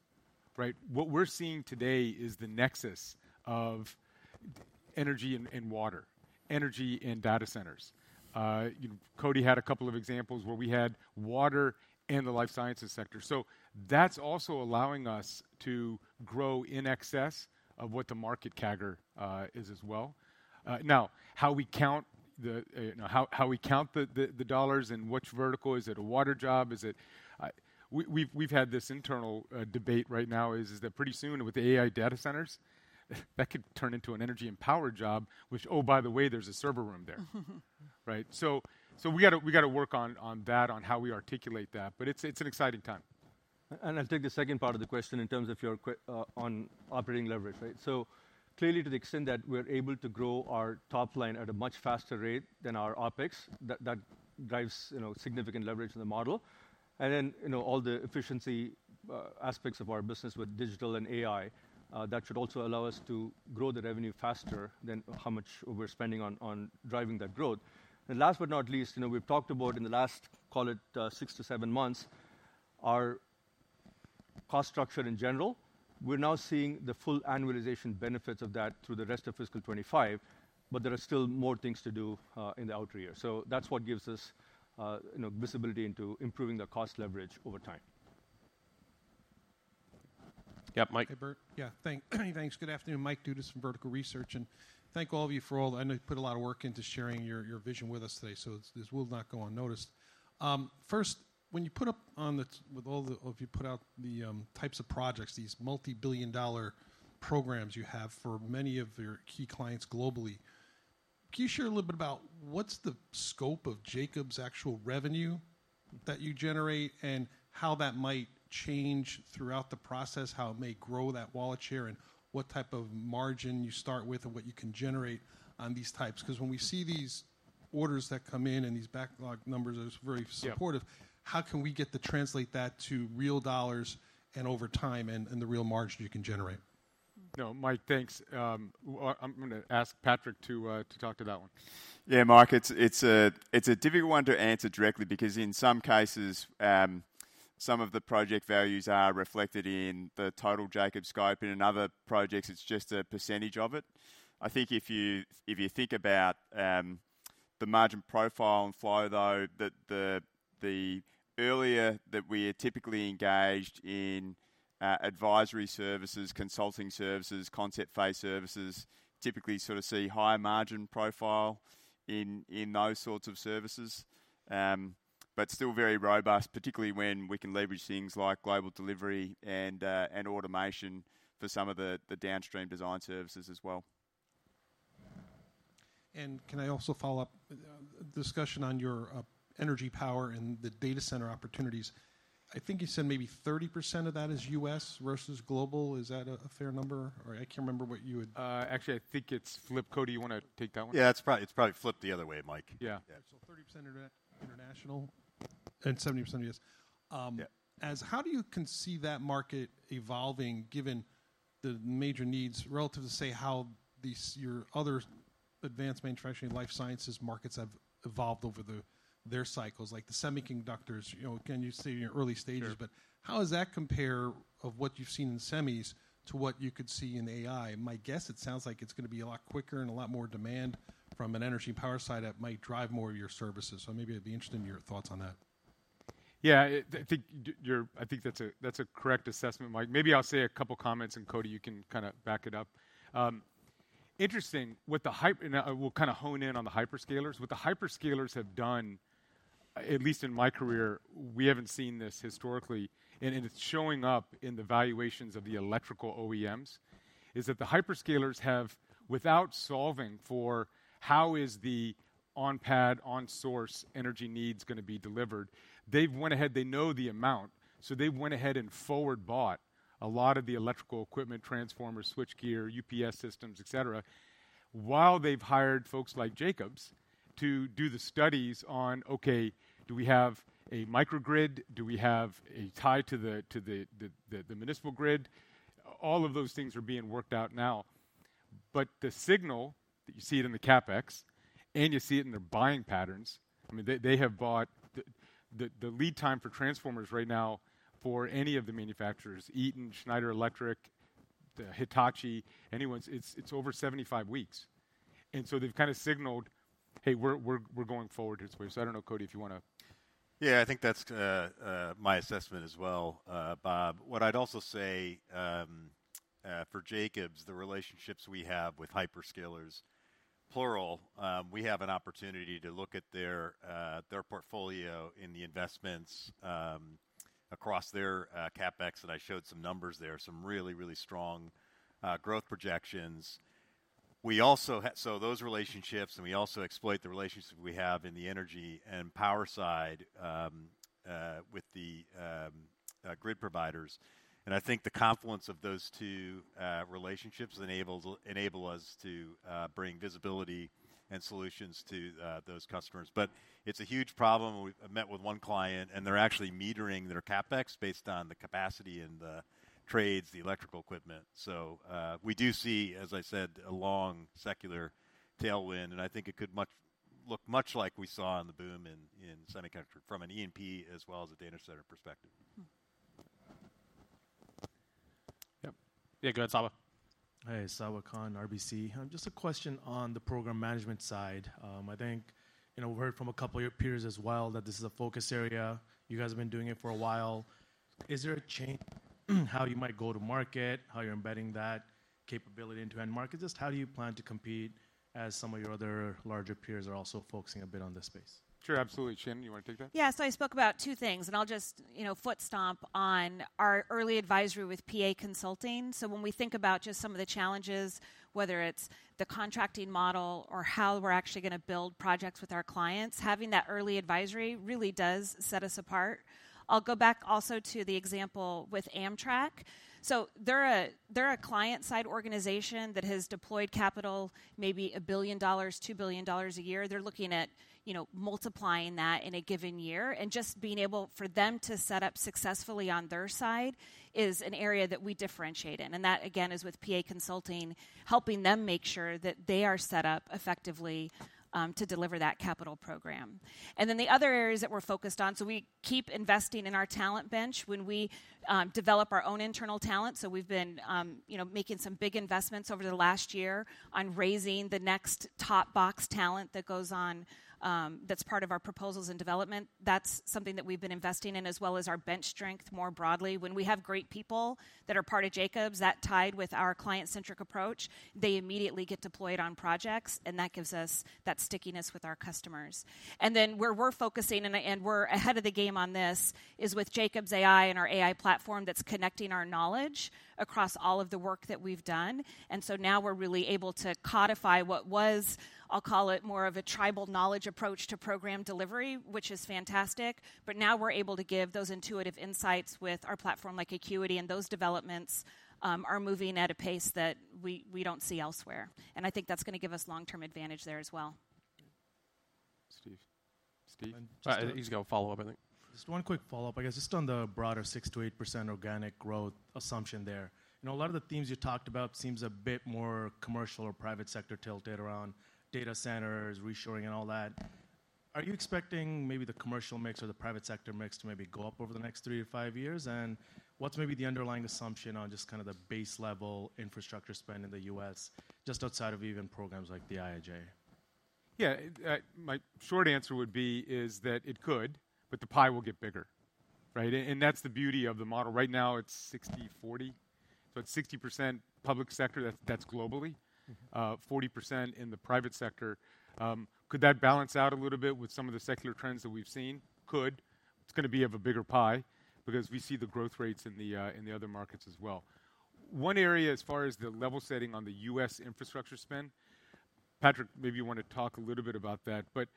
Speaker 4: What we're seeing today is the nexus of energy and water, energy and data centers. Koti had a couple of examples where we had water and the life sciences sector. So that's also allowing us to grow in excess of what the market CAGR is as well. Now, how we count the dollars and which vertical is it? A water job? We've had this internal debate right now. Is that pretty soon with the AI data centers, that could turn into an energy and power job, which, oh, by the way, there's a server room there. So we got to work on that, on how we articulate that. But it's an exciting time.
Speaker 8: I'll take the second part of the question in terms of your own operating leverage. So clearly, to the extent that we're able to grow our top line at a much faster rate than our OPEX, that drives significant leverage in the model. And then all the efficiency aspects of our business with digital and AI, that should also allow us to grow the revenue faster than how much we're spending on driving that growth. And last but not least, we've talked about in the last, call it, 6-7 months, our cost structure in general. We're now seeing the full annualization benefits of that through the rest of fiscal 2025, but there are still more things to do in the out year. So that's what gives us visibility into improving the cost leverage over time.
Speaker 2: Yep. Mike.
Speaker 12: Hey, Bert. Yeah. Thanks. Good afternoon. Mike Dudas from Vertical Research. And thank all of you for all. I know you put a lot of work into sharing your vision with us today, so this will not go unnoticed. First, when you put up on the, with all the, if you put out the types of projects, these multi-billion dollar programs you have for many of your key clients globally, can you share a little bit about what's the scope of Jacobs' actual revenue that you generate and how that might change throughout the process, how it may grow that wallet share, and what type of margin you start with and what you can generate on these types? Because when we see these orders that come in and these backlog numbers are very supportive, how can we get to translate that to real dollars and over time and the real margin you can generate?
Speaker 4: No, Mike, thanks. I'm going to ask Patrick to talk to that one.
Speaker 5: Yeah. Mark, it's a difficult one to answer directly because in some cases, some of the project values are reflected in the total Jacobs scope. In other projects, it's just a percentage of it. I think if you think about the margin profile and flow, though, the earlier that we are typically engaged in advisory services, consulting services, concept phase services, typically sort of see higher margin profile in those sorts of services, but still very robust, particularly when we can leverage things like global delivery and automation for some of the downstream design services as well.
Speaker 12: And can I also follow up the discussion on your energy power and the data center opportunities? I think you said maybe 30% of that is U.S. versus global. Is that a fair number? Or I can't remember what you would.
Speaker 4: Actually, I think it's Flip, Koti, you want to take that one?
Speaker 6: Yeah. It's probably flip the other way, Mike.
Speaker 12: So 30% international. And 70% U.S. How do you conceive that market evolving given the major needs relative to say how your other advanced manufacturing life sciences markets have evolved over their cycles, like the semiconductors? Again, you say you're in early stages, but how does that compare to what you've seen in semis to what you could see in AI? My guess, it sounds like it's going to be a lot quicker and a lot more demand from an energy power side that might drive more of your services. So maybe I'd be interested in your thoughts on that.
Speaker 4: Yeah. I think that's a correct assessment, Mike. Maybe I'll say a couple of comments, and Koti, you can kind of back it up. Interesting. We'll kind of hone in on the hyperscalers. What the hyperscalers have done, at least in my career, we haven't seen this historically, and it's showing up in the valuations of the electrical OEMs, is that the hyperscalers have, without solving for how is the on-pad, on-source energy needs going to be delivered, they've went ahead, they know the amount. So they went ahead and forward-bought a lot of the electrical equipment, transformer, switchgear, UPS systems, etc., while they've hired folks like Jacobs to do the studies on, okay, do we have a microgrid? Do we have a tie to the municipal grid? All of those things are being worked out now. But the signal that you see it in the CapEx, and you see it in their buying patterns, I mean, they have bought the lead time for transformers right now for any of the manufacturers, Eaton, Schneider Electric, Hitachi, anyone's, it's over 75 weeks. And so they've kind of signaled, hey, we're going forward this way. So I don't know, Koti, if you want to.
Speaker 6: Yeah. I think that's my assessment as well, Bob. What I'd also say for Jacobs, the relationships we have with hyperscalers, plural, we have an opportunity to look at their portfolio in the investments across their CapEx, and I showed some numbers there, some really, really strong growth projections, so those relationships, and we also exploit the relationships we have in the energy and power side with the grid providers, and I think the confluence of those two relationships enable us to bring visibility and solutions to those customers, but it's a huge problem. I met with one client, and they're actually metering their CapEx based on the capacity and the trades, the electrical equipment. So we do see, as I said, a long secular tailwind, and I think it could look much like we saw in the boom in semiconductor from an E&P as well as a data center perspective.
Speaker 2: Yep. Yeah. Go ahead, Sabahat.
Speaker 13: Hey, Sabahat Khan, RBC. Just a question on the program management side. I think we've heard from a couple of your peers as well that this is a focus area. You guys have been doing it for a while. Is there a change in how you might go to market, how you're embedding that capability into end market? Just how do you plan to compete as some of your other larger peers are also focusing a bit on this space?
Speaker 4: Sure. Absolutely. Shannon, you want to take that?
Speaker 7: Yeah. I spoke about two things, and I'll just foot stomp on our early advisory with PA Consulting, so when we think about just some of the challenges, whether it's the contracting model or how we're actually going to build projects with our clients, having that early advisory really does set us apart. I'll go back also to the example with Amtrak, so they're a client-side organization that has deployed capital, maybe $1 billion, $2 billion a year. They're looking at multiplying that in a given year, and just being able for them to set up successfully on their side is an area that we differentiate in, and that, again, is with PA Consulting, helping them make sure that they are set up effectively to deliver that capital program. And then the other areas that we're focused on, so we keep investing in our talent bench when we develop our own internal talent. So we've been making some big investments over the last year on raising the next top box talent that goes on, that's part of our proposals and development. That's something that we've been investing in as well as our bench strength more broadly. When we have great people that are part of Jacobs, that's tied with our client-centric approach, they immediately get deployed on projects, and that gives us that stickiness with our customers. And then where we're focusing, and we're ahead of the game on this, is with Jacobs AI and our AI platform that's connecting our knowledge across all of the work that we've done. And so now we're really able to codify what was, I'll call it, more of a tribal knowledge approach to program delivery, which is fantastic. But now we're able to give those intuitive insights with our platform like Acuity, and those developments are moving at a pace that we don't see elsewhere. And I think that's going to give us long-term advantage there as well.
Speaker 2: Steve.
Speaker 4: Steven.
Speaker 2: He's got a follow-up, I think.
Speaker 13: Just one quick follow-up, I guess. Just on the broader 6%-8% organic growth assumption there. A lot of the themes you talked about seem a bit more commercial or private sector tilted around data centers, reshoring, and all that. Are you expecting maybe the commercial mix or the private sector mix to maybe go up over the next 3-5 years? And what's maybe the underlying assumption on just kind of the base-level infrastructure spend in the U.S., just outside of even programs like the IIJA?
Speaker 4: Yeah. My short answer would be that it could, but the pie will get bigger, and that's the beauty of the model. Right now, it's 60%-40%. So it's 60% public sector, that's globally, 40% in the private sector. Could that balance out a little bit with some of the secular trends that we've seen? Could. It's going to be of a bigger pie because we see the growth rates in the other markets as well. One area, as far as the level setting on the U.S. infrastructure spend, Patrick, maybe you want to talk a little bit about that, but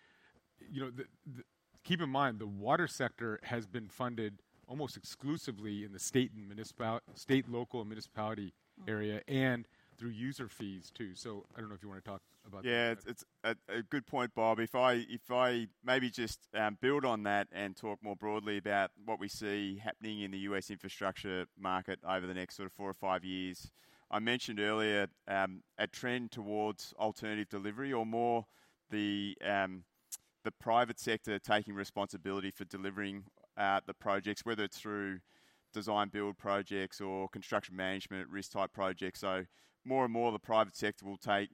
Speaker 4: keep in mind, the water sector has been funded almost exclusively in the state and municipal, state, local, and municipality area and through user fees too. So I don't know if you want to talk about that.
Speaker 5: Yeah. It's a good point, Bob. If I maybe just build on that and talk more broadly about what we see happening in the U.S. infrastructure market over the next sort of four or five years, I mentioned earlier a trend towards alternative delivery or more the private sector taking responsibility for delivering the projects, whether it's through design-build projects or construction management risk-type projects. So more and more the private sector will take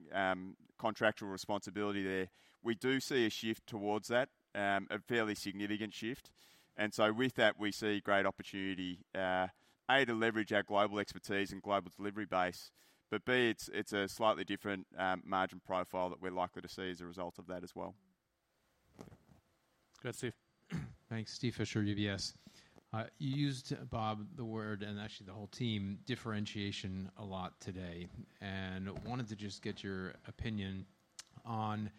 Speaker 5: contractual responsibility there. We do see a shift towards that, a fairly significant shift. And so with that, we see great opportunity, A, to leverage our global expertise and global delivery base, but B, it's a slightly different margin profile that we're likely to see as a result of that as well.
Speaker 2: Go ahead, Steve.
Speaker 14: Thanks. Steve Fisher, UBS. You used, Bob, the word, and actually the whole team, differentiation a lot today. And wanted to just get your opinion on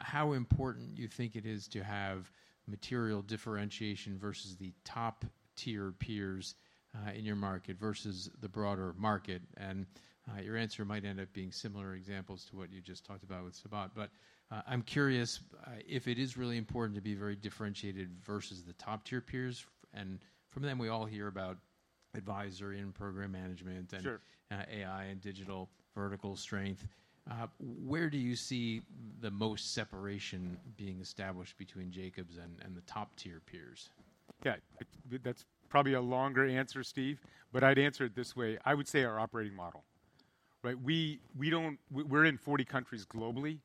Speaker 14: how important you think it is to have material differentiation versus the top-tier peers in your market versus the broader market. And your answer might end up being similar examples to what you just talked about with Sabahat. But I'm curious if it is really important to be very differentiated versus the top-tier peers. And from them, we all hear about advisory and program management and AI and digital vertical strength. Where do you see the most separation being established between Jacobs and the top-tier peers?
Speaker 4: Yeah. That's probably a longer answer, Steve, but I'd answer it this way. I would say our operating model. We're in 40 countries globally,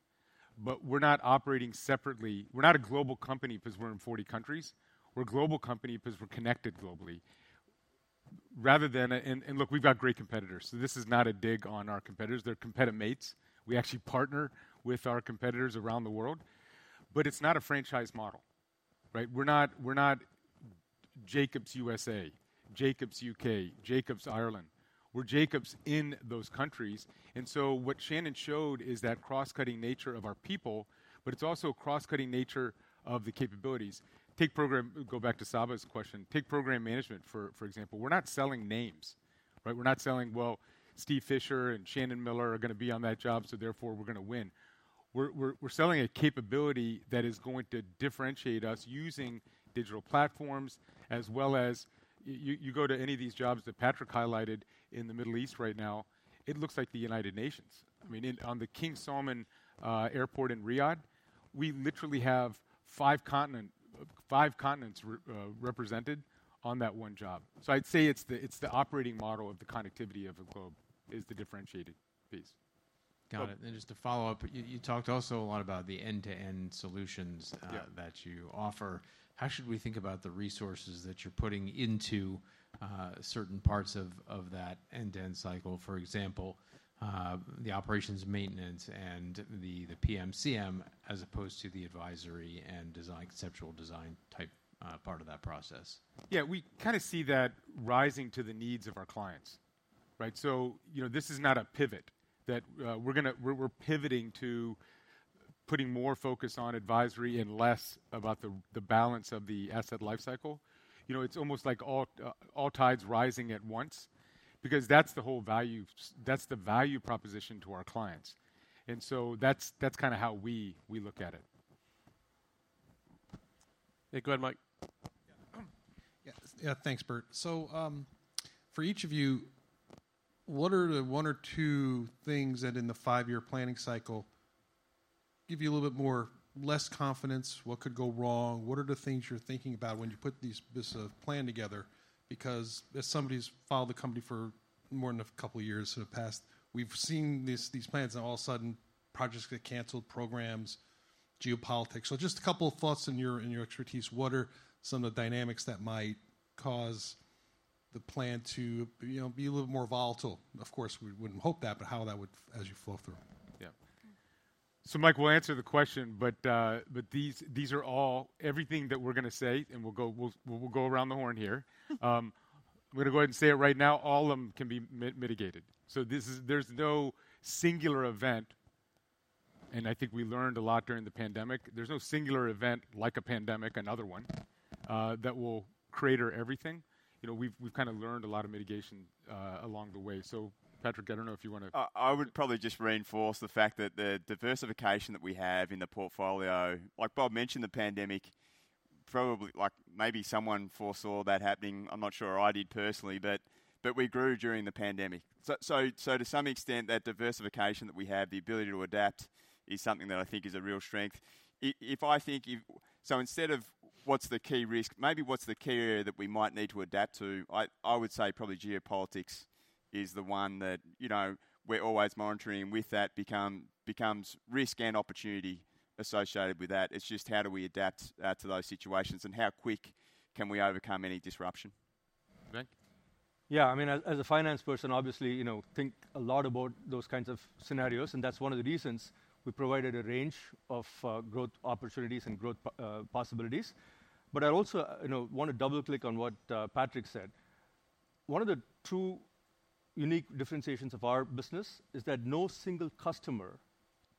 Speaker 4: but we're not operating separately. We're not a global company because we're in 40 countries. We're a global company because we're connected globally. And look, we've got great competitors. So this is not a dig on our competitors. They're competitive mates. We actually partner with our competitors around the world. But it's not a franchise model. We're not Jacobs USA, Jacobs U.K., Jacobs Ireland. We're Jacobs in those countries. And so what Shannon showed is that cross-cutting nature of our people, but it's also cross-cutting nature of the capabilities. Take program, go back to Sabahat's question, take program management, for example. We're not selling names. We're not selling, well, Steve Fisher and Shannon Miller are going to be on that job, so therefore we're going to win. We're selling a capability that is going to differentiate us using digital platforms as well as you go to any of these jobs that Patrick highlighted in the Middle East right now, it looks like the United Nations. I mean, on the King Salman International Airport in Riyadh, we literally have five continents represented on that one job. So I'd say it's the operating model of the connectivity of the globe is the differentiating piece.
Speaker 14: Got it. And just to follow up, you talked also a lot about the end-to-end solutions that you offer. How should we think about the resources that you're putting into certain parts of that end-to-end cycle, for example, the operations maintenance and the PMCM as opposed to the advisory and conceptual design type part of that process?
Speaker 4: Yeah. We kind of see that rising to the needs of our clients. So this is not a pivot that we're pivoting to putting more focus on advisory and less about the balance of the asset lifecycle. It's almost like all tides rising at once because that's the whole value, that's the value proposition to our clients. And so that's kind of how we look at it.
Speaker 2: Hey, go ahead, Mike.
Speaker 12: Yeah. Thanks, Bert. So for each of you, what are the one or two things that in the five-year planning cycle give you a little bit more less confidence? What could go wrong? What are the things you're thinking about when you put this plan together? Because as somebody's followed the company for more than a couple of years in the past, we've seen these plans and all of a sudden projects get canceled, programs, geopolitics. So just a couple of thoughts in your expertise. What are some of the dynamics that might cause the plan to be a little more volatile? Of course, we wouldn't hope that, but how that would as you flow through.
Speaker 4: Yeah. So Mike, we'll answer the question, but these are all everything that we're going to say, and we'll go around the horn here. I'm going to go ahead and say it right now. All of them can be mitigated. So there's no singular event, and I think we learned a lot during the pandemic. There's no singular event like a pandemic, another one, that will crater everything. We've kind of learned a lot of mitigation along the way. So Patrick, I don't know if you want to.
Speaker 5: I would probably just reinforce the fact that the diversification that we have in the portfolio, like Bob mentioned, the pandemic, probably maybe someone foresaw that happening. I'm not sure I did personally, but we grew during the pandemic. To some extent, that diversification that we have, the ability to adapt is something that I think is a real strength. Instead of what's the key risk, maybe what's the key area that we might need to adapt to. I would say probably geopolitics is the one that we're always monitoring. With that becomes risk and opportunity associated with that. It's just how do we adapt to those situations and how quick can we overcome any disruption?
Speaker 2: Venk?
Speaker 8: Yeah. I mean, as a finance person, obviously, think a lot about those kinds of scenarios. And that's one of the reasons we provided a range of growth opportunities and growth possibilities. But I also want to double-click on what Patrick said. One of the two unique differentiations of our business is that no single customer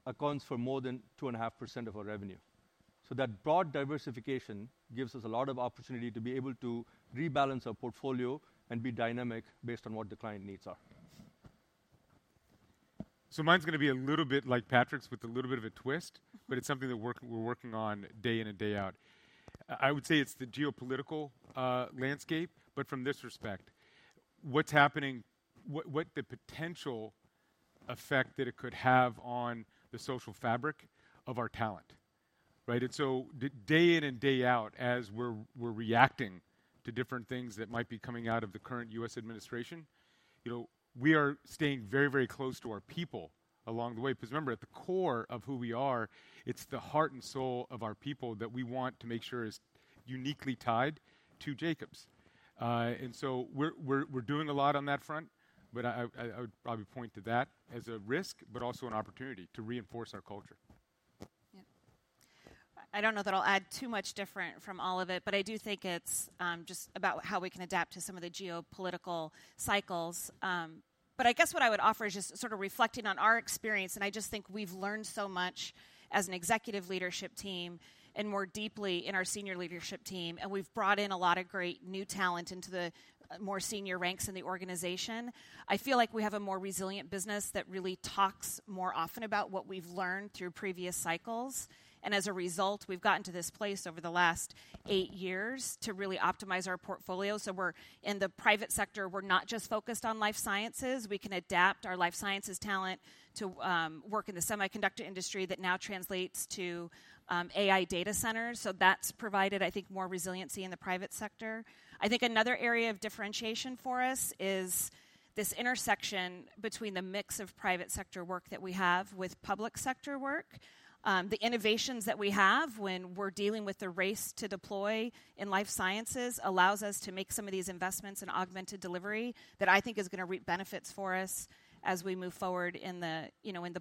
Speaker 8: accounts for more than 2.5% of our revenue. So that broad diversification gives us a lot of opportunity to be able to rebalance our portfolio and be dynamic based on what the client needs are.
Speaker 4: So mine's going to be a little bit like Patrick's with a little bit of a twist, but it's something that we're working on day in and day out. I would say it's the geopolitical landscape, but from this respect, what's happening, what the potential effect that it could have on the social fabric of our talent. And so day in and day out, as we're reacting to different things that might be coming out of the current U.S. administration, we are staying very, very close to our people along the way. Because remember, at the core of who we are, it's the heart and soul of our people that we want to make sure is uniquely tied to Jacobs. And so we're doing a lot on that front, but I would probably point to that as a risk, but also an opportunity to reinforce our culture.
Speaker 7: I don't know that I'll add too much different from all of it, but I do think it's just about how we can adapt to some of the geopolitical cycles. But I guess what I would offer is just sort of reflecting on our experience. And I just think we've learned so much as an executive leadership team and more deeply in our senior leadership team. And we've brought in a lot of great new talent into the more senior ranks in the organization. I feel like we have a more resilient business that really talks more often about what we've learned through previous cycles. And as a result, we've gotten to this place over the last eight years to really optimize our portfolio. So in the private sector, we're not just focused on life sciences. We can adapt our life sciences talent to work in the semiconductor industry that now translates to AI data centers. So that's provided, I think, more resiliency in the private sector. I think another area of differentiation for us is this intersection between the mix of private sector work that we have with public sector work. The innovations that we have when we're dealing with the race to deploy in life sciences allows us to make some of these investments in augmented delivery that I think is going to reap benefits for us as we move forward in the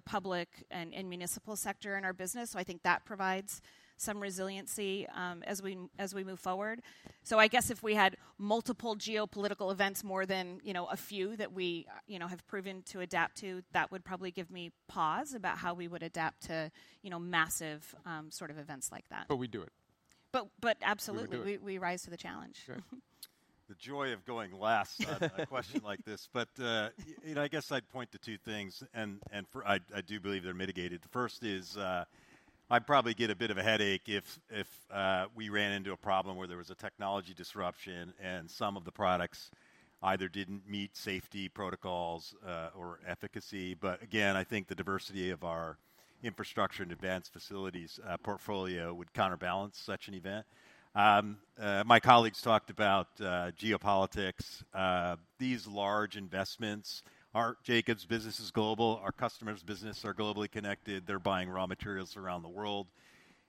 Speaker 7: public and municipal sector in our business. So I think that provides some resiliency as we move forward. So I guess if we had multiple geopolitical events, more than a few that we have proven to adapt to, that would probably give me pause about how we would adapt to massive sort of events like that.
Speaker 4: But we do it.
Speaker 7: But absolutely. We rise to the challenge.
Speaker 6: The joy of going last on a question like this. But I guess I'd point to two things, and I do believe they're mitigated. First is I'd probably get a bit of a headache if we ran into a problem where there was a technology disruption and some of the products either didn't meet safety protocols or efficacy. But again, I think the diversity of our infrastructure and advanced facilities portfolio would counterbalance such an event. My colleagues talked about geopolitics. These large investments. Our Jacobs business is global. Our customers' business are globally connected. They're buying raw materials around the world.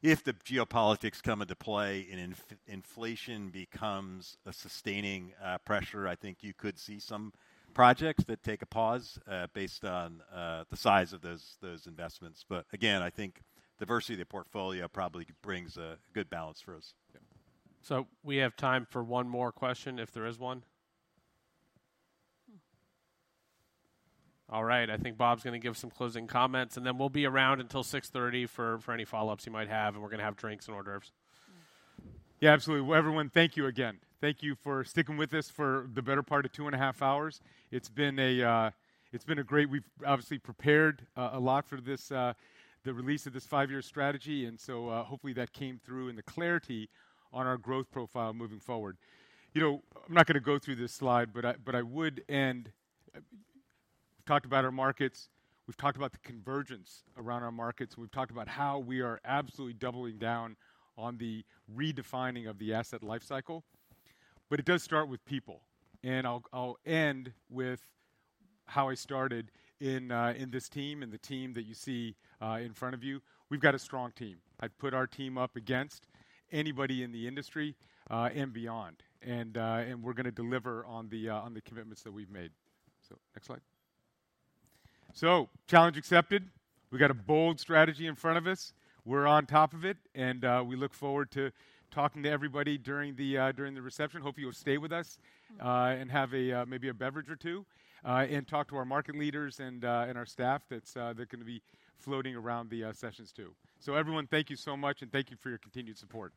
Speaker 6: If the geopolitics come into play and inflation becomes a sustaining pressure, I think you could see some projects that take a pause based on the size of those investments. But again, I think diversity of the portfolio probably brings a good balance for us.
Speaker 2: So we have time for one more question if there is one. All right. I think Bob's going to give some closing comments, and then we'll be around until 6:30 P.M. for any follow-ups you might have. And we're going to have drinks in order of.
Speaker 4: Yeah, absolutely. Everyone, thank you again. Thank you for sticking with us for the better part of two and a half hours. It's been great. We've obviously prepared a lot for the release of this five-year strategy. And so hopefully that came through in the clarity on our growth profile moving forward. I'm not going to go through this slide, but I would end. We've talked about our markets. We've talked about the convergence around our markets. We've talked about how we are absolutely doubling down on the redefining of the asset lifecycle, but it does start with people. And I'll end with how I started in this team and the team that you see in front of you. We've got a strong team. I've put our team up against anybody in the industry and beyond, and we're going to deliver on the commitments that we've made. So next slide. So challenge accepted. We've got a bold strategy in front of us. We're on top of it. And we look forward to talking to everybody during the reception. Hope you'll stay with us and have maybe a beverage or two and talk to our market leaders and our staff that are going to be floating around the sessions too. So everyone, thank you so much, and thank you for your continued support.